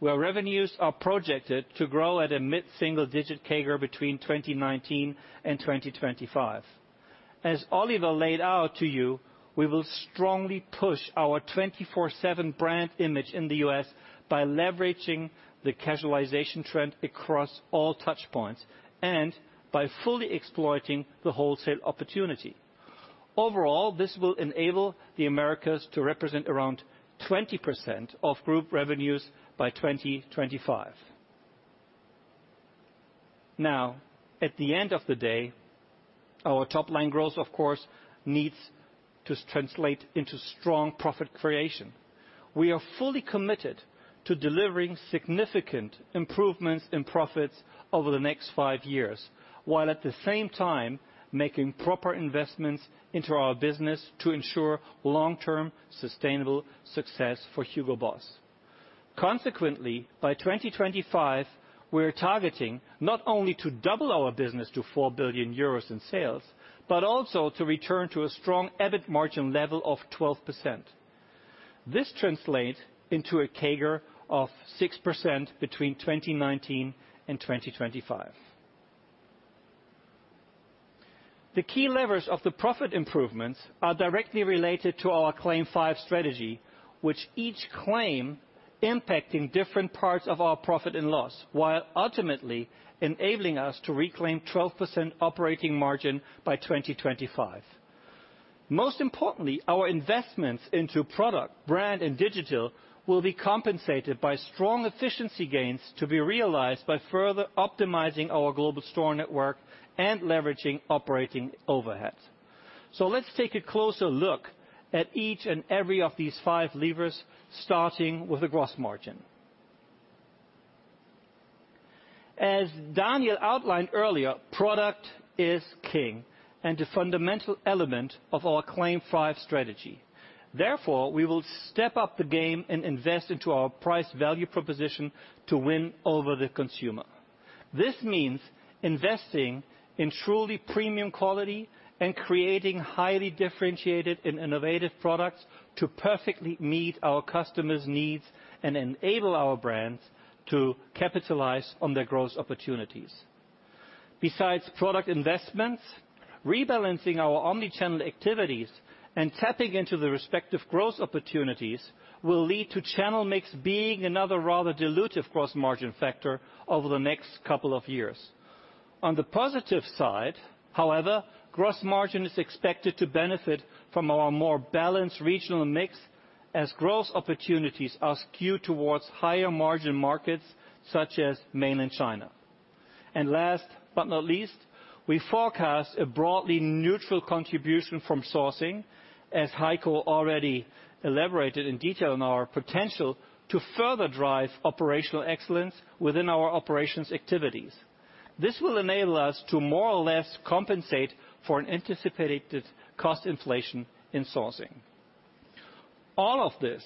where revenues are projected to grow at a mid-single digit CAGR between 2019 and 2025. As Oliver laid out to you, we will strongly push our 24/7 brand image in the U.S. by leveraging the casualization trend across all touchpoints and by fully exploiting the wholesale opportunity. This will enable the Americas to represent around 20% of group revenues by 2025. At the end of the day, our top-line growth, of course, needs to translate into strong profit creation. We are fully committed to delivering significant improvements in profits over the next five years, while at the same time making proper investments into our business to ensure long-term sustainable success for HUGO BOSS. By 2025, we are targeting not only to double our business to 4 billion euros in sales, but also to return to a strong EBIT margin level of 12%. This translates into a CAGR of 6% between 2019 and 2025. The key levers of the profit improvements are directly related to our CLAIM 5 strategy, which each claim impacting different parts of our profit and loss, while ultimately enabling us to reclaim 12% operating margin by 2025. Most importantly, our investments into product, brand, and digital will be compensated by strong efficiency gains to be realized by further optimizing our global store network and leveraging operating overheads. Let's take a closer look at each and every of these five levers, starting with the gross margin. As Daniel outlined earlier, product is king and a fundamental element of our CLAIM 5 strategy. Therefore, we will step up the game and invest into our price-value proposition to win over the consumer. This means investing in truly premium quality and creating highly differentiated and innovative products to perfectly meet our customers' needs and enable our brands to capitalize on their growth opportunities. Besides product investments, rebalancing our omni-channel activities and tapping into the respective growth opportunities will lead to channel mix being another rather dilutive gross margin factor over the next couple of years. On the positive side, however, gross margin is expected to benefit from our more balanced regional mix as growth opportunities are skewed towards higher-margin markets, such as mainland China. Last but not least, we forecast a broadly neutral contribution from sourcing, as Heiko already elaborated in detail on our potential to further drive operational excellence within our operations activities. This will enable us to more or less compensate for an anticipated cost inflation in sourcing. All of this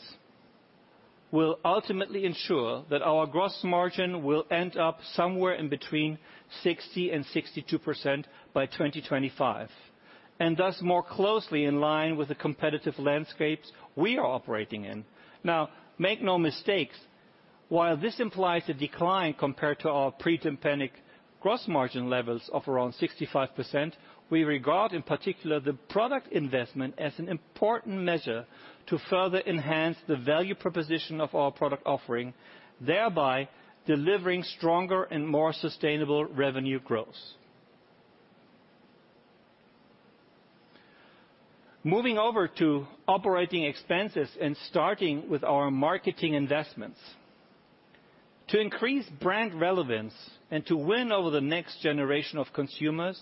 will ultimately ensure that our gross margin will end up somewhere in between 60% and 62% by 2025, and thus more closely in line with the competitive landscapes we are operating in. Make no mistakes. While this implies a decline compared to our pre-pandemic gross margin levels of around 65%, we regard, in particular, the product investment as an important measure to further enhance the value proposition of our product offering, thereby delivering stronger and more sustainable revenue growth. Moving over to operating expenses and starting with our marketing investments. To increase brand relevance and to win over the next generation of consumers.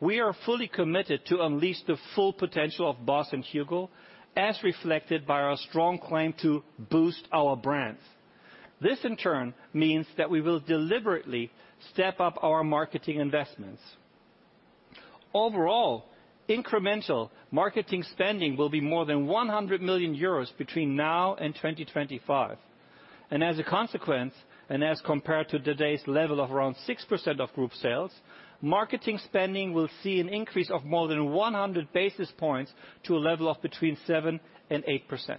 We are fully committed to unleash the full potential of BOSS and HUGO, as reflected by our strong claim to boost our brands. This, in turn, means that we will deliberately step up our marketing investments. Overall, incremental marketing spending will be more than 100 million euros between now and 2025. As a consequence, as compared to today's level of around 6% of group sales, marketing spending will see an increase of more than 100 basis points to a level of between 7% and 8%.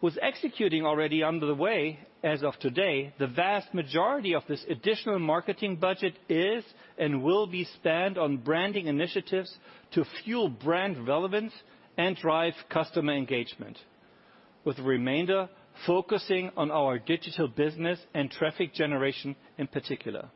With executing already underway as of today, the vast majority of this additional marketing budget is and will be spent on branding initiatives to fuel brand relevance and drive customer engagement, with the remainder focusing on our digital business and traffic generation in particular.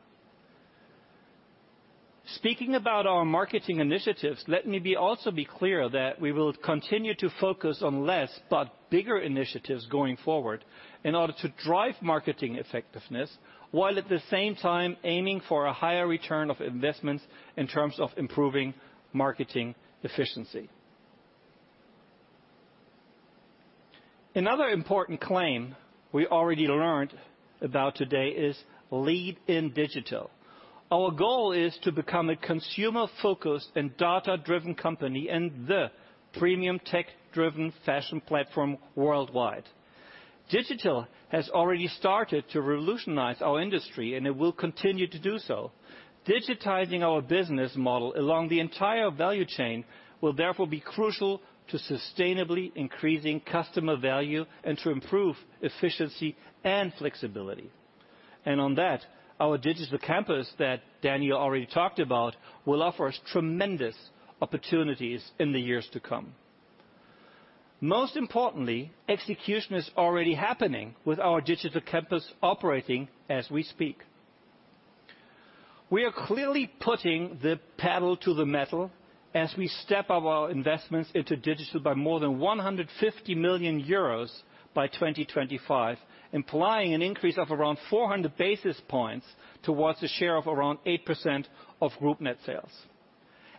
Speaking about our marketing initiatives, let me also be clear that we will continue to focus on less but bigger initiatives going forward in order to drive marketing effectiveness, while at the same time aiming for a higher return of investments in terms of improving marketing efficiency. Another important claim we already learned about today is lead in digital. Our goal is to become a consumer-focused and data-driven company and the premium tech-driven fashion platform worldwide. Digital has already started to revolutionize our industry, it will continue to do so. Digitizing our business model along the entire value chain will therefore be crucial to sustainably increasing customer value and to improve efficiency and flexibility. On that, our Digital Campus that Daniel already talked about will offer us tremendous opportunities in the years to come. Most importantly, execution is already happening with our Digital Campus operating as we speak. We are clearly putting the pedal to the metal as we step up our investments into digital by more than 150 million euros by 2025, implying an increase of around 400 basis points towards a share of around 8% of group net sales.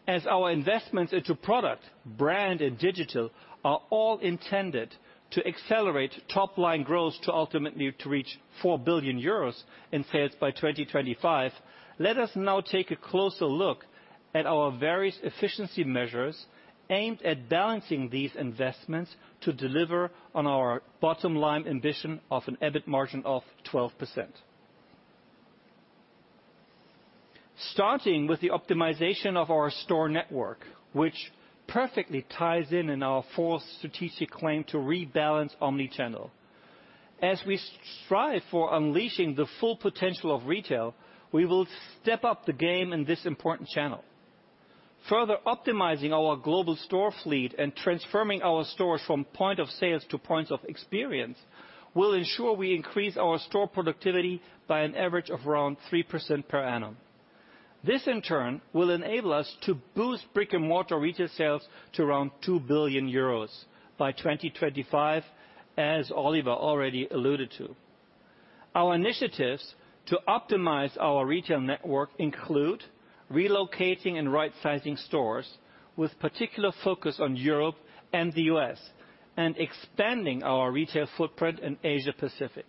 As our investments into product, brand, and digital are all intended to accelerate top-line growth to ultimately to reach 4 billion euros in sales by 2025, let us now take a closer look at our various efficiency measures aimed at balancing these investments to deliver on our bottom-line ambition of an EBIT margin of 12%. Starting with the optimization of our store network, which perfectly ties in our fourth strategic claim to rebalance omnichannel. As we strive for unleashing the full potential of retail, we will step up the game in this important channel. Further optimizing our global store fleet and transforming our stores from point of sales to points of experience will ensure we increase our store productivity by an average of around 3% per annum. This, in turn, will enable us to boost brick-and-mortar retail sales to around 2 billion euros by 2025, as Oliver already alluded to. Our initiatives to optimize our retail network include relocating and rightsizing stores with particular focus on Europe and the U.S., expanding our retail footprint in Asia Pacific.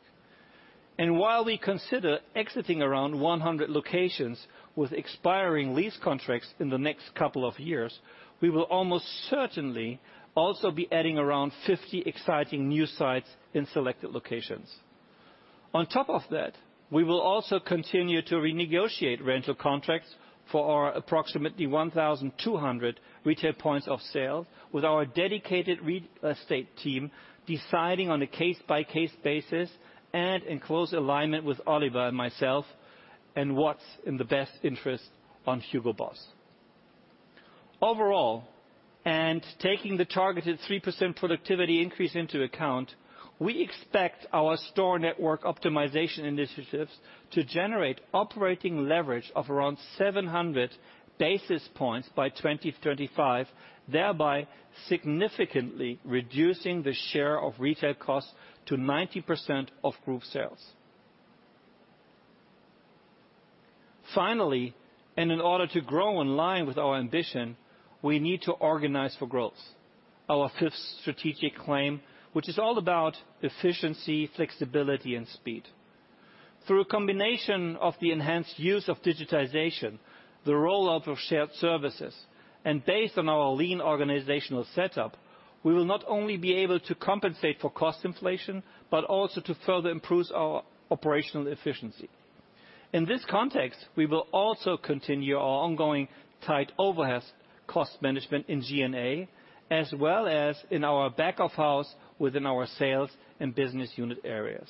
While we consider exiting around 100 locations with expiring lease contracts in the next couple of years, we will almost certainly also be adding around 50 exciting new sites in selected locations. On top of that, we will also continue to renegotiate rental contracts for our approximately 1,200 retail points of sale with our dedicated real estate team, deciding on a case-by-case basis and in close alignment with Oliver and myself on what's in the best interest on HUGO BOSS. Overall, and taking the targeted 3% productivity increase into account, we expect our store network optimization initiatives to generate operating leverage of around 700 basis points by 2025, thereby significantly reducing the share of retail costs to 90% of group sales. Finally, and in order to grow in line with our ambition, we need to organize for growth. Our fifth strategic claim, which is all about efficiency, flexibility, and speed. Through a combination of the enhanced use of digitization, the rollout of shared services, and based on our lean organizational setup, we will not only be able to compensate for cost inflation, but also to further improve our operational efficiency. In this context, we will also continue our ongoing tight overhead cost management in G&A, as well as in our back-of-house within our sales and business unit areas.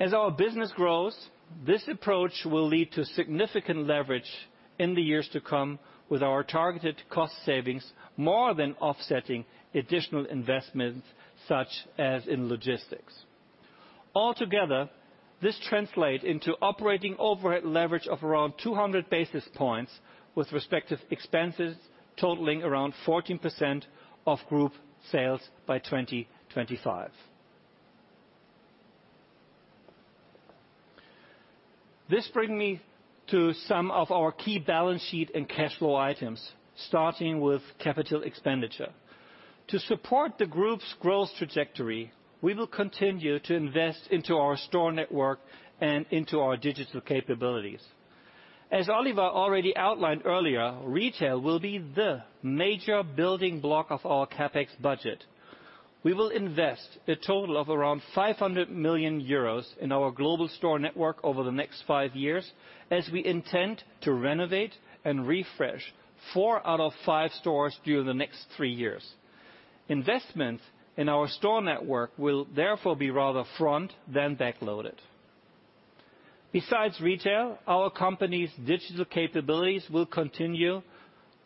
As our business grows, this approach will lead to significant leverage in the years to come with our targeted cost savings more than offsetting additional investments, such as in logistics. Altogether, this translate into operating overhead leverage of around 200 basis points with respective expenses totaling around 14% of group sales by 2025. This brings me to some of our key balance sheet and cash flow items, starting with CapEx. To support the group's growth trajectory, we will continue to invest into our store network and into our digital capabilities. As Oliver already outlined earlier, retail will be the major building block of our CapEx budget. We will invest a total of around 500 million euros in our global store network over the next five years, as we intend to renovate and refresh four out of five stores during the next three years. Investments in our store network will therefore be rather front than back-loaded. Besides retail, our company's digital capabilities will continue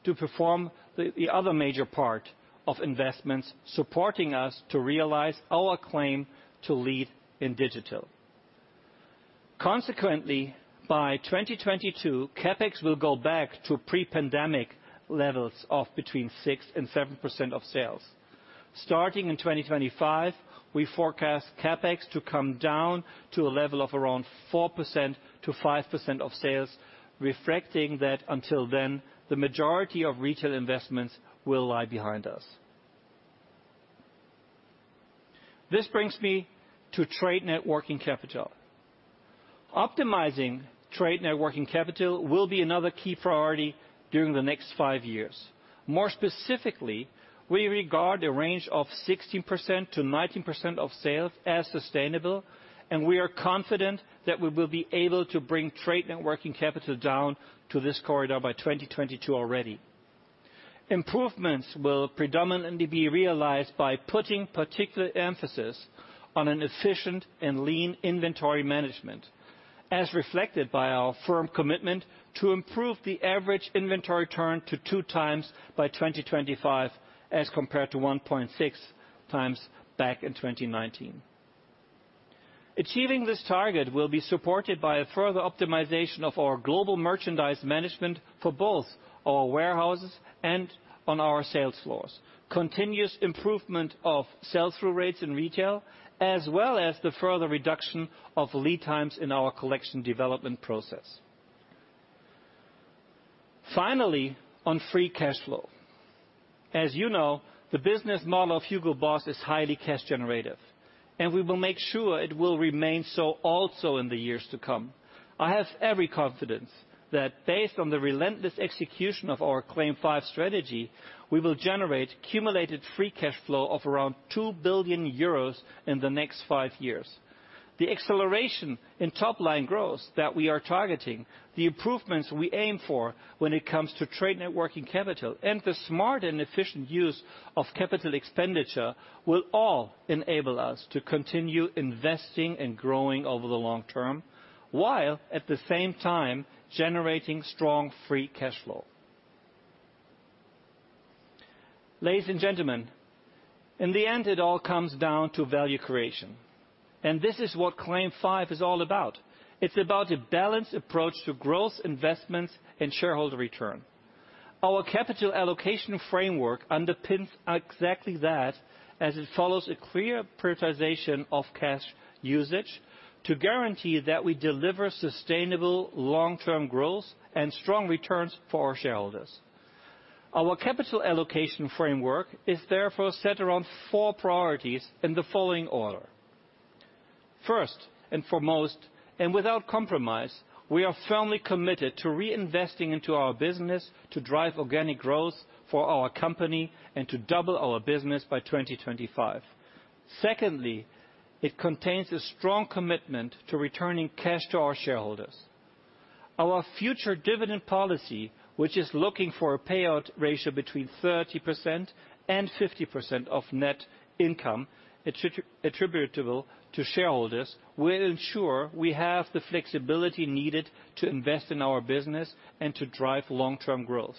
to perform the other major part of investments, supporting us to realize our claim to lead in digital. Consequently, by 2022, CapEx will go back to pre-pandemic levels of between 6% and 7% of sales. Starting in 2025, we forecast CapEx to come down to a level of around 4%-5% of sales, reflecting that until then, the majority of retail investments will lie behind us. This brings me to trade net working capital. Optimizing trade net working capital will be another key priority during the next five years. More specifically, we regard a range of 16%-19% of sales as sustainable, and we are confident that we will be able to bring trade net working capital down to this corridor by 2022 already. Improvements will predominantly be realized by putting particular emphasis on an efficient and lean inventory management, as reflected by our firm commitment to improve the average inventory turn to 2x by 2025, as compared to 1.6x back in 2019. Achieving this target will be supported by a further optimization of our global merchandise management for both our warehouses and on our sales floors, continuous improvement of sell-through rates in retail, as well as the further reduction of lead times in our collection development process. Finally, on free cash flow. As you know, the business model of HUGO BOSS is highly cash generative, and we will make sure it will remain so also in the years to come. I have every confidence that based on the relentless execution of our CLAIM 5 strategy, we will generate cumulated free cash flow of around 2 billion euros in the next five years. The acceleration in top line growth that we are targeting, the improvements we aim for when it comes to trade net working capital, and the smart and efficient use of CapEx will all enable us to continue investing and growing over the long term, while at the same time generating strong free cash flow. Ladies and gentlemen, in the end it all comes down to value creation, and this is what CLAIM 5 is all about. It's about a balanced approach to growth investments and shareholder return. Our capital allocation framework underpins exactly that, as it follows a clear prioritization of cash usage to guarantee that we deliver sustainable long-term growth and strong returns for our shareholders. Our capital allocation framework is therefore set around four priorities in the following order. First and foremost, and without compromise, we are firmly committed to reinvesting into our business to drive organic growth for our company and to double our business by 2025. Secondly, it contains a strong commitment to returning cash to our shareholders. Our future dividend policy, which is looking for a payout ratio between 30% and 50% of net income attributable to shareholders, will ensure we have the flexibility needed to invest in our business and to drive long-term growth.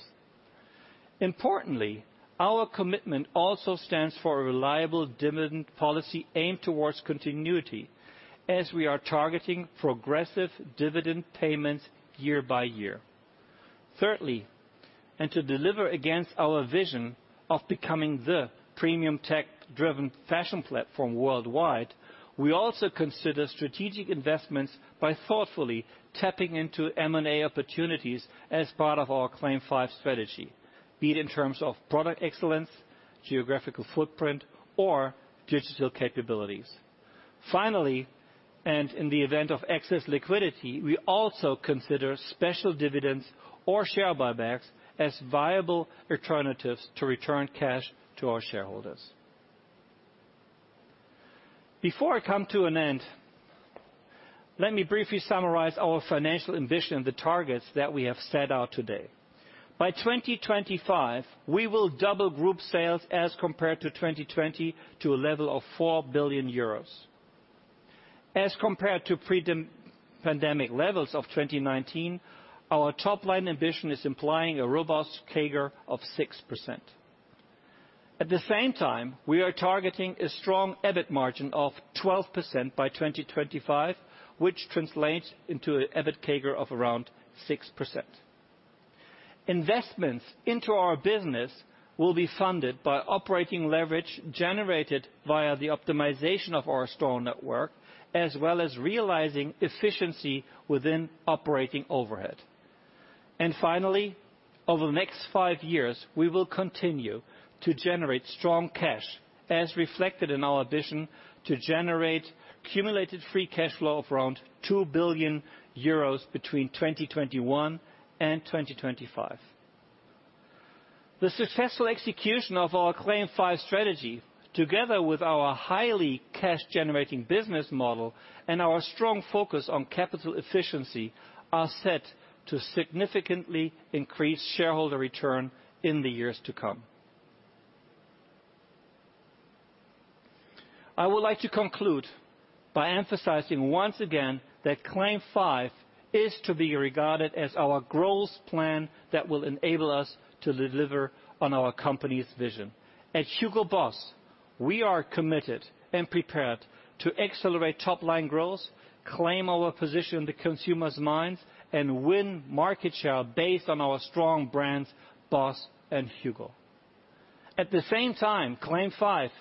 Importantly, our commitment also stands for a reliable dividend policy aimed towards continuity as we are targeting progressive dividend payments year by year. Thirdly, to deliver against our vision of becoming the premium tech-driven fashion platform worldwide, we also consider strategic investments by thoughtfully tapping into M&A opportunities as part of our CLAIM 5 strategy, be it in terms of product excellence, geographical footprint, or digital capabilities. Finally, in the event of excess liquidity, we also consider special dividends or share buybacks as viable alternatives to return cash to our shareholders. Before I come to an end, let me briefly summarize our financial ambition and the targets that we have set out today. By 2025, we will double group sales as compared to 2020 to a level of 4 billion euros. As compared to pre-pandemic levels of 2019, our top line ambition is implying a robust CAGR of 6%. At the same time, we are targeting a strong EBIT margin of 12% by 2025, which translates into an EBIT CAGR of around 6%. Investments into our business will be funded by operating leverage generated via the optimization of our store network, as well as realizing efficiency within operating overhead. Finally, over the next five years, we will continue to generate strong cash, as reflected in our ambition to generate cumulated free cash flow of around 2 billion euros between 2021 and 2025. The successful execution of our CLAIM 5 strategy, together with our highly cash-generating business model and our strong focus on capital efficiency, are set to significantly increase shareholder return in the years to come. I would like to conclude by emphasizing once again that CLAIM 5 is to be regarded as our growth plan that will enable us to deliver on our company's vision. At HUGO BOSS, we are committed and prepared to accelerate top-line growth, claim our position in the consumer's minds, and win market share based on our strong brands, BOSS and HUGO. At the same time, CLAIM 5,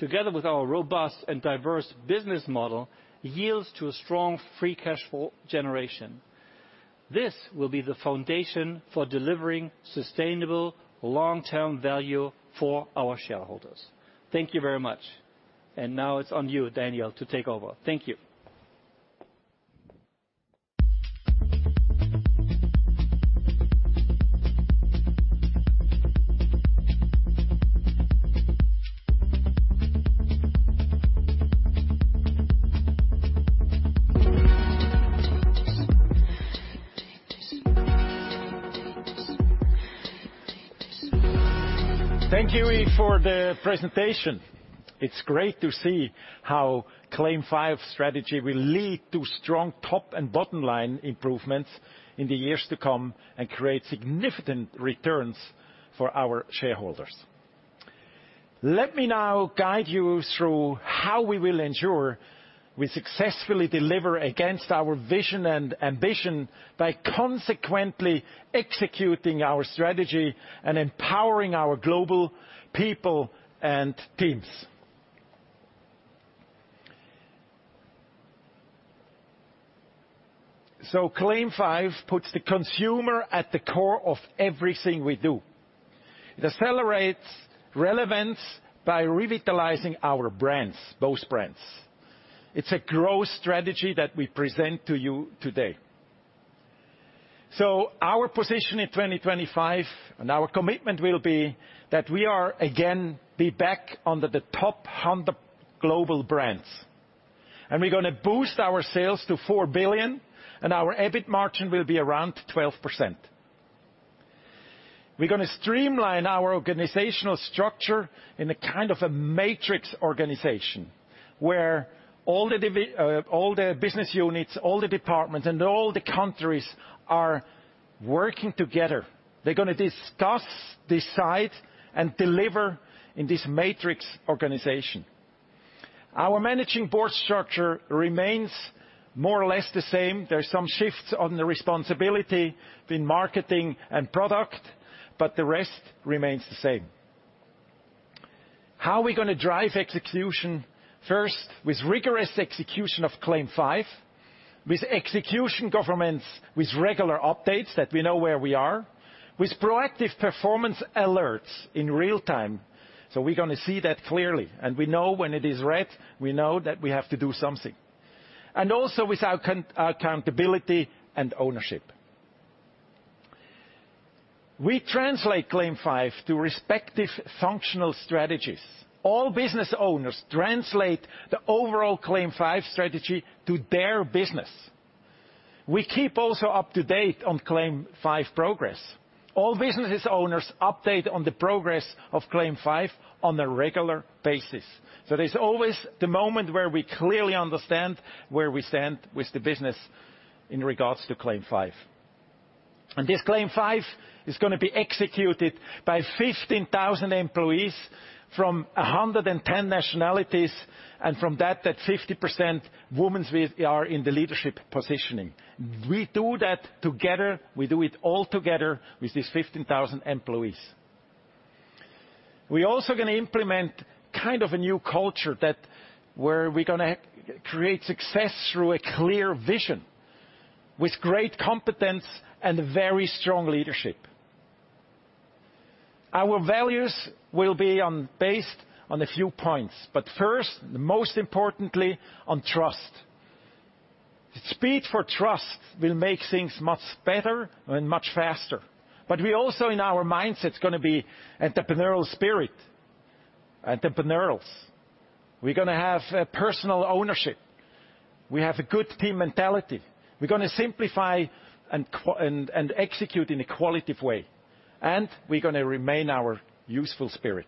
together with our robust and diverse business model, yields to a strong free cash flow generation. This will be the foundation for delivering sustainable long-term value for our shareholders. Thank you very much. Now it's on you, Daniel, to take over. Thank you. Thank you, Yves, for the presentation. It's great to see how CLAIM 5 strategy will lead to strong top and bottom-line improvements in the years to come and create significant returns for our shareholders. Let me now guide you through how we will ensure we successfully deliver against our vision and ambition by consequently executing our strategy and empowering our global people and teams. CLAIM 5 puts the consumer at the core of everything we do. It accelerates relevance by revitalizing our brands, both brands. It's a growth strategy that we present to you today. Our position in 2025, and our commitment will be that we are again be back under the top 100 global brands, and we're going to boost our sales to 4 billion, and our EBIT margin will be around 12%. We're going to streamline our organizational structure in a kind of a matrix organization, where all the business units, all the departments, and all the countries are working together. They're going to discuss, decide, and deliver in this matrix organization. Our Managing Board structure remains more or less the same. There are some shifts on the responsibility in marketing and product, but the rest remains the same. How are we going to drive execution? First, with rigorous execution of CLAIM 5, with execution governance, with regular updates that we know where we are, with proactive performance alerts in real time. We're going to see that clearly. We know when it is red, we know that we have to do something. Also with accountability and ownership. We translate CLAIM 5 to respective functional strategies. All business owners translate the overall CLAIM 5 strategy to their business. We keep also up to date on CLAIM 5 progress. All businesses owners update on the progress of CLAIM 5 on a regular basis. There's always the moment where we clearly understand where we stand with the business in regards to CLAIM 5. This CLAIM 5 is going to be executed by 15,000 employees from 110 nationalities, and from that 50% women are in the leadership positioning. We do that together. We do it all together with these 15,000 employees. We also going to implement kind of a new culture where we're going to create success through a clear vision with great competence and very strong leadership. Our values will be based on a few points. First, most importantly, on trust. Speed for trust will make things much better and much faster. We also, in our mindset, it's going to be entrepreneurial spirit. Entrepreneurials. We're going to have personal ownership. We have a good team mentality. We're going to simplify and execute in a qualitative way, and we're going to remain our useful spirit.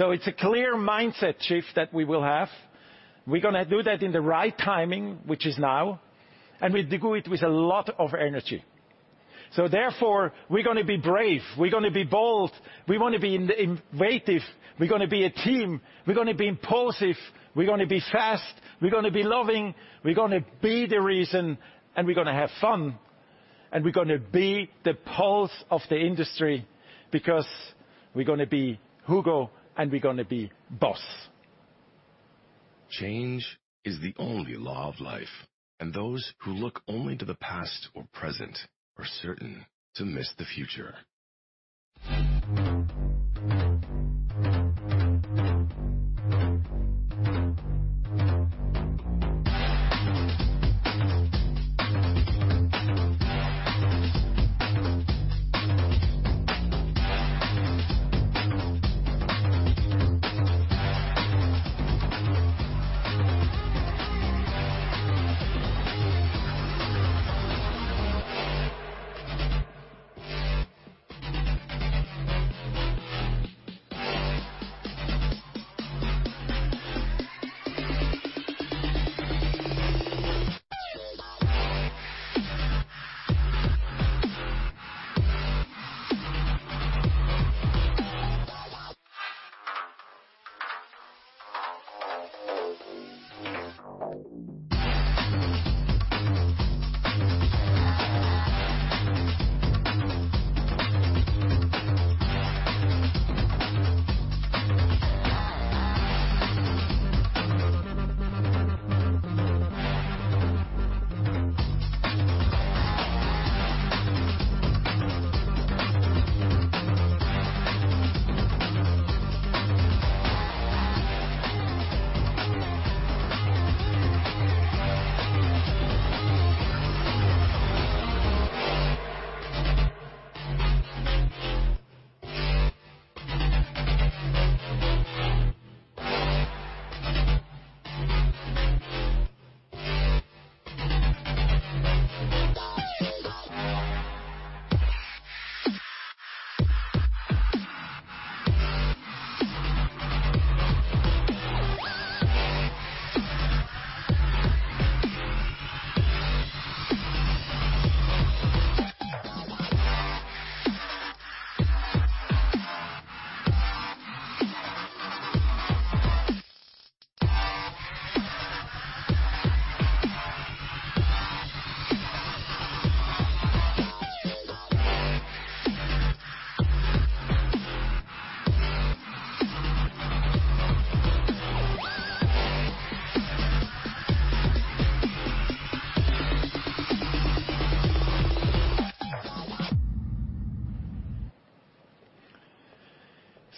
It's a clear mindset shift that we will have. We're going to do that in the right timing, which is now, and we do it with a lot of energy. Therefore, we're going to be brave. We're going to be bold. We want to be innovative. We're going to be a team. We're going to be impulsive. We're going to be fast. We're going to be loving. We're going to be the reason, and we're going to have fun. We're going to be the pulse of the industry, because we're going to be HUGO and we're going to be BOSS. Change is the only law of life, and those who look only to the past or present are certain to miss the future.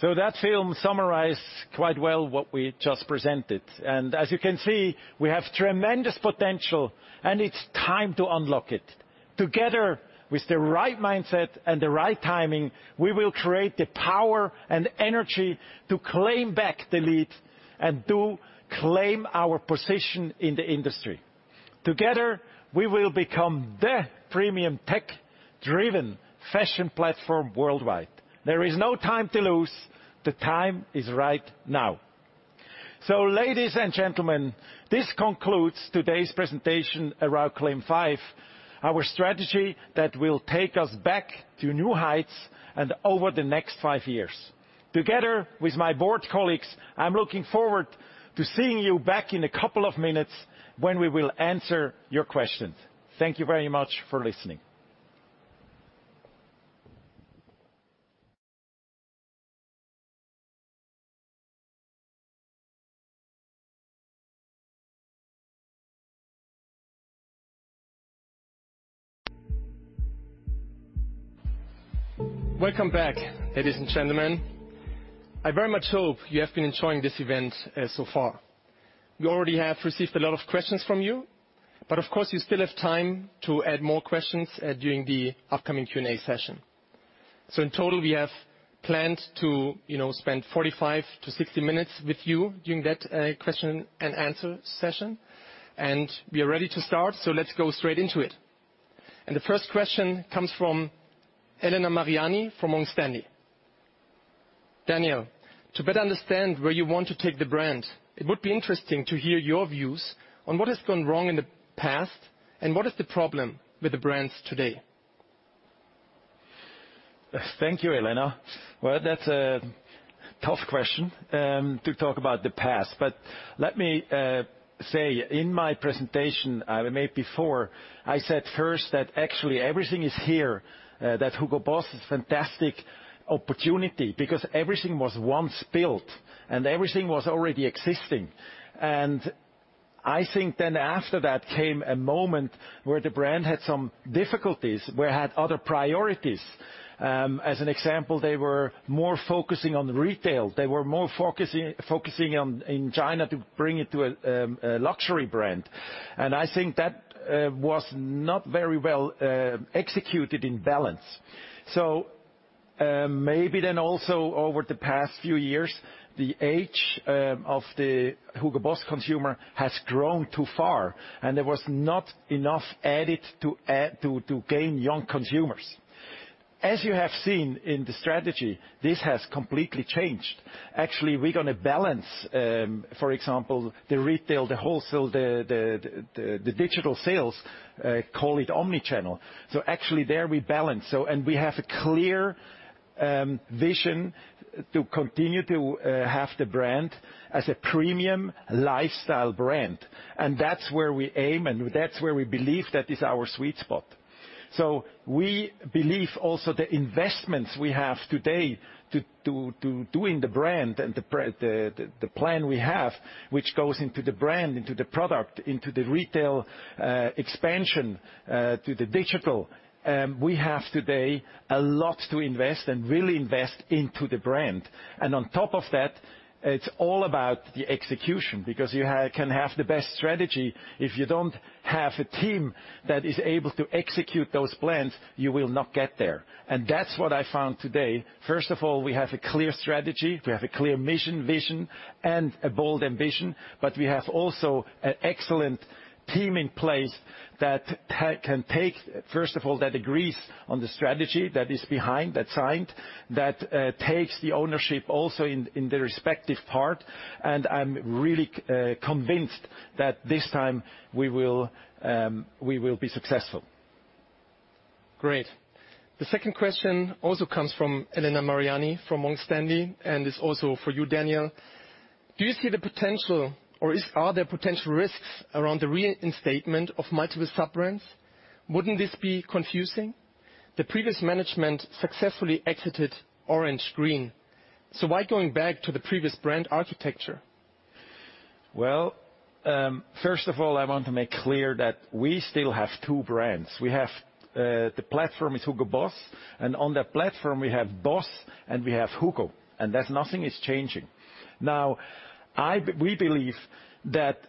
That film summarized quite well what we just presented. As you can see, we have tremendous potential, and it's time to unlock it. Together with the right mindset and the right timing, we will create the power and energy to claim back the lead and to claim our position in the industry. Together, we will become the premium tech-driven fashion platform worldwide. There is no time to lose. The time is right now. Ladies and gentlemen, this concludes today's presentation around CLAIM 5, our strategy that will take us back to new heights and over the next five years. Together with my board colleagues, I'm looking forward to seeing you back in a couple of minutes when we will answer your questions. Thank you very much for listening. Welcome back, ladies and gentlemen. I very much hope you have been enjoying this event so far. We already have received a lot of questions from you. Of course, you still have time to add more questions during the upcoming Q&A session. In total, we have planned to spend 45-60 minutes with you during that question-and-answer session. We are ready to start. Let's go straight into it. The first question comes from Elena Mariani from Morgan Stanley. Daniel, to better understand where you want to take the brand, it would be interesting to hear your views on what has gone wrong in the past and what is the problem with the brands today. Thank you, Elena. That's a tough question, to talk about the past. Let me say, in my presentation I made before, I said first that actually everything is here, that HUGO BOSS is a fantastic opportunity because everything was once built and everything was already existing. I think after that came a moment where the brand had some difficulties, where it had other priorities. As an example, they were more focusing on retail. They were more focusing in China to bring it to a luxury brand. I think that was not very well executed in balance. Maybe also over the past few years, the age of the HUGO BOSS consumer has grown too far, and there was not enough added to gain young consumers. As you have seen in the strategy, this has completely changed. Actually, we're going to balance, for example, the retail, the wholesale, the digital sales, call it omni-channel. Actually, there we balance. We have a clear vision to continue to have the brand as a premium lifestyle brand. That's where we aim, and that's where we believe that is our sweet spot. We believe also the investments we have today to do the brand and the plan we have, which goes into the brand, into the product, into the retail expansion, to the digital. We have today a lot to invest and will invest into the brand. On top of that, it's all about the execution, because you can have the best strategy, if you don't have a team that is able to execute those plans, you will not get there. That's what I found today. First of all, we have a clear strategy, we have a clear mission, vision, and a bold ambition, but we have also an excellent team in place that can take, first of all, that agrees on the strategy that is behind, that signed, that takes the ownership also in the respective part. I'm really convinced that this time we will be successful. Great. The second question also comes from Elena Mariani from Morgan Stanley, and it's also for you, Daniel. Do you see the potential or are there potential risks around the reinstatement of multiple sub-brands? Wouldn't this be confusing? The previous management successfully exited Orange, Green. Why going back to the previous brand architecture? Well, first of all, I want to make clear that we still have two brands. We have the platform is HUGO BOSS, and on that platform, we have BOSS and we have HUGO, and that nothing is changing. Now, we believe that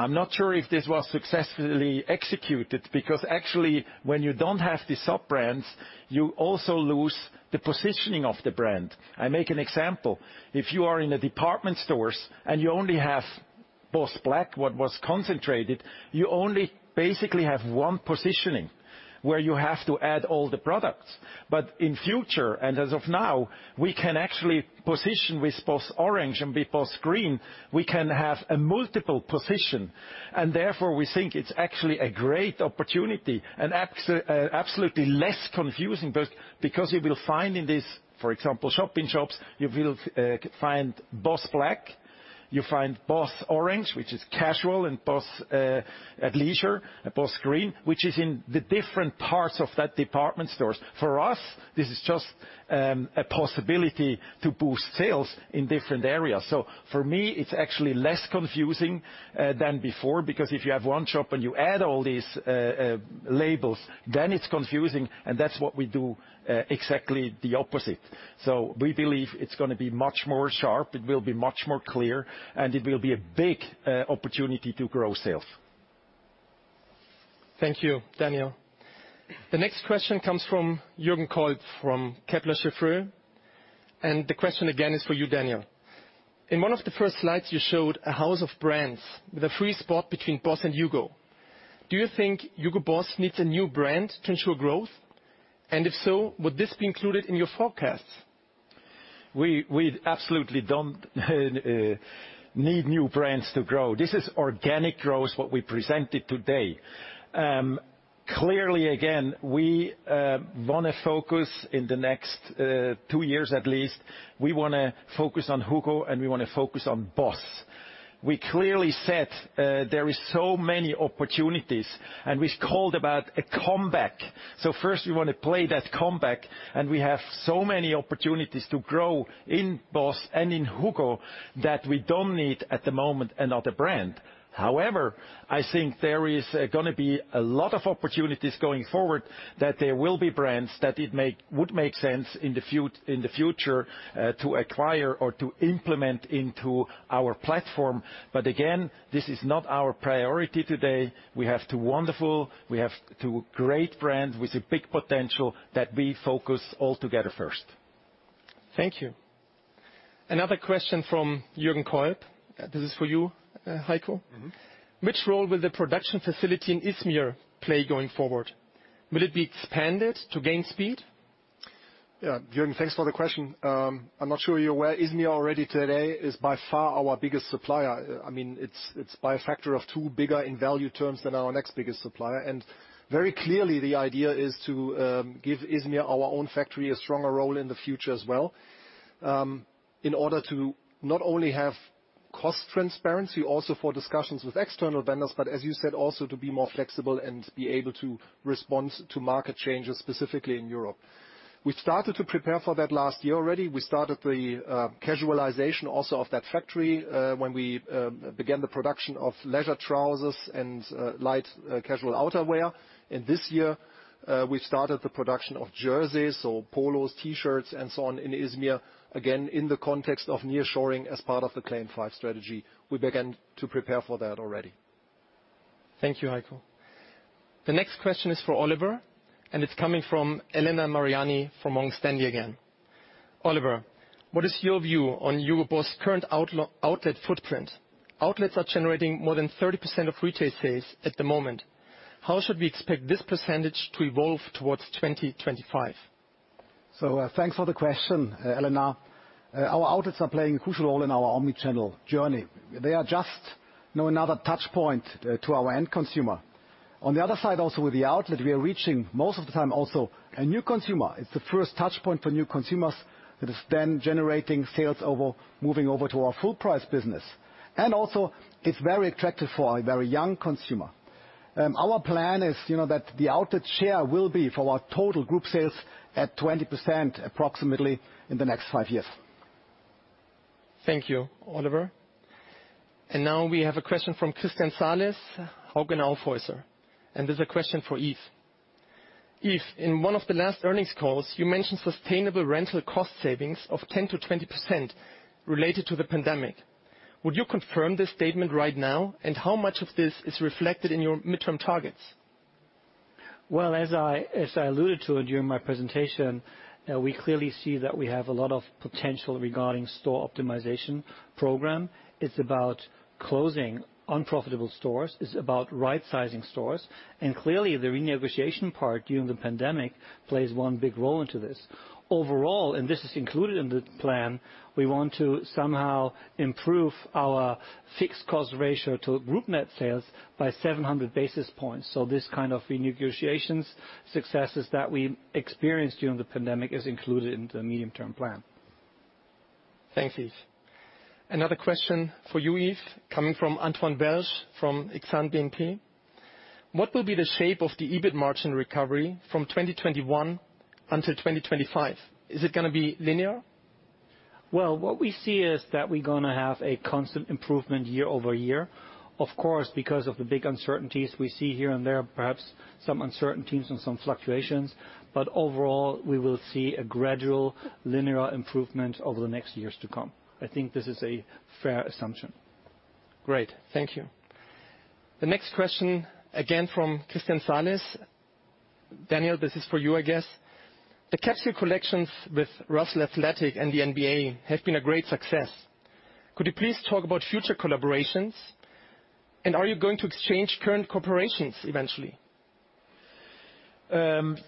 I'm not sure if this was successfully executed, because actually, when you don't have the sub-brands, you also lose the positioning of the brand. I make an example. If you are in a department stores and you only have BOSS Black, what was concentrated, you only basically have one positioning where you have to add all the products. In future, and as of now, we can actually position with BOSS Orange and with BOSS Green, we can have a multiple position. Therefore, we think it's actually a great opportunity and absolutely less confusing because you will find in this, for example, shop-in-shops, you will find BOSS Black, you find BOSS Orange, which is casual, and BOSS Green, and BOSS Green, which is in the different parts of that department stores. For us, this is just a possibility to boost sales in different areas. For me, it's actually less confusing than before, because if you have one shop and you add all these labels, then it's confusing, and that's what we do exactly the opposite. We believe it's going to be much more sharp, it will be much more clear, and it will be a big opportunity to grow sales. Thank you, Daniel. The next question comes from Jürgen Kolb from Kepler Cheuvreux. The question again is for you, Daniel. In one of the first slides, you showed a house of brands with a free spot between BOSS and HUGO. Do you think HUGO BOSS needs a new brand to ensure growth? If so, would this be included in your forecasts? We absolutely don't need new brands to grow. This is organic growth, what we presented today. Clearly, again, we want to focus in the next two years, at least, we want to focus on HUGO and we want to focus on BOSS. We clearly said there is so many opportunities, and we called about a comeback. First we want to play that comeback, and we have so many opportunities to grow in BOSS and in HUGO that we don't need at the moment another brand. However, I think there is going to be a lot of opportunities going forward that there will be brands that would make sense in the future to acquire or to implement into our platform. Again, this is not our priority today. We have two wonderful, we have two great brands with a big potential that we focus all together first. Thank you. Another question from Jürgen Kolb. This is for you, Heiko. Which role will the production facility in Izmir play going forward? Will it be expanded to gain speed? Yeah, Jürgen, thanks for the question. I'm not sure you're aware, Izmir already today is by far our biggest supplier. It's by a factor of two bigger in value terms than our next biggest supplier. Very clearly, the idea is to give Izmir, our own factory, a stronger role in the future as well, in order to not only have cost transparency also for discussions with external vendors, but as you said, also to be more flexible and be able to respond to market changes, specifically in Europe. We started to prepare for that last year already. We started the casualization also of that factory, when we began the production of leisure trousers and light casual outerwear. This year, we started the production of jerseys or polos, T-shirts, and so on in Izmir, again, in the context of nearshoring as part of the CLAIM 5 strategy. We began to prepare for that already. Thank you, Heiko. The next question is for Oliver, and it's coming from Elena Mariani from Morgan Stanley again. Oliver, what is your view on HUGO BOSS' current outlet footprint? Outlets are generating more than 30% of retail sales at the moment. How should we expect this percentage to evolve towards 2025? Thanks for the question, Elena. Our outlets are playing a crucial role in our omni-channel journey. They are just now another touch point to our end consumer. On the other side also with the outlet, we are reaching, most of the time also, a new consumer. It's the first touchpoint for new consumers that is then generating sales over, moving over to our full-price business. Also, it's very attractive for a very young consumer. Our plan is that the outlet share will be for our total group sales at 20% approximately in the next five years. Thank you, Oliver. Now we have a question from Christian Salis, ODDO BHF, and this is a question for Yves. Yves, in one of the last earnings calls, you mentioned sustainable rental cost savings of 10%-20% related to the pandemic. Would you confirm this statement right now? How much of this is reflected in your midterm targets? Well, as I alluded to during my presentation, we clearly see that we have a lot of potential regarding store optimization program. It's about closing unprofitable stores. It's about rightsizing stores. Clearly, the renegotiation part during the pandemic plays one big role into this. Overall, and this is included in the plan, we want to somehow improve our fixed cost ratio to group net sales by 700 basis points. This kind of renegotiations successes that we experienced during the pandemic is included in the medium-term plan. Thanks, Yves. Another question for you, Yves, coming from Antoine Belge from Exane BNP. What will be the shape of the EBIT margin recovery from 2021 until 2025? Is it going to be linear? Well, what we see is that we're going to have a constant improvement year-over-year. Of course, because of the big uncertainties we see here and there, perhaps some uncertainties and some fluctuations. Overall, we will see a gradual linear improvement over the next years to come. I think this is a fair assumption. Great. Thank you. The next question, again, from Christian Salis. Daniel, this is for you, I guess. The capsule collections with Russell Athletic and the NBA have been a great success. Could you please talk about future collaborations, and are you going to exchange current collaborations eventually?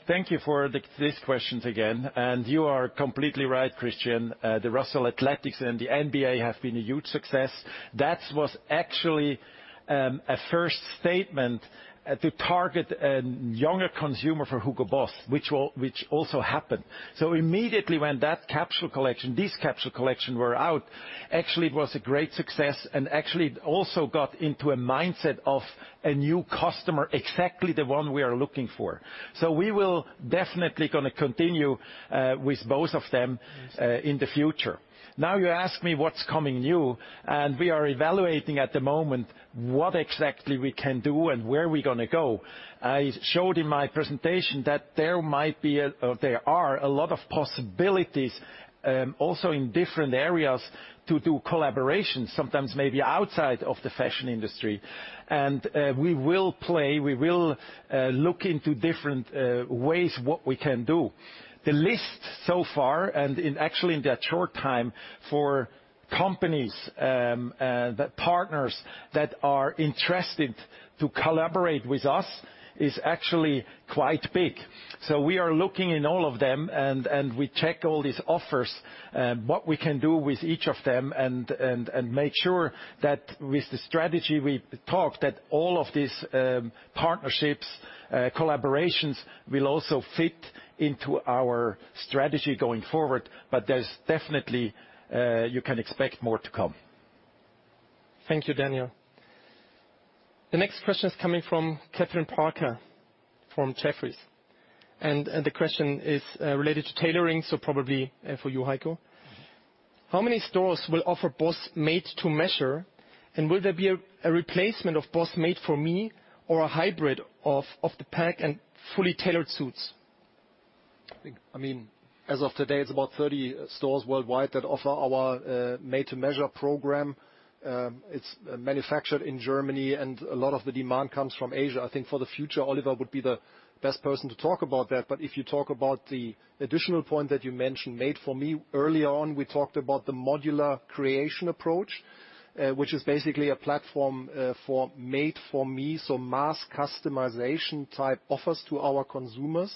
Thank you for these questions again, and you are completely right, Christian. The Russell Athletic and the NBA have been a huge success. That was actually a first statement to target a younger consumer for HUGO BOSS, which also happened. Immediately when these capsule collection were out, actually, it was a great success, and actually it also got into a mindset of a new customer, exactly the one we are looking for. We will definitely going to continue with both of them in the future. Now you ask me what's coming new, and we are evaluating at the moment what exactly we can do and where we're going to go. I showed in my presentation that there are a lot of possibilities, also in different areas to do collaborations, sometimes maybe outside of the fashion industry. We will play, we will look into different ways what we can do. The list so far, and actually in that short time for companies, partners that are interested to collaborate with us is actually quite big. We are looking in all of them, and we check all these offers, what we can do with each of them and make sure that with the strategy we talked, that all of these partnerships, collaborations will also fit into our strategy going forward, but there's definitely, you can expect more to come. Thank you, Daniel. The next question is coming from Kathryn Parker from Jefferies. The question is related to tailoring, so probably for you, Heiko. How many stores will offer BOSS Made to Measure, and will there be a replacement of BOSS Made for Me or a hybrid off the peg and fully tailored suits? I think, as of today, it's about 30 stores worldwide that offer our Made to Measure program. It's manufactured in Germany, and a lot of the demand comes from Asia. I think for the future, Oliver would be the best person to talk about that. If you talk about the additional point that you mentioned, Made for Me, earlier on, we talked about the modular creation approach, which is basically a platform for Made for Me, so mass customization type offers to our consumers.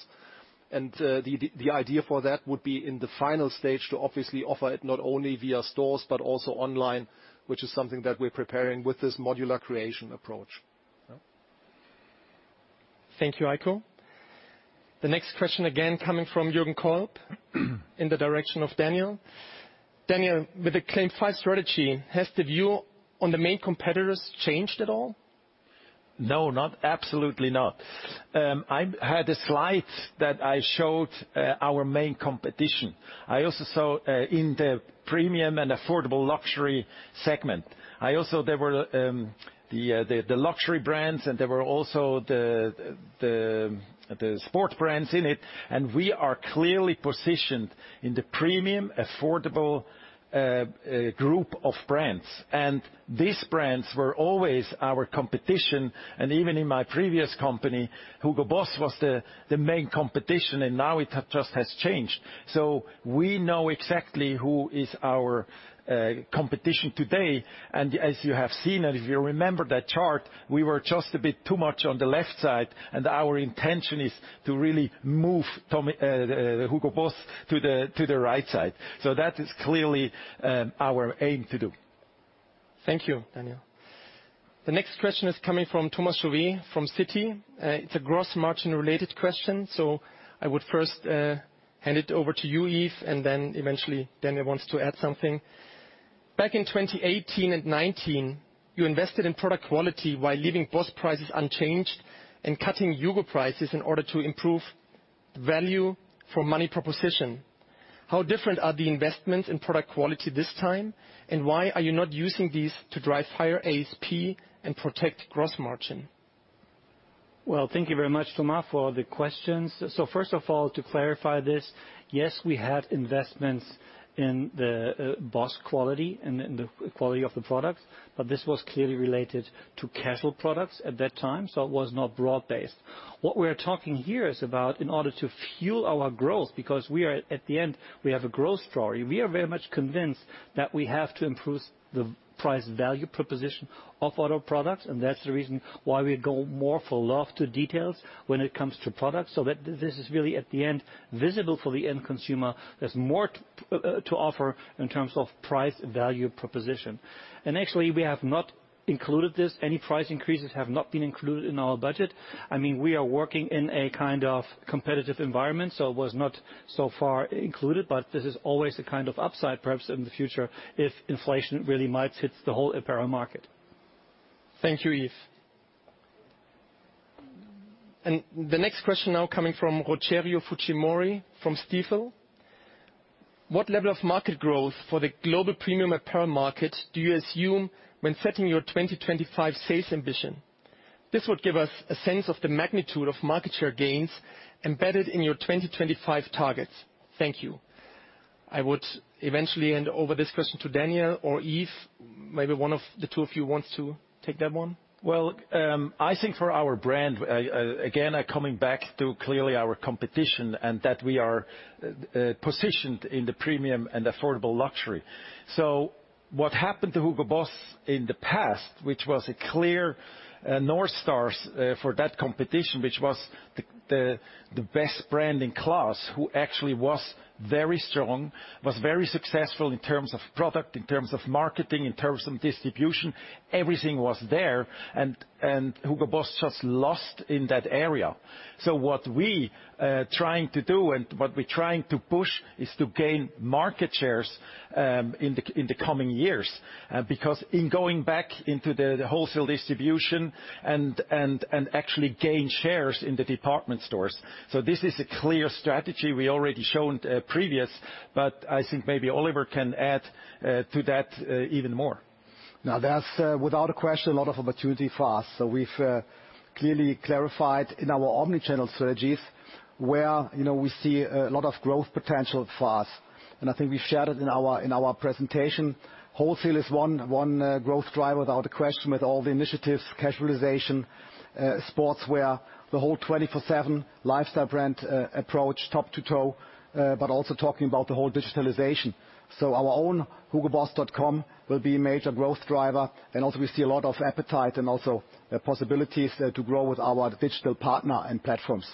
The idea for that would be in the final stage to obviously offer it not only via stores, but also online, which is something that we're preparing with this modular creation approach. Thank you, Heiko. The next question, again, coming from Jürgen Kolb in the direction of Daniel. Daniel, with the CLAIM 5 strategy, has the view on the main competitors changed at all? No. Absolutely not. I had a slide that I showed our main competition. I also saw in the premium and affordable luxury segment. There were the luxury brands, and there were also the sport brands in it, and we are clearly positioned in the premium, affordable group of brands. These brands were always our competition. Even in my previous company, HUGO BOSS was the main competition, and now it just has changed. We know exactly who is our competition today. As you have seen, and if you remember that chart, we were just a bit too much on the left side, and our intention is to really move HUGO BOSS to the right side. That is clearly our aim to do. Thank you, Daniel. The next question is coming from Thomas Chauvet from Citi. It's a gross margin related question, so I would first hand it over to you, Yves, and then eventually Daniel wants to add something. Back in 2018 and 2019, you invested in product quality while leaving BOSS prices unchanged and cutting HUGO prices in order to improve value for money proposition. How different are the investments in product quality this time, and why are you not using these to drive higher ASP and protect gross margin? Well, thank you very much, Thomas, for the questions. First of all, to clarify this, yes, we had investments in the BOSS quality and in the quality of the product, but this was clearly related to casual products at that time, so it was not broad based. What we are talking here is about in order to fuel our growth, because we are at the end, we have a growth story. We are very much convinced that we have to improve the price value proposition of our products, and that's the reason why we go more for love to details when it comes to products, so that this is really at the end visible for the end consumer. There's more to offer in terms of price value proposition. Actually, we have not included this. Any price increases have not been included in our budget. I mean, we are working in a kind of competitive environment, so it was not so far included, but this is always a kind of upside, perhaps in the future if inflation really might hit the whole apparel market. Thank you, Yves. The next question now coming from Rogério Fujimori from Stifel. What level of market growth for the global premium apparel market do you assume when setting your 2025 sales ambition? This would give us a sense of the magnitude of market share gains embedded in your 2025 targets. Thank you. I would eventually hand over this question to Daniel or Yves, maybe one of the two of you wants to take that one. Well, I think for our brand, again, coming back to clearly our competition and that we are positioned in the premium and affordable luxury. What happened to HUGO BOSS in the past, which was a clear North Star for that competition, which was the best brand in class, who actually was very strong, was very successful in terms of product, in terms of marketing, in terms of distribution. Everything was there, HUGO BOSS just lost in that area. What we are trying to do and what we're trying to push is to gain market shares in the coming years. In going back into the wholesale distribution and actually gain shares in the department stores. This is a clear strategy we already shown previous, I think maybe Oliver can add to that even more. There's, without a question, a lot of opportunity for us. We've clearly clarified in our omni-channel strategies where we see a lot of growth potential for us. I think we've shared it in our presentation. Wholesale is one growth driver, without a question, with all the initiatives, casualization, sportswear, the whole 24/7 lifestyle brand approach, top to toe, but also talking about the whole digitalization. Our own hugoboss.com will be a major growth driver, and also, we see a lot of appetite and also possibilities to grow with our digital partner and platforms.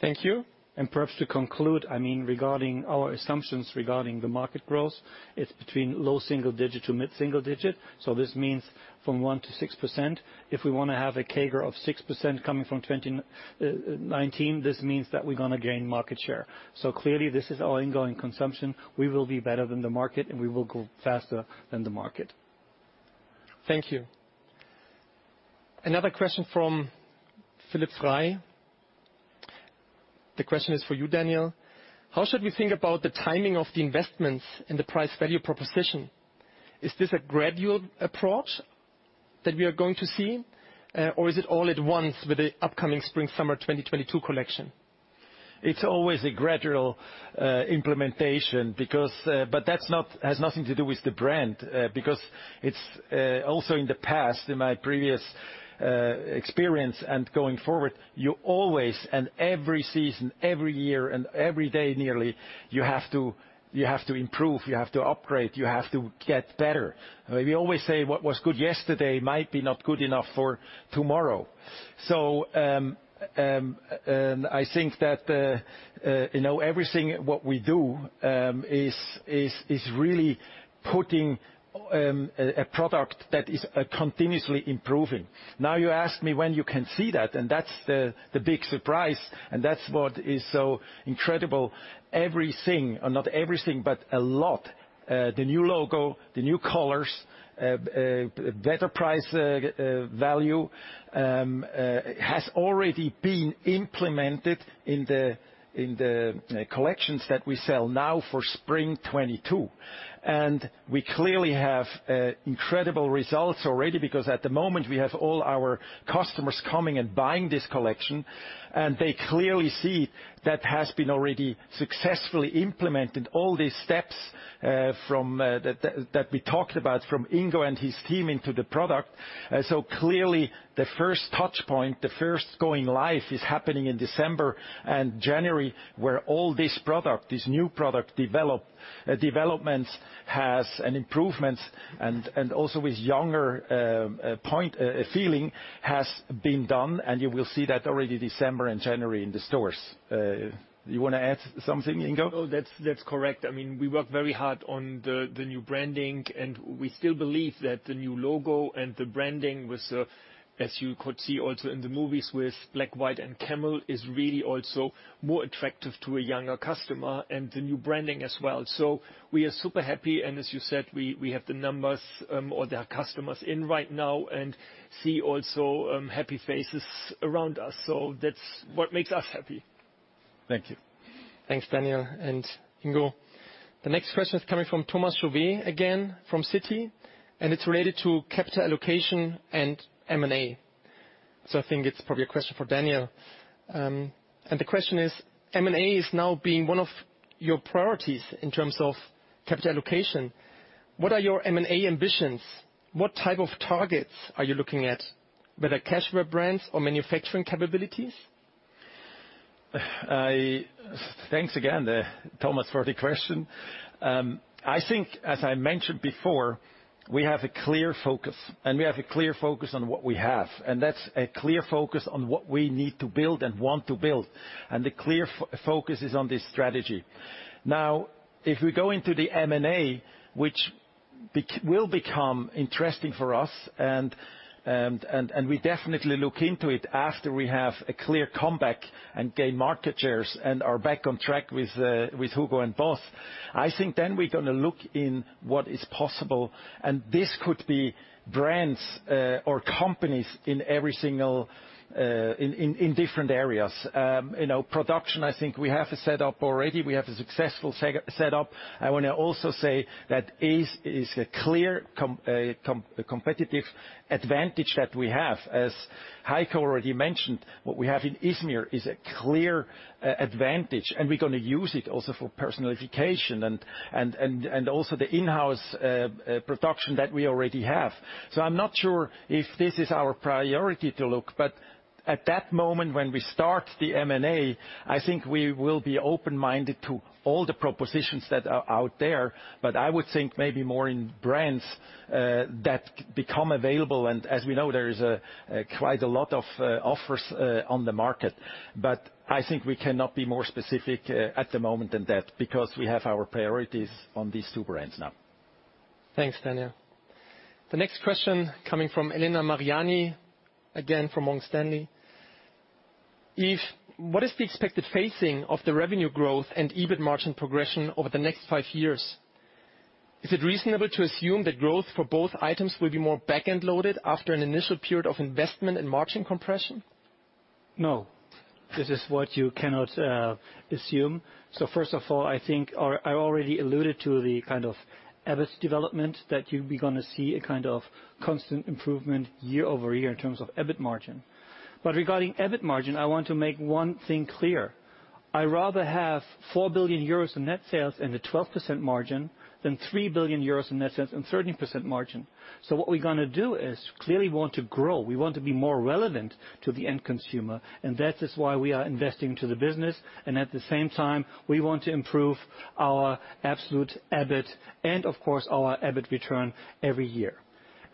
Thank you. Perhaps to conclude, I mean, regarding our assumptions regarding the market growth, it's between low single-digit to mid single-digit. This means from 1%-6%. If we want to have a CAGR of 6% coming from 2019, this means that we're going to gain market share. Clearly, this is our ongoing consumption. We will be better than the market and we will go faster than the market. Thank you. Another question from Philipp Frey. The question is for you, Daniel. How should we think about the timing of the investments in the price value proposition? Is this a gradual approach that we are going to see? Or is it all at once with the upcoming spring-summer 2022 collection? It's always a gradual implementation because that has nothing to do with the brand, because it's also in the past, in my previous experience and going forward, you always, and every season, every year and every day nearly, you have to improve, you have to upgrade, you have to get better. We always say what was good yesterday might be not good enough for tomorrow. I think that everything what we do is really putting a product that is continuously improving. You ask me when you can see that's the big surprise. That's what is so incredible. Everything, or not everything, but a lot, the new logo, the new colors, better price value, has already been implemented in the collections that we sell now for spring 2022. We clearly have incredible results already because at the moment we have all our customers coming and buying this collection, and they clearly see that has been already successfully implemented, all these steps that we talked about from Ingo and his team into the product. Clearly the first touch point, the first going live is happening in December and January, where all this product, this new product development has an improvement and also with younger point, feeling has been done, and you will see that already December and January in the stores. You want to add something, Ingo? No, that's correct. I mean, we worked very hard on the new branding. We still believe that the new logo and the branding with, as you could see also in the movies with black, white, and camel, is really also more attractive to a younger customer and the new branding as well. We are super happy, and as you said, we have the numbers, or there are customers in right now and see also happy faces around us. That's what makes us happy. Thank you. Thanks, Daniel and Ingo. The next question is coming from Thomas Chauvet, again, from Citi, and it's related to capital allocation and M&A. I think it's probably a question for Daniel. The question is, M&A is now being one of your priorities in terms of capital allocation. What are your M&A ambitions? What type of targets are you looking at? Whether cash grab brands or manufacturing capabilities? Thanks again, Thomas, for the question. I think, as I mentioned before, we have a clear focus, we have a clear focus on what we have, that's a clear focus on what we need to build and want to build, the clear focus is on this strategy. Now, if we go into the M&A, which will become interesting for us, we definitely look into it after we have a clear comeback and gain market shares and are back on track with HUGO and BOSS. I think then we're going to look in what is possible, this could be brands or companies in different areas. Production, I think we have a setup already. We have a successful setup. I want to also say that is a clear competitive advantage that we have. As Heiko already mentioned, what we have in Izmir is a clear advantage, and we're going to use it also for personalization and also the in-house production that we already have. I'm not sure if this is our priority to look, but at that moment when we start the M&A, I think we will be open-minded to all the propositions that are out there, but I would think maybe more in brands that become available. As we know, there is quite a lot of offers on the market. I think we cannot be more specific at the moment than that, because we have our priorities on these two brands now. Thanks, Daniel. The next question coming from Elena Mariani, again, from Morgan Stanley. Yves, what is the expected phasing of the revenue growth and EBIT margin progression over the next five years? Is it reasonable to assume that growth for both items will be more back-end loaded after an initial period of investment and margin compression? This is what you cannot assume. First of all, I think I already alluded to the kind of EBIT development, that you're going to see a kind of constant improvement year-over-year in terms of EBIT margin. Regarding EBIT margin, I want to make one thing clear. I rather have 4 billion euros in net sales and a 12% margin than 3 billion euros in net sales and 13% margin. What we're going to do is clearly want to grow. We want to be more relevant to the end consumer, and that is why we are investing to the business. At the same time, we want to improve our absolute EBIT and of course our EBIT return every year.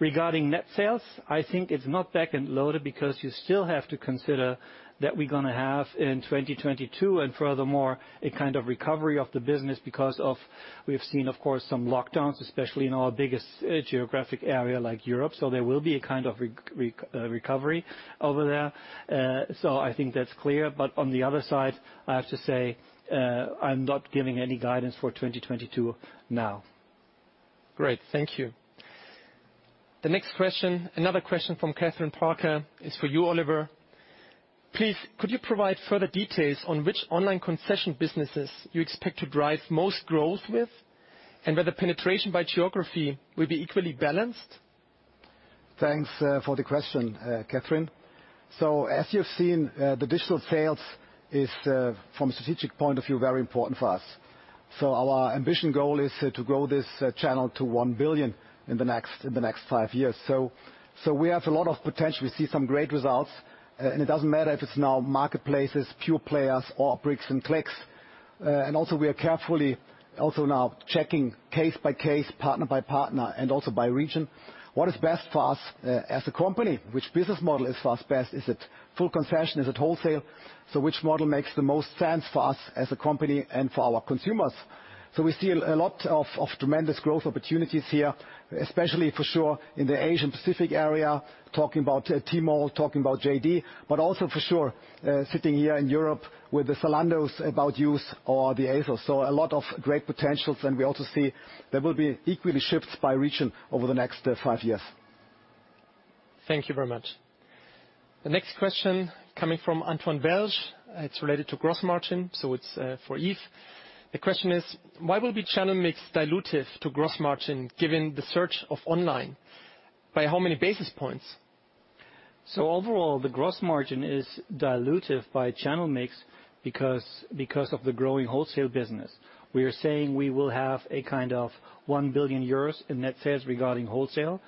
Regarding net sales, I think it's not back-end loaded because you still have to consider that we're going to have in 2022 and furthermore, a kind of recovery of the business because of, we've seen, of course, some lockdowns, especially in our biggest geographic area like Europe. There will be a kind of recovery over there. I think that's clear. On the other side, I have to say, I'm not giving any guidance for 2022 now. Great. Thank you. The next question, another question from Kathryn Parker is for you, Oliver. Please, could you provide further details on which online concession businesses you expect to drive most growth with, and whether penetration by geography will be equally balanced? Thanks for the question, Kathryn. As you've seen, the digital sales is, from a strategic point of view, very important for us. Our ambition goal is to grow this channel to 1 billion in the next five years. We have a lot of potential. We see some great results, and it doesn't matter if it's now marketplaces, pure players, or bricks and clicks. We are carefully also now checking case by case, partner by partner and also by region, what is best for us as a company, which business model is for us best. Is it full concession? Is it wholesale? Which model makes the most sense for us as a company and for our consumers? We see a lot of tremendous growth opportunities here, especially for sure in the Asian Pacific area, talking about Tmall, talking about JD.com, but also for sure, sitting here in Europe with the Zalando About You or the ASOS. A lot of great potentials, and we also see there will be equity shifts by region over the next five years. Thank you very much. The next question coming from Antoine Belge. It's related to gross margin, so it's for Yves. The question is, why will be channel mix dilutive to gross margin given the surge of online? By how many basis points? Overall, the gross margin is dilutive by channel mix because of the growing wholesale business. We are saying we will have a kind of 1 billion euros in net sales regarding wholesale,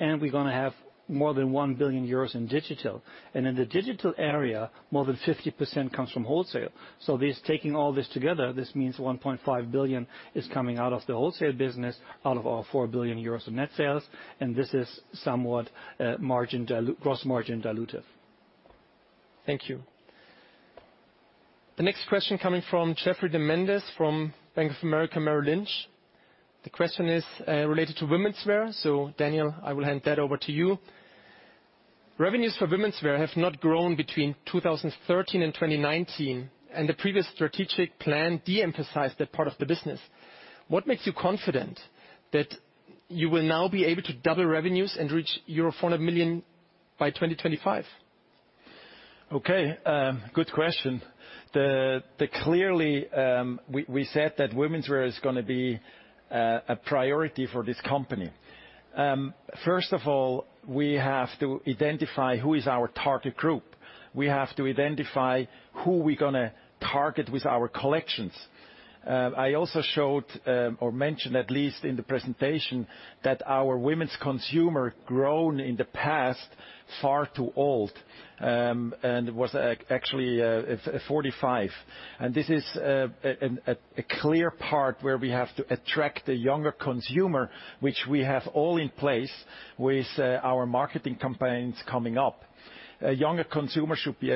and we're going to have more than 1 billion euros in digital. In the digital area, more than 50% comes from wholesale. Taking all this together, this means 1.5 billion is coming out of the wholesale business out of our 4 billion euros of net sales, and this is somewhat gross margin dilutive. Thank you. The next question coming from Geoffroy de Mendez from Bank of America Merrill Lynch. The question is related to womenswear. Daniel, I will hand that over to you. Revenues for womenswear have not grown between 2013 and 2019, and the previous strategic plan de-emphasized that part of the business. What makes you confident that you will now be able to double revenues and reach your euro 400 million by 2025? Okay, good question. Clearly, we said that womenswear is going to be a priority for this company. First of all, we have to identify who is our target group. We have to identify who we're going to target with our collections. I also showed, or mentioned at least in the presentation, that our women's consumer grown in the past far too old, and was actually 45. This is a clear part where we have to attract a younger consumer, which we have all in place with our marketing campaigns coming up. The consumer should be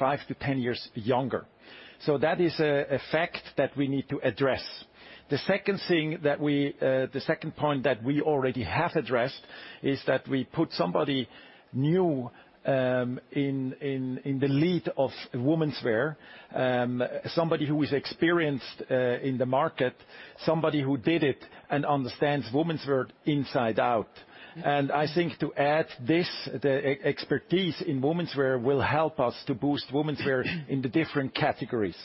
5-10 years younger. That is a fact that we need to address. The second point that we already have addressed is that we put somebody new in the lead of womenswear, somebody who is experienced in the market, somebody who did it and understands womenswear inside out. I think to add this, the expertise in womenswear will help us to boost womenswear in the different categories.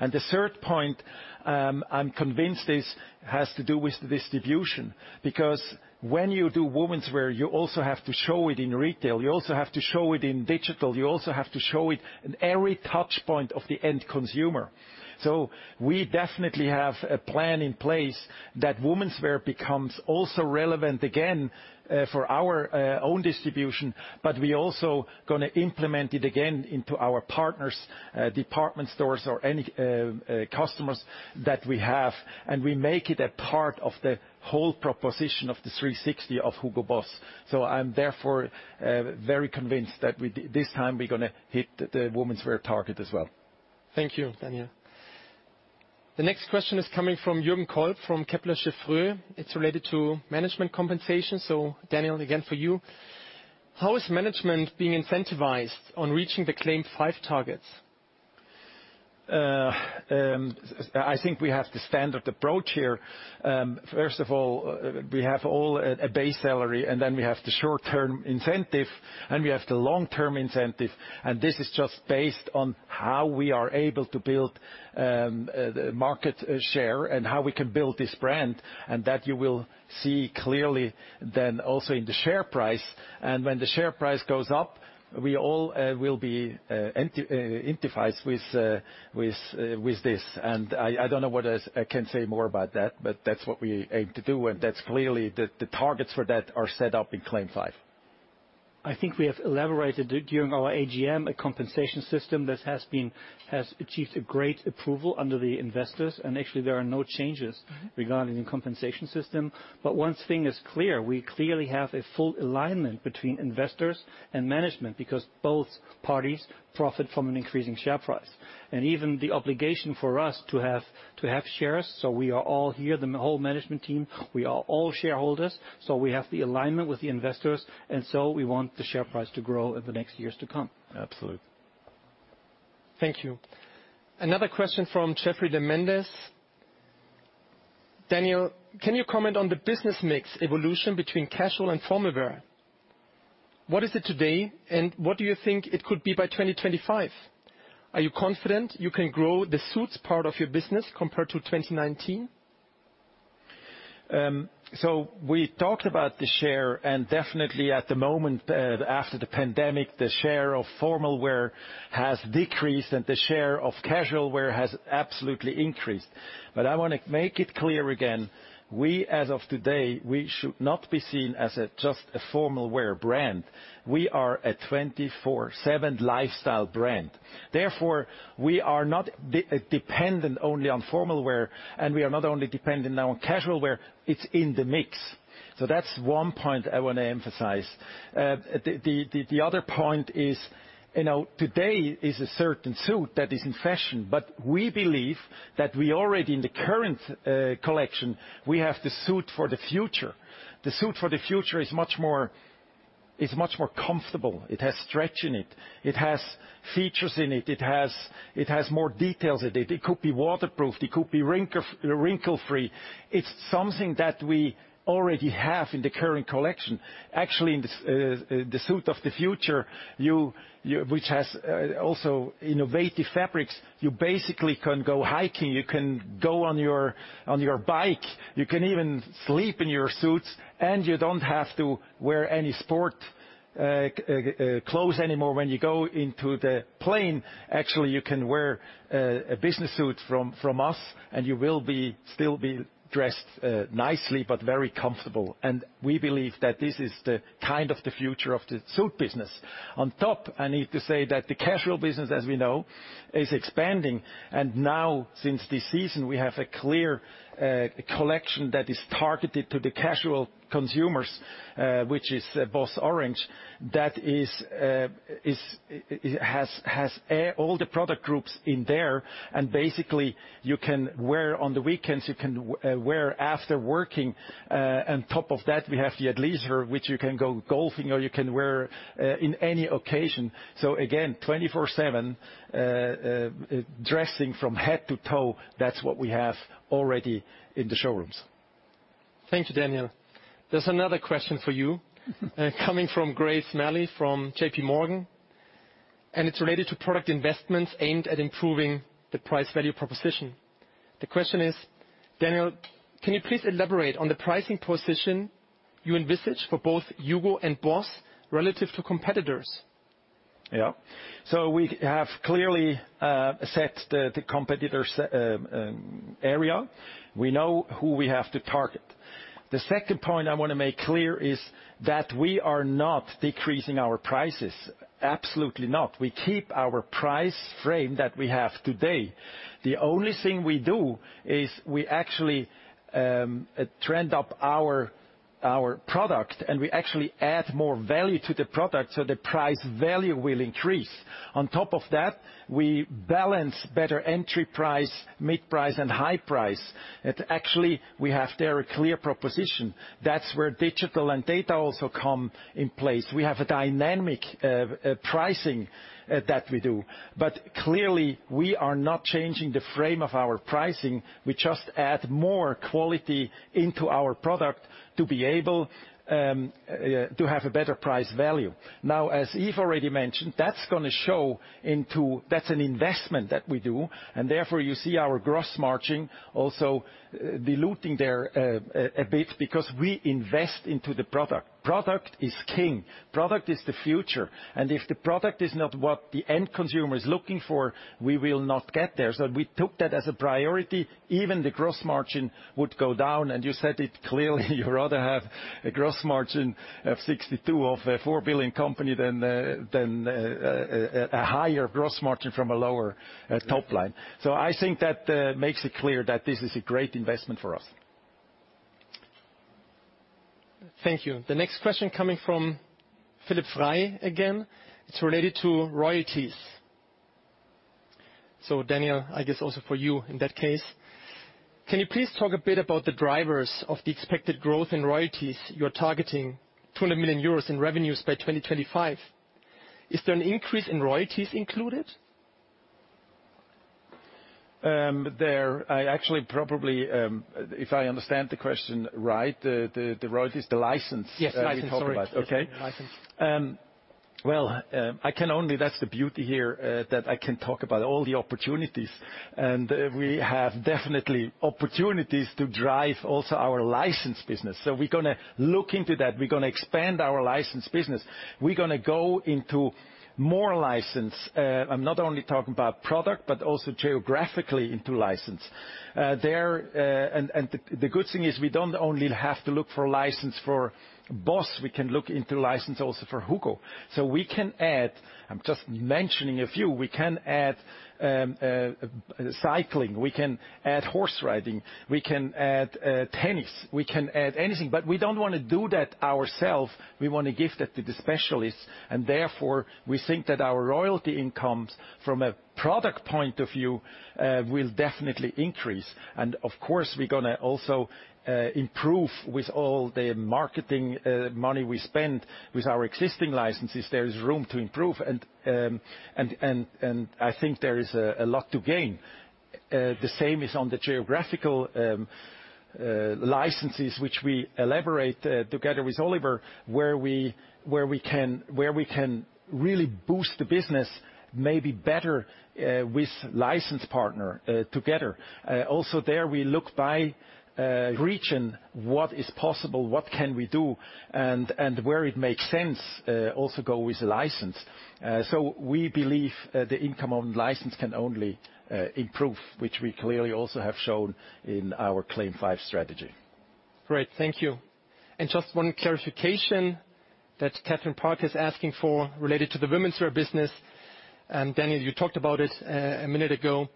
The third point, I'm convinced this has to do with distribution. Because when you do womenswear, you also have to show it in retail. You also have to show it in digital. You also have to show it in every touch point of the end consumer. We definitely have a plan in place that womenswear becomes also relevant again for our own distribution, but we also going to implement it again into our partners, department stores or any customers that we have, and we make it a part of the whole proposition of the 360 of HUGO BOSS. I am therefore very convinced that this time we're going to hit the womenswear target as well. Thank you, Daniel. The next question is coming from Jürgen Kolb from Kepler Cheuvreux. It's related to management compensation. Daniel, again for you. How is management being incentivized on reaching the CLAIM 5 targets? I think we have the standard approach here. First of all, we have all a base salary, we have the short-term incentive, and we have the long-term incentive. This is just based on how we are able to build market share and how we can build this brand. That you will see clearly then also in the share price. When the share price goes up, we all will be incentivized with this. I don't know what else I can say more about that, but that's what we aim to do, and that's clearly the targets for that are set up in CLAIM 5. I think we have elaborated during our AGM a compensation system that has achieved a great approval under the investors. Actually, there are no changes regarding the compensation system. One thing is clear, we clearly have a full alignment between investors and management because both parties profit from an increasing share price. Even the obligation for us to have shares, so we are all here, the whole management team, we are all shareholders, so we have the alignment with the investors, and so we want the share price to grow in the next years to come. Absolutely. Thank you. Another question from Geoffroy de Mendez. Daniel, can you comment on the business mix evolution between casual and formal wear? What is it today, and what do you think it could be by 2025? Are you confident you can grow the suits part of your business compared to 2019? We talked about the share. Definitely at the moment after the pandemic, the share of formal wear has decreased and the share of casual wear has absolutely increased. I want to make it clear again, we, as of today, we should not be seen as just a formal wear brand. We are a 24/7 lifestyle brand. We are not dependent only on formal wear, and we are not only dependent now on casual wear, it's in the mix. That's one point I want to emphasize. The other point is, today is a certain suit that is in fashion, but we believe that we already in the current collection, we have the suit for the future. The suit for the future is much more comfortable. It has stretch in it. It has features in it. It has more details in it. It could be waterproof. It could be wrinkle-free. It is something that we already have in the current collection. Actually, in the suit of the future, which has also innovative fabrics, you basically can go hiking, you can go on your bike, you can even sleep in your suits, and you don't have to wear any sport clothes anymore when you go into the plane. Actually, you can wear a business suit from us, and you will still be dressed nicely, but very comfortable. We believe that this is the kind of the future of the suit business. On top, I need to say that the casual business, as we know, is expanding. Now since this season, we have a clear collection that is targeted to the casual consumers, which is BOSS Orange. That has all the product groups in there. Basically, you can wear on the weekends, you can wear after working. On top of that, we have the athleisure which you can go golfing or you can wear in any occasion. Again, 24/7, dressing from head to toe, that's what we have already in the showrooms. Thank you, Daniel. There's another question for you coming from Chiara Battistini from JPMorgan, and it's related to product investments aimed at improving the price-value proposition. The question is, Daniel, can you please elaborate on the pricing position you envisage for both HUGO and BOSS relative to competitors? Yeah. We have clearly set the competitor area. We know who we have to target. The second point I want to make clear is that we are not decreasing our prices. Absolutely not. We keep our price frame that we have today. The only thing we do is we actually trend up our product, and we actually add more value to the product so the price value will increase. On top of that, we balance better entry price, mid-price, and high price. Actually, we have there a clear proposition. That's where digital and data also come in place. We have a dynamic pricing that we do. Clearly, we are not changing the frame of our pricing. We just add more quality into our product to be able to have a better price value. As Yves already mentioned, that's an investment that we do, and therefore, you see our gross margin also diluting there a bit because we invest into the product. Product is king. Product is the future. If the product is not what the end consumer is looking for, we will not get there. We took that as a priority, even the gross margin would go down, and you said it clearly, you'd rather have a gross margin of 62 of a 4 billion company than a higher gross margin from a lower top line. I think that makes it clear that this is a great investment for us. Thank you. The next question coming from Philipp Frey again. It's related to royalties. Daniel, I guess also for you in that case. Can you please talk a bit about the drivers of the expected growth in royalties? You're targeting 200 million euros in revenues by 2025. Is there an increase in royalties included? There, I actually probably, if I understand the question right, the royalties, the license that we talk about. Yes, license, sorry. Okay. License. Well, that's the beauty here, that I can talk about all the opportunities. We have definitely opportunities to drive also our license business. We're going to look into that. We're going to expand our license business. We're going to go into more license. I'm not only talking about product, but also geographically into license. The good thing is we don't only have to look for license for BOSS, we can look into license also for HUGO. We can add, I'm just mentioning a few, we can add cycling, we can add horse riding, we can add tennis, we can add anything, but we don't want to do that ourself. We want to give that to the specialists, and therefore, we think that our royalty incomes from a product point of view will definitely increase. Of course, we're going to also improve with all the marketing money we spend with our existing licenses. There is room to improve. I think there is a lot to gain. The same is on the geographical licenses which we elaborate together with Oliver, where we can really boost the business, maybe better with license partner together. There we look by region, what is possible, what can we do, and where it makes sense, also go with license. We believe the income on license can only improve, which we clearly also have shown in our CLAIM 5 strategy. Great. Thank you. Just one clarification that Kathryn Parker is asking for related to the womenswear business. Daniel, you talked about it a minute ago.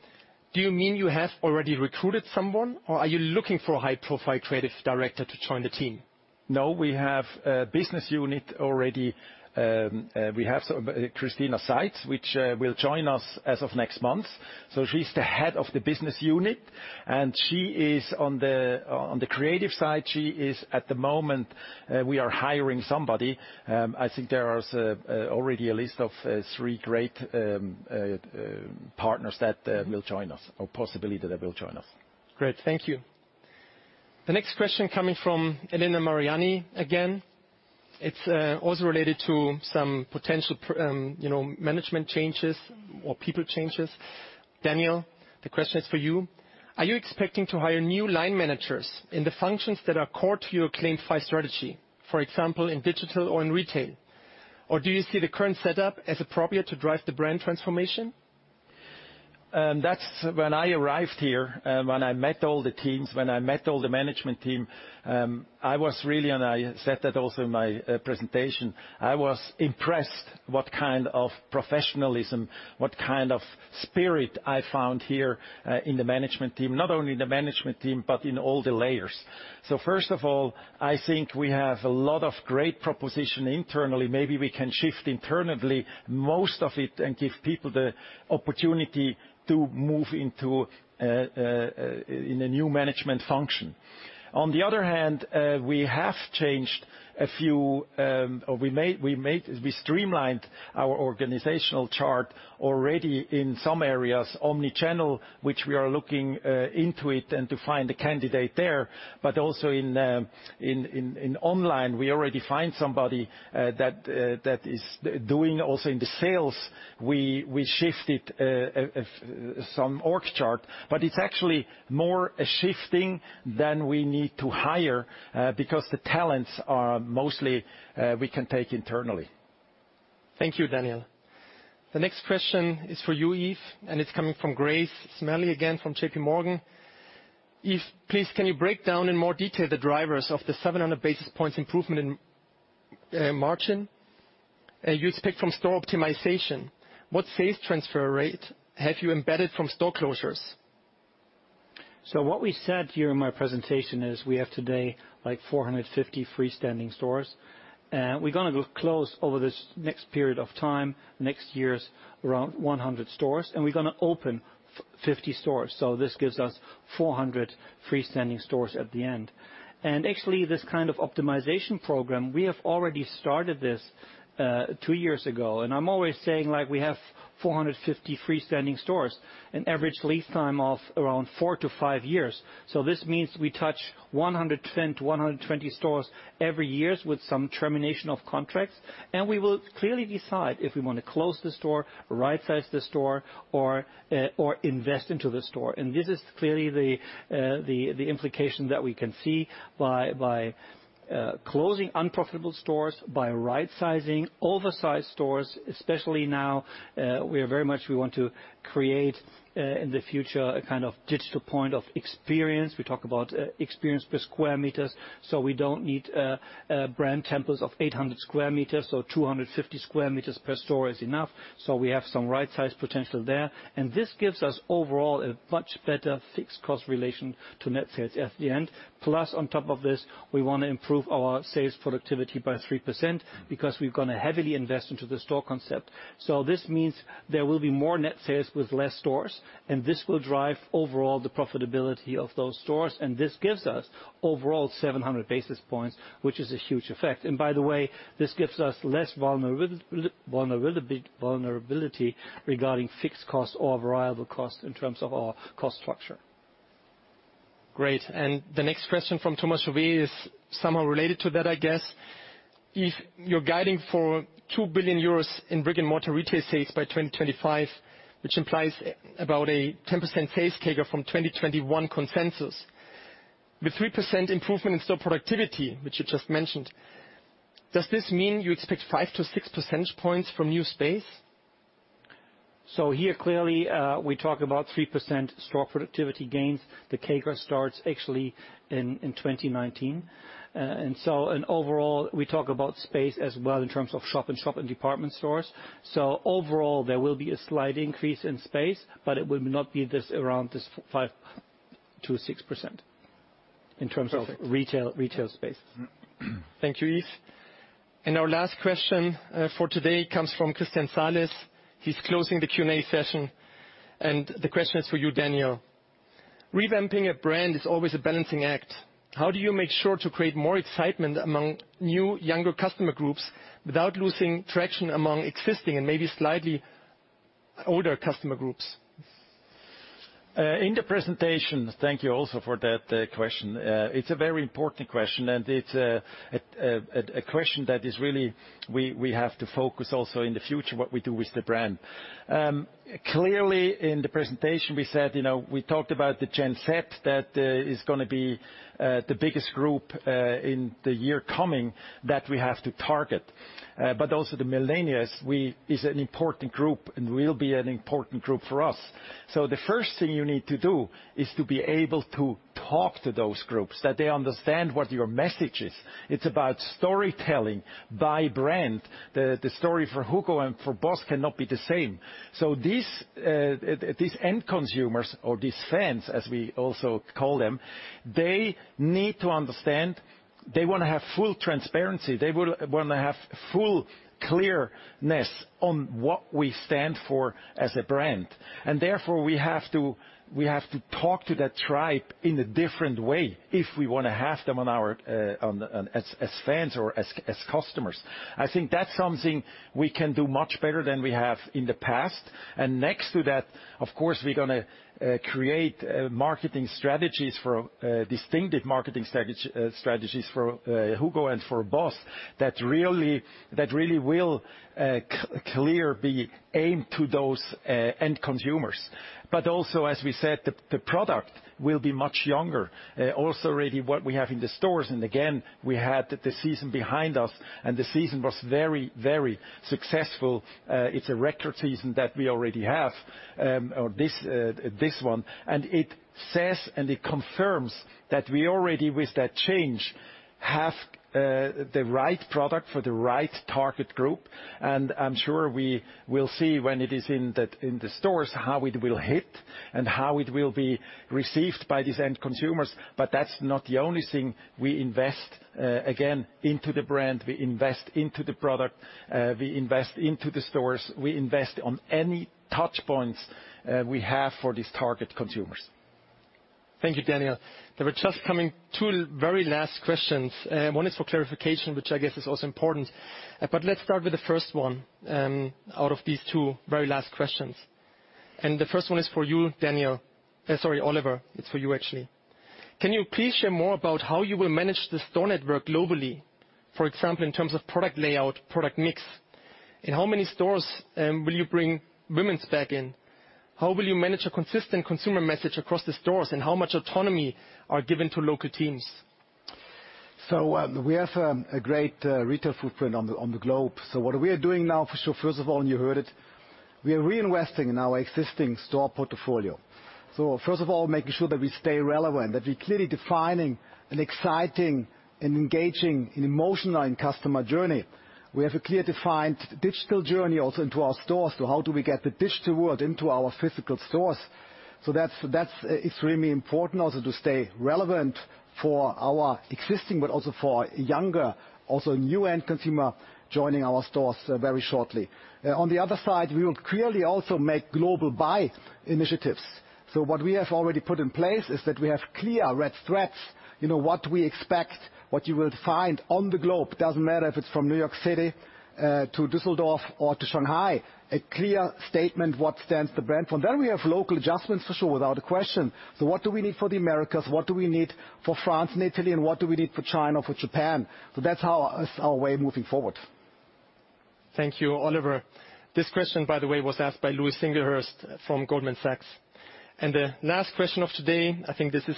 Do you mean you have already recruited someone, or are you looking for a high-profile creative director to join the team? No, we have a business unit already. We have Kristina Szasz, which will join us as of next month. She's the Head of the Business Unit, and she is on the creative side. She is at the moment. We are hiring somebody. I think there is already a list of three great partners that will join us, or possibility that they will join us. Great. Thank you. The next question coming from Elena Mariani again. It's also related to some potential management changes or people changes. Daniel, the question is for you. Are you expecting to hire new line managers in the functions that are core to your CLAIM 5 strategy, for example, in digital or in retail? Or do you see the current setup as appropriate to drive the brand transformation? When I arrived here, when I met all the teams, when I met all the management team, I was really, and I said that also in my presentation, I was impressed what kind of professionalism, what kind of spirit I found here. In the management team, not only in the management team, but in all the layers. First of all, I think we have a lot of great proposition internally. Maybe we can shift internally most of it and give people the opportunity to move in a new management function. On the other hand, we have changed a few, or we streamlined our organizational chart already in some areas. Omnichannel, which we are looking into it and to find a candidate there, but also in online, we already find somebody that is doing also in the sales. We shifted some org chart, but it's actually more a shifting than we need to hire, because the talents are mostly, we can take internally. Thank you, Daniel. The next question is for you, Yves. It's coming from Chiara Battistini again from JPMorgan. Yves, please, can you break down in more detail the drivers of the 700 basis points improvement in margin you expect from store optimization? What sales transfer rate have you embedded from store closures? What we said here in my presentation is we have today, like 450 freestanding stores. We're going to close over this next period of time, next year, around 100 stores, and we're going to open 50 stores. This gives us 400 freestanding stores at the end. Actually, this kind of optimization program, we have already started this two years ago, and I'm always saying, like we have 450 freestanding stores, an average lease time of around four to five years. This means we touch 110-120 stores every years with some termination of contracts. We will clearly decide if we want to close the store, right-size the store, or invest into the store. This is clearly the implication that we can see by closing unprofitable stores, by right-sizing oversized stores, especially now, we want to create, in the future, a kind of digital point of experience. We talk about experience per square meter, so we don't need brand temples of 800 sq m or 250 sq m per store is enough. We have some right-size potential there. This gives us, overall, a much better fixed cost relation to net sales at the end. Plus, on top of this, we want to improve our sales productivity by 3% because we're going to heavily invest into the store concept. This means there will be more net sales with less stores, and this will drive, overall, the profitability of those stores, and this gives us overall 700 basis points, which is a huge effect. By the way, this gives us less vulnerability regarding fixed costs or variable costs in terms of our cost structure. Great. The next question from Thomas Chauvet is somehow related to that, I guess. Yves, you're guiding for 2 billion euros in brick-and-mortar retail sales by 2025, which implies about a 10% sales CAGR from 2021 consensus. With 3% improvement in store productivity, which you just mentioned, does this mean you expect 5-6 percentage points from new space? Here, clearly, we talk about 3% store productivity gains. The CAGR starts actually in 2019. Overall, we talk about space as well in terms of shop and department stores. Overall, there will be a slight increase in space, but it will not be around this 5%-6% in terms of retail space. Thank you, Yves. Our last question for today comes from Christian Salis. He's closing the Q&A session, the question is for you, Daniel. Revamping a brand is always a balancing act. How do you make sure to create more excitement among new, younger customer groups without losing traction among existing and maybe slightly older customer groups? In the presentation, thank you also for that question. It's a very important question, and it's a question that is really we have to focus also in the future what we do with the brand. Clearly, in the presentation we said, we talked about the Gen Z that is going to be the biggest group in the year coming that we have to target. Also the millennials is an important group and will be an important group for us. The first thing you need to do is to be able to talk to those groups, that they understand what your message is. It's about storytelling by brand. The story for HUGO and for BOSS cannot be the same. These end consumers or these fans, as we also call them, they need to understand. They want to have full transparency. They want to have full clearness on what we stand for as a brand. Therefore, we have to talk to that tribe in a different way if we want to have them as fans or as customers. I think that's something we can do much better than we have in the past. Next to that, of course, we're going to create distinctive marketing strategies for HUGO and for BOSS that really will clearly be aimed to those end consumers. Also, as we said, the product will be much younger. Also, really what we have in the stores, and again, we had the season behind us, and the season was very successful. It's a record season that we already have, this one. It says, and it confirms that we already with that changeHave the right product for the right target group. I'm sure we will see when it is in the stores, how it will hit and how it will be received by these end consumers. That's not the only thing. We invest, again, into the brand, we invest into the product, we invest into the stores, we invest on any touch points we have for these target consumers. Thank you, Daniel. There were just coming two very last questions. One is for clarification, which I guess is also important. Let's start with the first one out of these two very last questions. The first one is for you, Daniel. Sorry, Oliver, it's for you actually. Can you please share more about how you will manage the store network globally? For example, in terms of product layout, product mix, in how many stores will you bring women's back in? How will you manage a consistent consumer message across the stores, and how much autonomy are given to local teams? We have a great retail footprint on the globe. What we are doing now, for sure, first of all, and you heard it, we are reinvesting in our existing store portfolio. First of all, making sure that we stay relevant, that we're clearly defining an exciting and engaging and emotional customer journey. We have a clear defined digital journey also into our stores. How do we get the digital world into our physical stores? That's extremely important also to stay relevant for our existing, but also for younger, also new end consumer joining our stores very shortly. On the other side, we will clearly also make global buy initiatives. What we have already put in place is that we have clear red threads, what we expect, what you will find on the globe. Doesn't matter if it's from New York City, to Düsseldorf or to Shanghai. A clear statement what stands the brand for. We have local adjustments for sure, without a question. What do we need for the Americas? What do we need for France and Italy, and what do we need for China, for Japan? That's our way moving forward. Thank you, Oliver. This question, by the way, was asked by Louise Singlehurst from Goldman Sachs. The last question of today, I think this is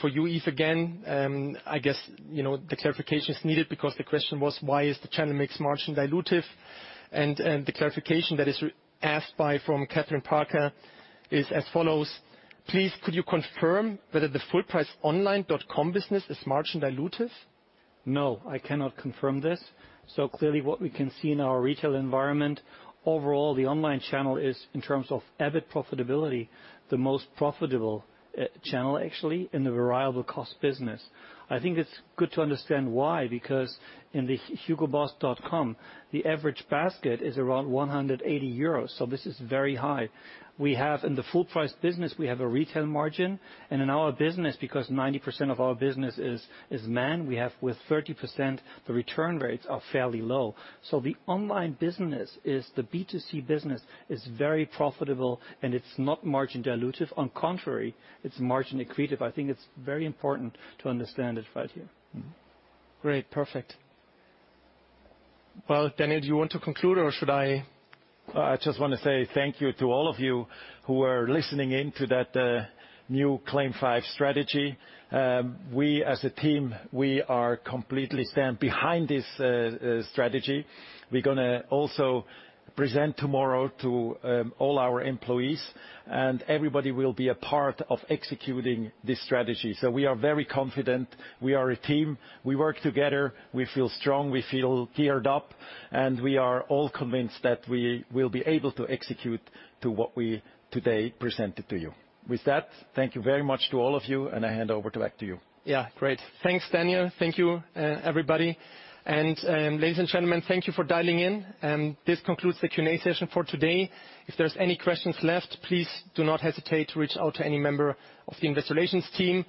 for you, Yves, again. I guess the clarification is needed because the question was why is the channel mix margin dilutive? The clarification that is asked from Kathryn Parker is as follows. "Please could you confirm whether the full price online.com business is margin dilutive? No, I cannot confirm this. Clearly what we can see in our retail environment, overall, the online channel is, in terms of EBIT profitability, the most profitable channel, actually, in the variable cost business. I think it's good to understand why, because in the hugoboss.com, the average basket is around 180 euros. This is very high. In the full price business, we have a retail margin. In our business, because 90% of our business is man, we have with 30%, the return rates are fairly low. The online business is the B2C business, is very profitable and it's not margin dilutive. On contrary, it's margin accretive. I think it's very important to understand it right here. Great. Perfect. Well, Daniel, do you want to conclude or should I? I just want to say thank you to all of you who are listening in to that new CLAIM 5 strategy. We, as a team, we are completely stand behind this strategy. We're going to also present tomorrow to all our employees, and everybody will be a part of executing this strategy. We are very confident. We are a team. We work together. We feel strong, we feel geared up, and we are all convinced that we will be able to execute to what we today presented to you. With that, thank you very much to all of you, and I hand over back to you. Yeah. Great. Thanks, Daniel. Thank you, everybody. Ladies and gentlemen, thank you for dialing in. This concludes the Q&A session for today. If there's any questions left, please do not hesitate to reach out to any member of the investor relations team.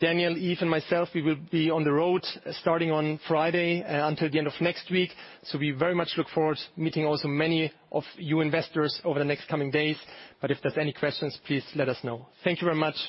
Daniel, Yves, and myself, we will be on the road starting on Friday until the end of next week. We very much look forward to meeting also many of you investors over the next coming days. If there's any questions, please let us know. Thank you very much.